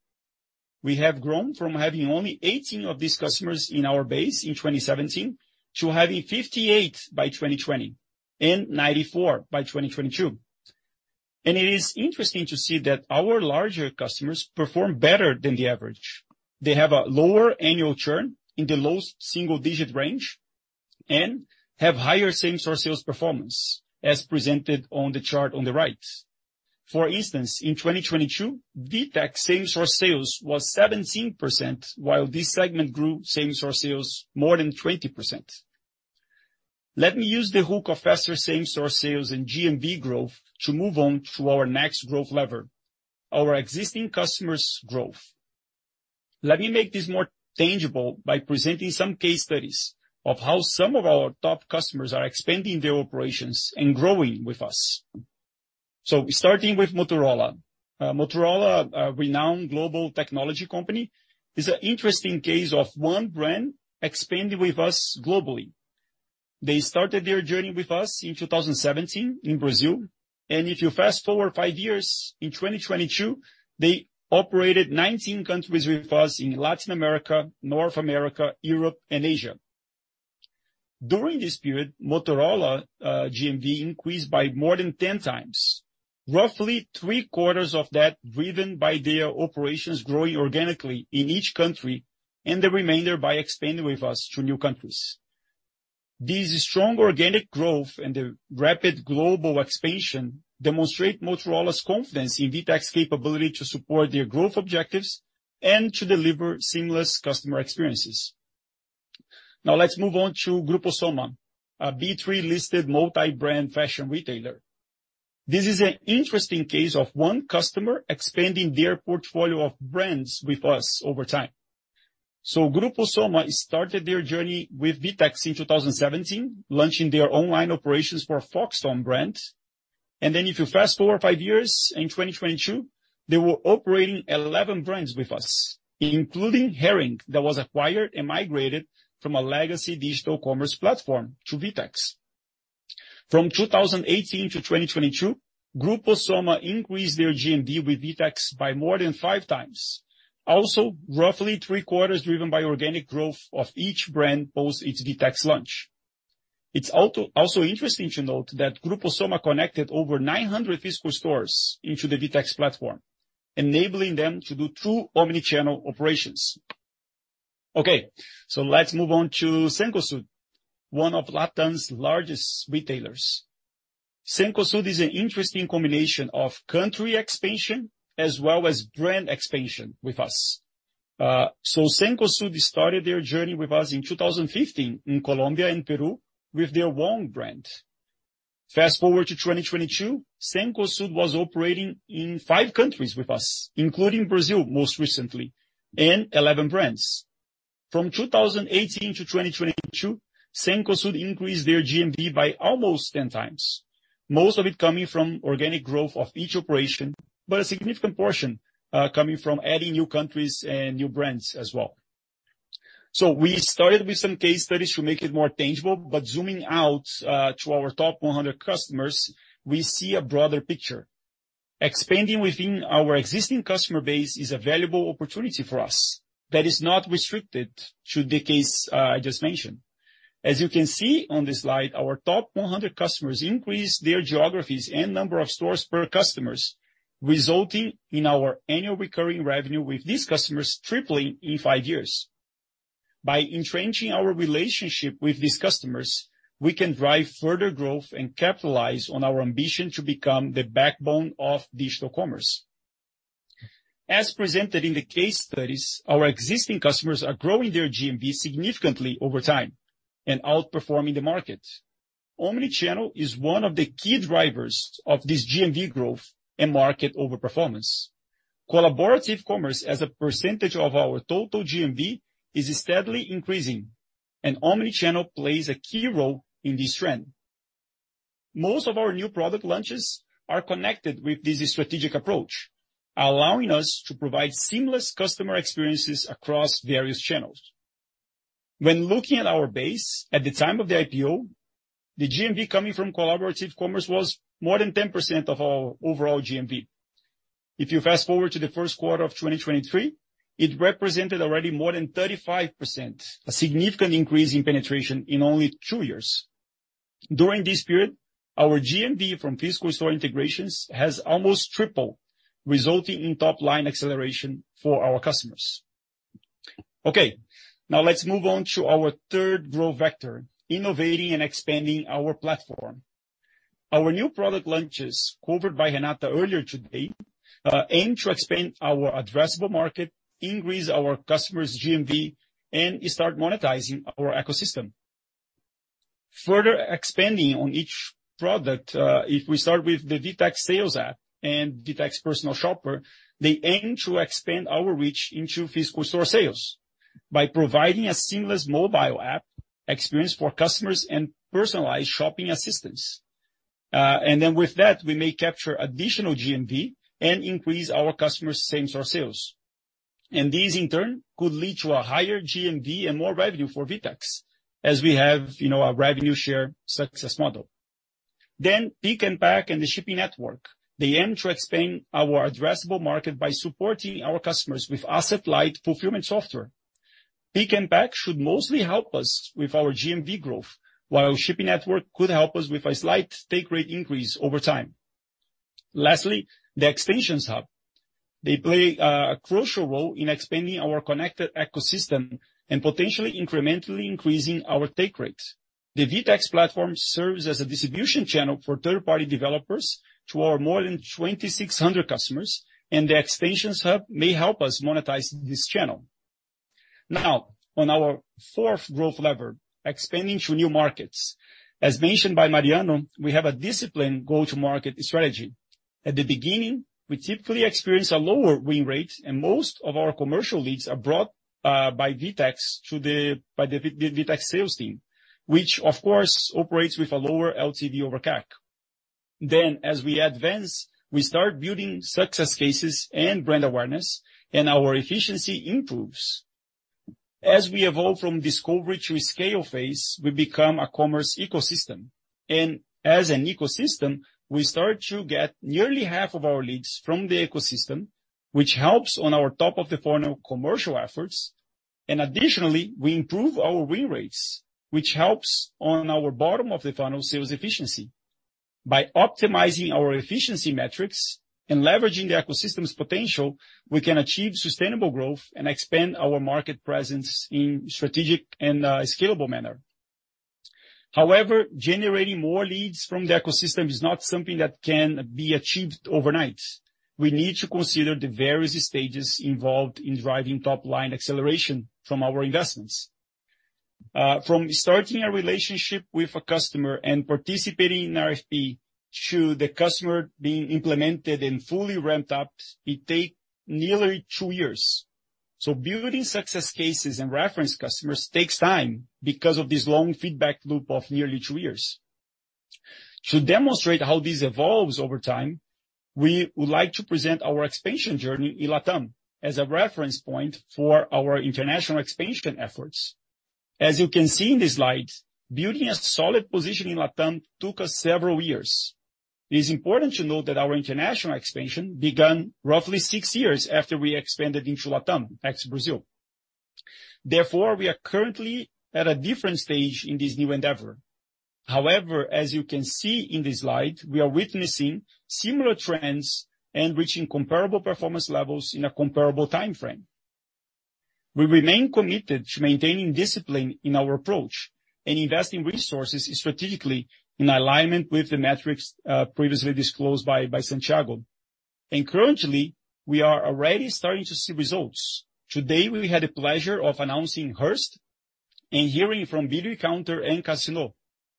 We have grown from having only 18 of these customers in our base in 2017 to having 58 of these customers by 2020, and 94 of these customers by 2022. It is interesting to see that our larger customers perform better than the average. They have a lower annual churn in the low single-digit range, and have higher same-store sales performance, as presented on the chart on the right. For instance, in 2022, VTEX same-store sales was 17%, while this segment grew same-store sales more than 20%. Let me use the hook of faster same-store sales and GMV growth to move on to our next growth lever, our existing customers' growth. Let me make this more tangible by presenting some case studies of how some of our top customers are expanding their operations and growing with us. Starting with Motorola. Motorola, a renowned global technology company, is an interesting case of one brand expanding with us globally. They started their journey with us in 2017 in Brazil. If you fast-forward five years, in 2022, they operated 19 countries with us in Latin America, North America, Europe, and Asia. During this period, Motorola GMV increased by more than 10x, roughly 3/4 of that driven by their operations growing organically in each country, and the remainder by expanding with us to new countries. This strong organic growth and the rapid global expansion demonstrate Motorola's confidence in VTEX capability to support their growth objectives and to deliver seamless customer experiences. Let's move on to Grupo SOMA, a B3-listed multi-brand fashion retailer. This is an interesting case of one customer expanding their portfolio of brands with us over time. Grupo SOMA started their journey with VTEX in 2017, launching their online operations for Foxton brand. If you fast-forward five years, in 2022, they were operating 11 brands with us, including Hering, that was acquired and migrated from a legacy digital commerce platform to VTEX. From 2018-2022, Grupo SOMA increased their GMV with VTEX by more than 5x. Roughly 3/4 driven by organic growth of each brand post its VTEX launch. It's also interesting to note that Grupo SOMA connected over 900 physical stores into the VTEX platform, enabling them to do true omnichannel operations. Let's move on to Cencosud, one of Latin's largest retailers. Cencosud is an interesting combination of country expansion as well as brand expansion with us. Cencosud started their journey with us in 2015 in Colombia and Peru with their own brand. Fast-forward to 2022, Cencosud was operating in five countries with us, including Brazil, most recently, and 11 brands. From 2018 to 2022, Cencosud increased their GMV by almost 10x, most of it coming from organic growth of each operation, but a significant portion coming from adding new countries and new brands as well. We started with some case studies to make it more tangible, but zooming out to our top 100 customers, we see a broader picture. Expanding within our existing customer base is a valuable opportunity for us that is not restricted to the case I just mentioned. As you can see on this slide, our top 100 customers increased their geographies and number of stores per customers, resulting in our annual recurring revenue with these customers tripling in five years. By entrenching our relationship with these customers, we can drive further growth and capitalize on our ambition to become the backbone of digital commerce. As presented in the case studies, our existing customers are growing their GMV significantly over time and outperforming the market. Omnichannel is one of the key drivers of this GMV growth and market over performance. Collaborative commerce, as a percentage of our total GMV, is steadily increasing, and omnichannel plays a key role in this trend. Most of our new product launches are connected with this strategic approach, allowing us to provide seamless customer experiences across various channels. When looking at our base at the time of the IPO, the GMV coming from collaborative commerce was more than 10% of our overall GMV. If you fast-forward to the first quarter of 2023, it represented already more than 35%, a significant increase in penetration in only two years. During this period, our GMV from physical store integrations has almost tripled, resulting in top-line acceleration for our customers. Okay, now let's move on to our third growth vector, innovating and expanding our platform. Our new product launches, covered by Renata earlier today, aim to expand our addressable market, increase our customers' GMV, and start monetizing our ecosystem. Further expanding on each product, if we start with the VTEX Sales App and VTEX Personal Shopper, they aim to expand our reach into physical store sales by providing a seamless mobile app experience for customers and personalized shopping assistance. With that, we may capture additional GMV and increase our customers' same-store sales. These, in turn, could lead to a higher GMV and more revenue for VTEX, as we have, you know, a revenue share success model. Pick and Pack and the Shipping Network. They aim to expand our addressable market by supporting our customers with asset-light fulfillment software. Pick and Pack should mostly help us with our GMV growth, while Shipping Network could help us with a slight take rate increase over time. Lastly, the Extensions Hub. They play a crucial role in expanding our connected ecosystem and potentially incrementally increasing our take rates. The VTEX platform serves as a distribution channel for third-party developers to our more than 2,600 customers, and the Extensions Hub may help us monetize this channel. Now, on our fourth growth lever, expanding to new markets. As mentioned by Mariano, we have a disciplined go-to-market strategy. At the beginning, we typically experience a lower win rate, and most of our commercial leads are brought by the VTEX sales team, which of course, operates with a lower LTV over CAC. As we advance, we start building success cases and brand awareness, and our efficiency improves. As we evolve from discovery to scale phase, we become a commerce ecosystem, and as an ecosystem, we start to get nearly half of our leads from the ecosystem, which helps on our top-of-the-funnel commercial efforts. Additionally, we improve our win rates, which helps on our bottom-of-the-funnel sales efficiency. By optimizing our efficiency metrics and leveraging the ecosystem's potential, we can achieve sustainable growth and expand our market presence in strategic and scalable manner. However, generating more leads from the ecosystem is not something that can be achieved overnight. We need to consider the various stages involved in driving top-line acceleration from our investments. From starting a relationship with a customer and participating in RFP, to the customer being implemented and fully ramped up, it take nearly two years. Building success cases and reference customers takes time because of this long feedback loop of nearly two years. To demonstrate how this evolves over time, we would like to present our expansion journey in LatAm as a reference point for our international expansion efforts. As you can see in this slide, building a solid position in LatAm took us several years. It is important to note that our international expansion began roughly six years after we expanded into LatAm, ex-Brazil. Therefore, we are currently at a different stage in this new endeavor. However, as you can see in this slide, we are witnessing similar trends and reaching comparable performance levels in a comparable time frame. We remain committed to maintaining discipline in our approach and investing resources strategically in alignment with the metrics previously disclosed by Santiago. Currently, we are already starting to see results. Today, we had the pleasure of announcing Hearst and hearing from Beautycounter and Casino,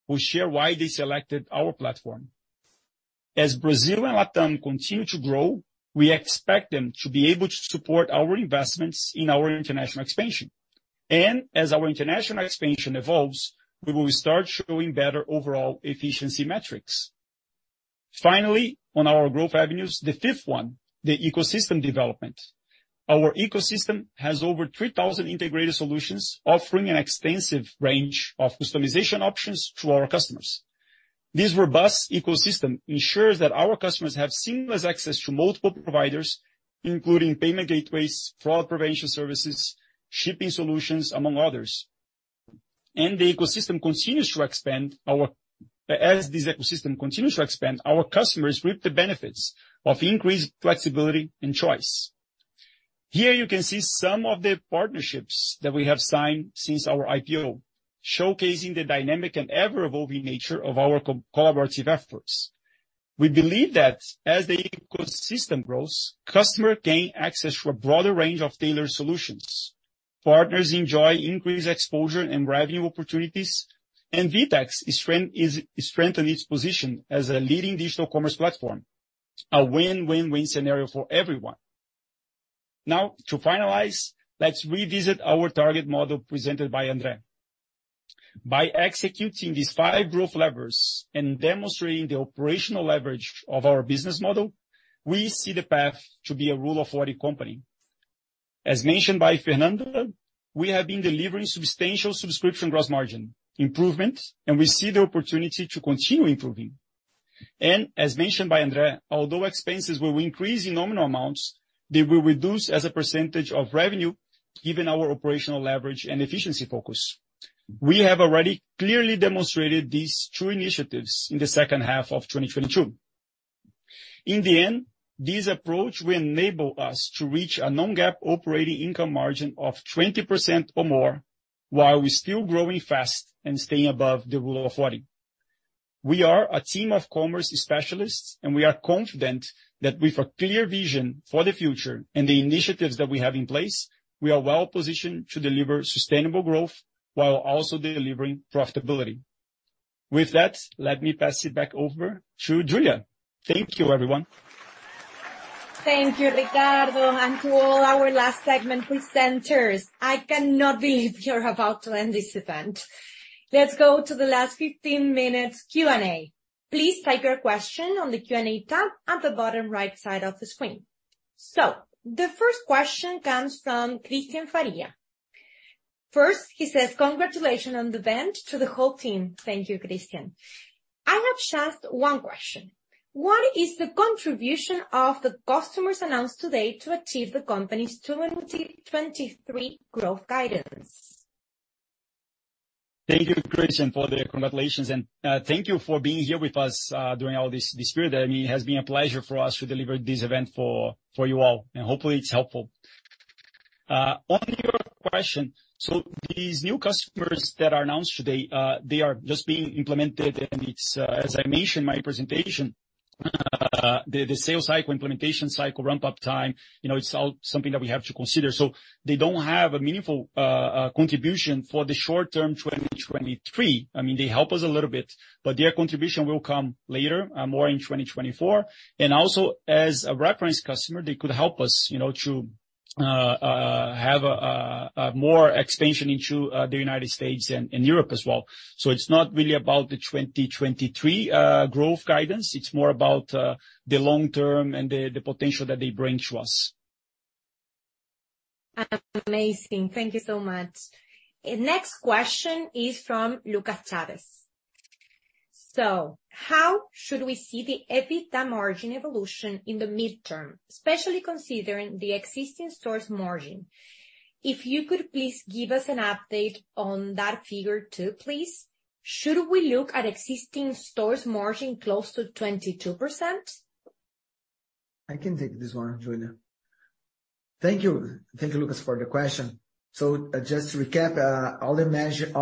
who share why they selected our platform. As Brazil and Latam continue to grow, we expect them to be able to support our investments in our international expansion, and as our international expansion evolves, we will start showing better overall efficiency metrics. Finally, on our growth avenues, the fifth one, the ecosystem development. Our ecosystem has over 3,000 integrated solutions, offering an extensive range of customization options to our customers. This robust ecosystem ensures that our customers have seamless access to multiple providers, including payment gateways, fraud prevention services, shipping solutions, among others. As this ecosystem continues to expand, our customers reap the benefits of increased flexibility and choice. Here you can see some of the partnerships that we have signed since our IPO, showcasing the dynamic and ever-evolving nature of our co-collaborative efforts. We believe that as the ecosystem grows, customers gain access to a broader range of tailored solutions. Partners enjoy increased exposure and revenue opportunities, and VTEX is strengthening its position as a leading digital commerce platform, a win-win-win scenario for everyone. To finalize, let's revisit our target model presented by Andre. By executing these five growth levers and demonstrating the operational leverage of our business model, we see the path to be a Rule of 40 company. As mentioned by Fernanda, we have been delivering substantial subscription gross margin improvement, and we see the opportunity to continue improving. As mentioned by Andre, although expenses will increase in nominal amounts, they will reduce as a percentage of revenue, given our operational leverage and efficiency focus. We have already clearly demonstrated these two initiatives in the second half of 2022. In the end, this approach will enable us to reach a Non-GAAP operating income margin of 20% or more, while we're still growing fast and staying above the Rule of 40. We are a team of commerce specialists. We are confident that with a clear vision for the future and the initiatives that we have in place, we are well positioned to deliver sustainable growth while also delivering profitability. With that, let me pass it back over to Julia. Thank you, everyone. Thank you, Ricardo, and to all our last segment presenters. I cannot believe we are about to end this event. Let's go to the last 15 minutes Q&A. Please type your question on the Q&A tab at the bottom right side of the screen. The first question comes from Christian Faria. First, he says: Congratulations on the event to the whole team. Thank you, Christian. I have just one question. What is the contribution of the customers announced today to achieve the company's 2023 growth guidance? Thank you, Christian, for the congratulations, and thank you for being here with us during all this period. I mean, it has been a pleasure for us to deliver this event for you all, and hopefully it's helpful. On your question, these new customers that are announced today, they are just being implemented, and it's, as I mentioned in my presentation, the sales cycle, implementation cycle, ramp-up time, you know, it's all something that we have to consider. They don't have a meaningful contribution for the short term, 2023. I mean, they help us a little bit, but their contribution will come later, more in 2024. Also, as a reference customer, they could help us, you know, to have a more expansion into the United States and Europe as well. It's not really about the 2023 growth guidance, it's more about the long term and the potential that they bring to us. Amazing. Thank you so much. Next question is from Lucas Chavez. How should we see the EBITDA margin evolution in the midterm, especially considering the existing stores margin? If you could please give us an update on that figure too, please. Should we look at existing stores margin close to 22%? I can take this one, Julia. Thank you. Thank you, Lucas, for the question. Just to recap, all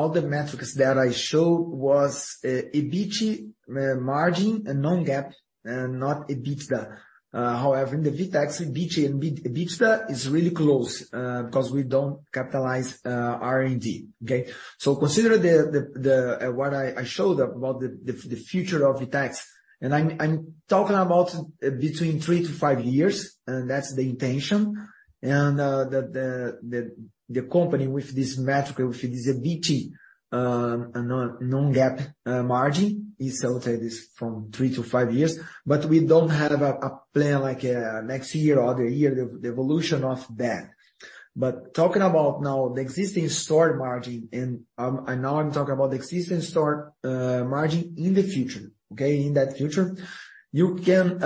the metrics that I showed was EBITDA margin and Non-GAAP, not EBITDA. However, in the VTEX, EBITDA and EBITDA is really close because we don't capitalize R&D, okay? Consider the what I showed about the future of VTEX. I'm talking about between three to five years, and that's the intention. The company with this metric, with this EBITDA Non-GAAP margin, is from three to five years. We don't have a plan like next year or the year, the evolution of that. Talking about now the existing store margin, and now I'm talking about the existing store margin in the future, okay? In that future, you can,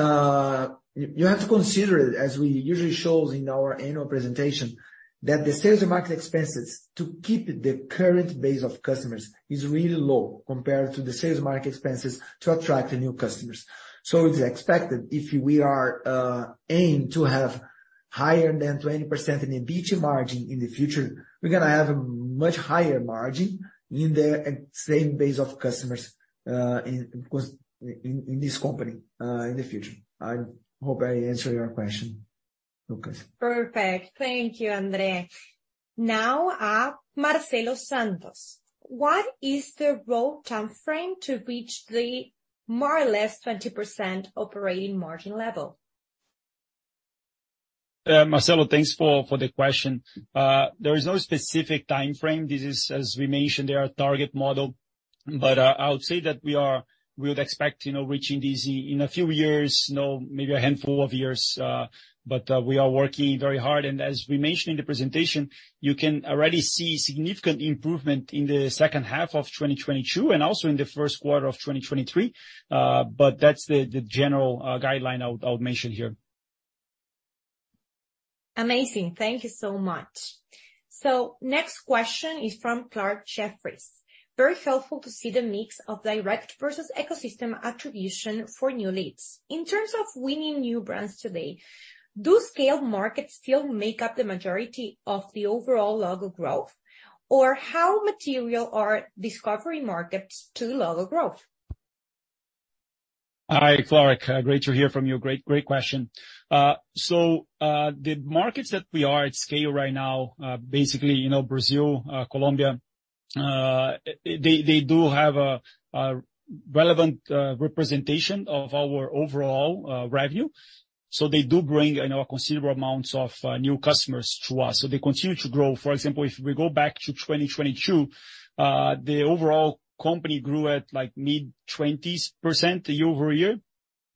you have to consider it, as we usually show in our annual presentation, that the sales and marketing expenses to keep the current base of customers is really low compared to the sales and marketing expenses to attract the new customers. It's expected, if we are aimed to have higher than 20% in EBITDA margin in the future, we're gonna have a much higher margin in the same base of customers, because in this company in the future. I hope I answered your question, Lucas. Perfect. Thank you, Andre. Marcelo Santos, what is the rough timeframe to reach the more or less 20% operating margin level? Marcelo, thanks for the question. There is no specific timeframe. This is, as we mentioned, they are a target model, but I would say that we would expect, you know, reaching this in a few years, you know, maybe a handful of years, but we are working very hard. As we mentioned in the presentation, you can already see significant improvement in the second half of 2022 and also in the first quarter of 2023. That's the general guideline I would mention here. Amazing. Thank you so much. Next question is from Clarke Jeffries: Very helpful to see the mix of direct versus ecosystem attribution for new leads. In terms of winning new brands today, do scaled markets still make up the majority of the overall logo growth? How material are discovery markets to the logo growth? Hi, Clarke. Great to hear from you. Great question. The markets that we are at scale right now, basically, you know, Brazil, Colombia, they do have a relevant representation of our overall revenue. They do bring, you know, considerable amounts of new customers to us, so they continue to grow. For example, if we go back to 2022, the overall company grew at like mid-20s% year over year,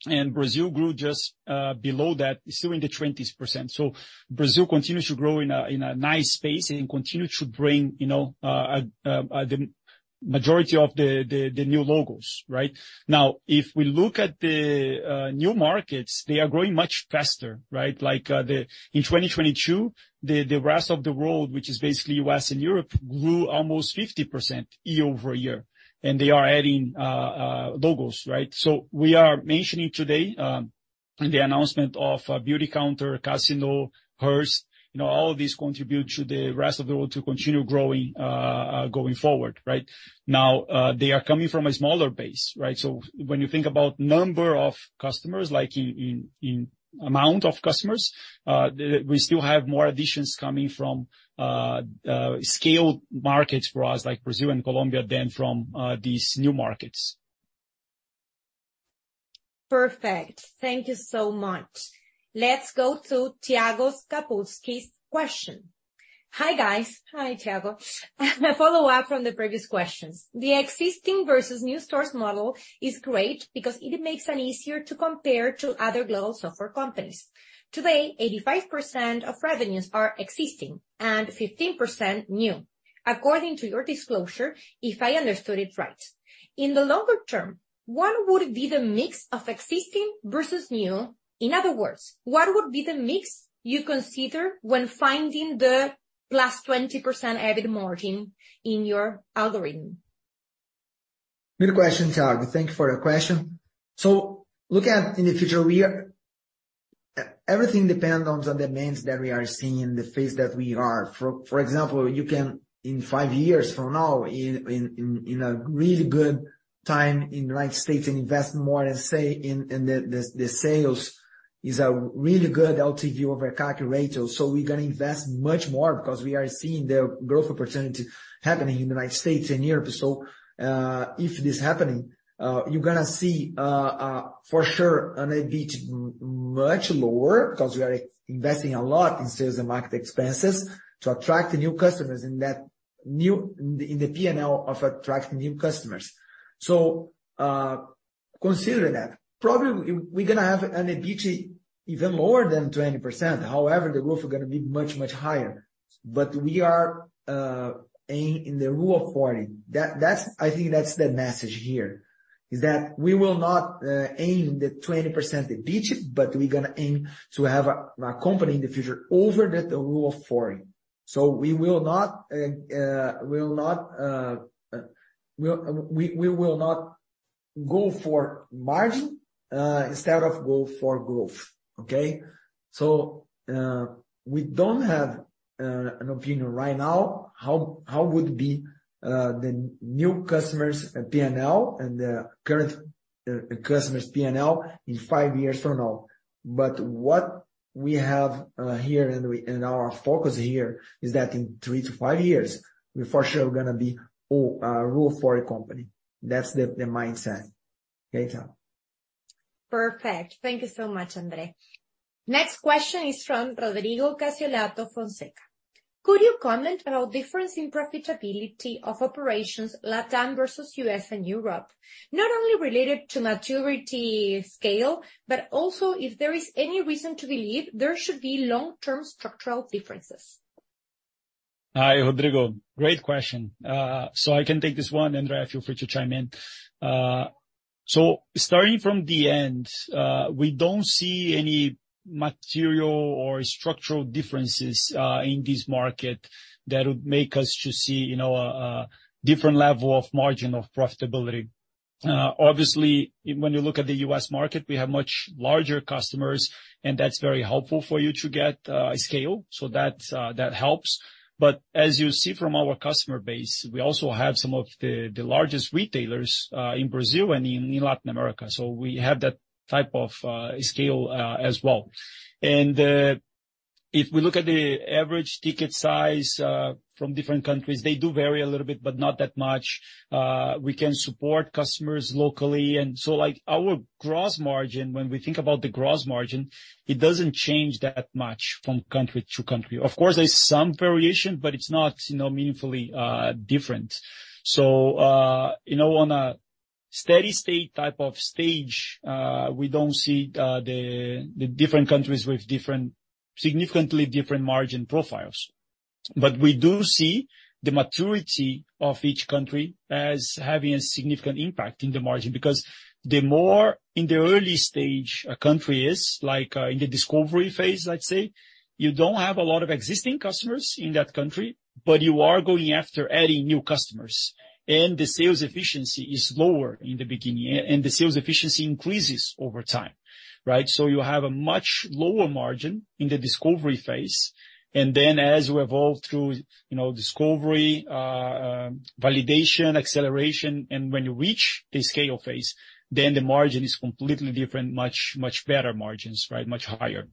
and Brazil grew just below that, still in the 20s%. Brazil continues to grow in a nice space and continue to bring, you know, the majority of the new logos, right? If we look at the new markets, they are growing much faster, right? Like, the... In 2022, the rest of the world, which is basically US and Europe, grew almost 50% year-over-year, and they are adding logos, right? We are mentioning today, in the announcement of Beautycounter, Casino, Hearst, you know, all of these contribute to the rest of the world to continue growing going forward, right? They are coming from a smaller base, right? When you think about number of customers, like in amount of customers, we still have more additions coming from scaled markets for us, like Brazil and Colombia, than from these new markets. Perfect. Thank you so much. Let's go to Tiago Kapulski's question. "Hi, guys." Hi, Tiago. "A follow-up from the previous questions. The existing versus new stores model is great because it makes an easier to compare to other global software companies. Today, 85% of revenues are existing and 15% new, according to your disclosure, if I understood it right. In the longer term, what would be the mix of existing versus new? In other words, what would be the mix you consider when finding the +20% EBITDA margin in your algorithm? Good question, Tiago. Thank you for your question. look at in the future, everything depends on the demands that we are seeing, the phase that we are. For example, you can, in five years from now, in a really good time in United States and invest more and say in the sales, is a really good LTV over CAC ratio. We're gonna invest much more because we are seeing the growth opportunity happening in the United States and Europe. If this happening, you're gonna see for sure, an EBITDA much lower, because we are investing a lot in sales and marketing expenses to attract the new customers in that new in the PNL of attracting new customers. Considering that, probably we're gonna have an EBITDA even lower than 20%. The growth is gonna be much, much higher. We are aiming in the Rule of 40. I think that's the message here, is that we will not aim the 20% EBITDA, but we're gonna aim to have a company in the future over the Rule of 40. We will not go for margin instead of go for growth. Okay? We don't have an opinion right now, how would be the new customers PNL and the current customers PNL in 5 years from now. What we have here and our focus here is that in 3-5 years, we're for sure gonna be a Rule of 40 company. That's the mindset. Okay, Tiago?... Perfect. Thank you so much, Andre. Next question is from Rodrigo Cassiolatto Fonseca: Could you comment about difference in profitability of operations LatAm versus US and Europe, not only related to maturity scale, but also if there is any reason to believe there should be long-term structural differences? Hi, Rodrigo. Great question. I can take this one, Andre. Feel free to chime in. Starting from the end, we don't see any material or structural differences in this market that would make us to see, you know, a different level of margin of profitability. Obviously, when you look at the U.S. market, we have much larger customers, and that's very helpful for you to get scale, so that helps. As you see from our customer base, we also have some of the largest retailers in Brazil and in Latin America, so we have that type of scale as well. If we look at the average ticket size from different countries, they do vary a little bit, but not that much. We can support customers locally. Like, our gross margin, when we think about the gross margin, it doesn't change that much from country to country. Of course, there's some variation, but it's not, you know, meaningfully different. You know, on a steady state type of stage, we don't see the different countries with significantly different margin profiles. We do see the maturity of each country as having a significant impact in the margin. The more in the early stage a country is, like, in the discovery phase, I'd say, you don't have a lot of existing customers in that country, but you are going after adding new customers, and the sales efficiency is lower in the beginning. And the sales efficiency increases over time, right? You have a much lower margin in the discovery phase, as you evolve through, you know, discovery, validation, acceleration, and when you reach the scale phase, then the margin is completely different. Much better margins, right? Much higher.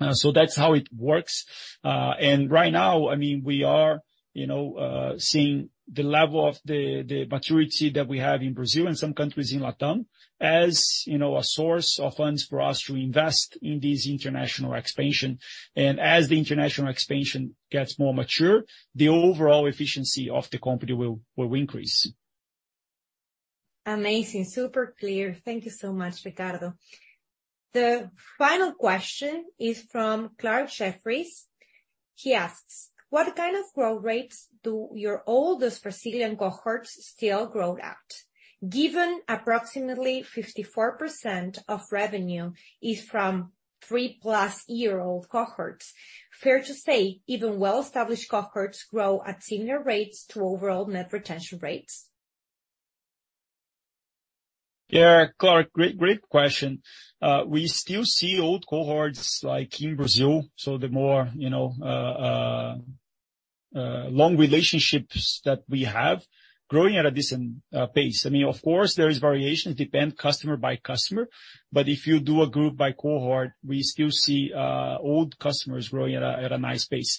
That's how it works. Right now, I mean, we are, you know, seeing the level of the maturity that we have in Brazil and some countries in LatAm, as, you know, a source of funds for us to invest in this international expansion. As the international expansion gets more mature, the overall efficiency of the company will increase. Amazing. Super clear. Thank you so much, Ricardo. The final question is from Clarke Jeffries. He asks: What kind of growth rates do your oldest Brazilian cohorts still grow at, given approximately 54% of revenue is from three-plus-year-old cohorts? Fair to say, even well-established cohorts grow at similar rates through overall net retention rates? Yeah, Clarke, great question. We still see old cohorts, like in Brazil, so the more, you know, long relationships that we have growing at a decent pace. I mean, of course, there is variations, depend customer by customer, but if you do a group by cohort, we still see old customers growing at a nice pace.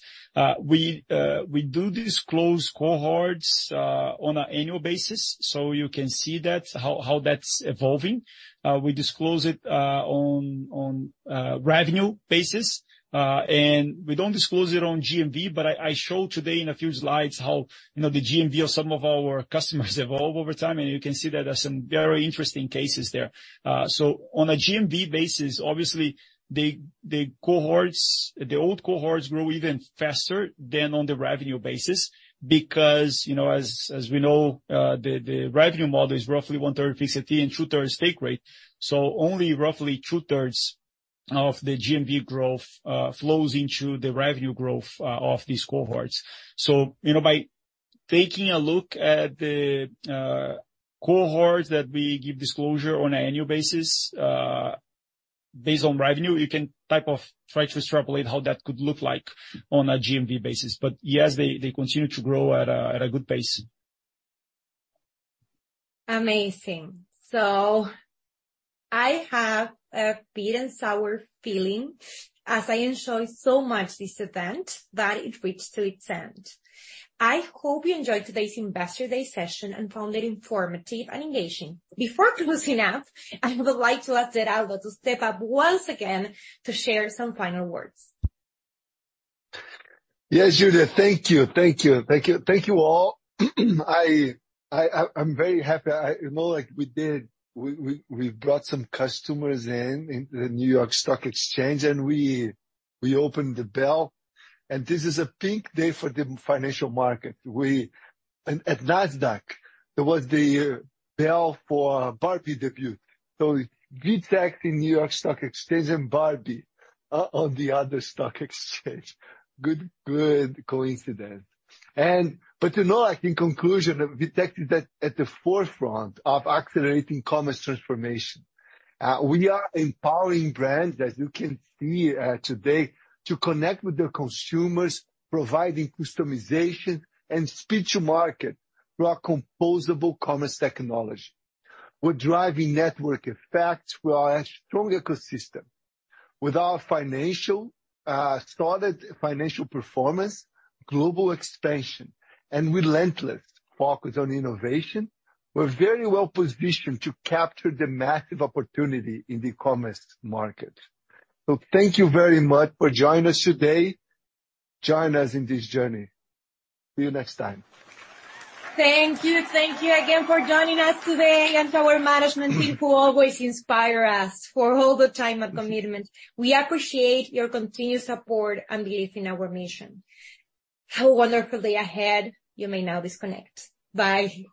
We do disclose cohorts on an annual basis, so you can see that, how that's evolving. We disclose it on revenue basis, and we don't disclose it on GMV, but I showed today in a few slides how, you know, the GMV of some of our customers evolve over time, and you can see that there are some very interesting cases there. On a GMV basis, obviously, the cohorts, the old cohorts grow even faster than on the revenue basis because, you know, as we know, the revenue model is roughly one-third fixity and two-thirds take rate. Only roughly two-thirds of the GMV growth flows into the revenue growth of these cohorts. You know, by taking a look at the cohorts that we give disclosure on an annual basis, based on revenue, you can type of try to extrapolate how that could look like on a GMV basis. Yes, they continue to grow at a good pace. Amazing. I have a bitter and sour feeling as I enjoy so much this event that it reached to its end. I hope you enjoyed today's Investor Day session and found it informative and engaging. Before closing out, I would like to ask Geraldo to step up once again to share some final words. Yes, Judith. Thank you. Thank you. Thank you. Thank you all. I'm very happy. You know, like, we brought some customers in the New York Stock Exchange, and we opened the bell, and this is a big day for the financial market. At Nasdaq, there was the bell for Barbie debut. VTEX in New York Stock Exchange and Barbie on the other stock exchange. Good coincidence. But, you know, like, in conclusion, VTEX is at the forefront of accelerating commerce transformation. We are empowering brands, as you can see, today, to connect with their consumers, providing customization and speed to market through our composable commerce technology. We're driving network effects with our strong ecosystem. With our financial, solid financial performance, global expansion, and relentless focus on innovation, we're very well positioned to capture the massive opportunity in the e-commerce market. Thank you very much for joining us today. Join us in this journey. See you next time. Thank you. Thank you again for joining us today, to our management team, who always inspire us for all the time and commitment. We appreciate your continued support and belief in our mission. Have a wonderful day ahead. You may now disconnect. Bye.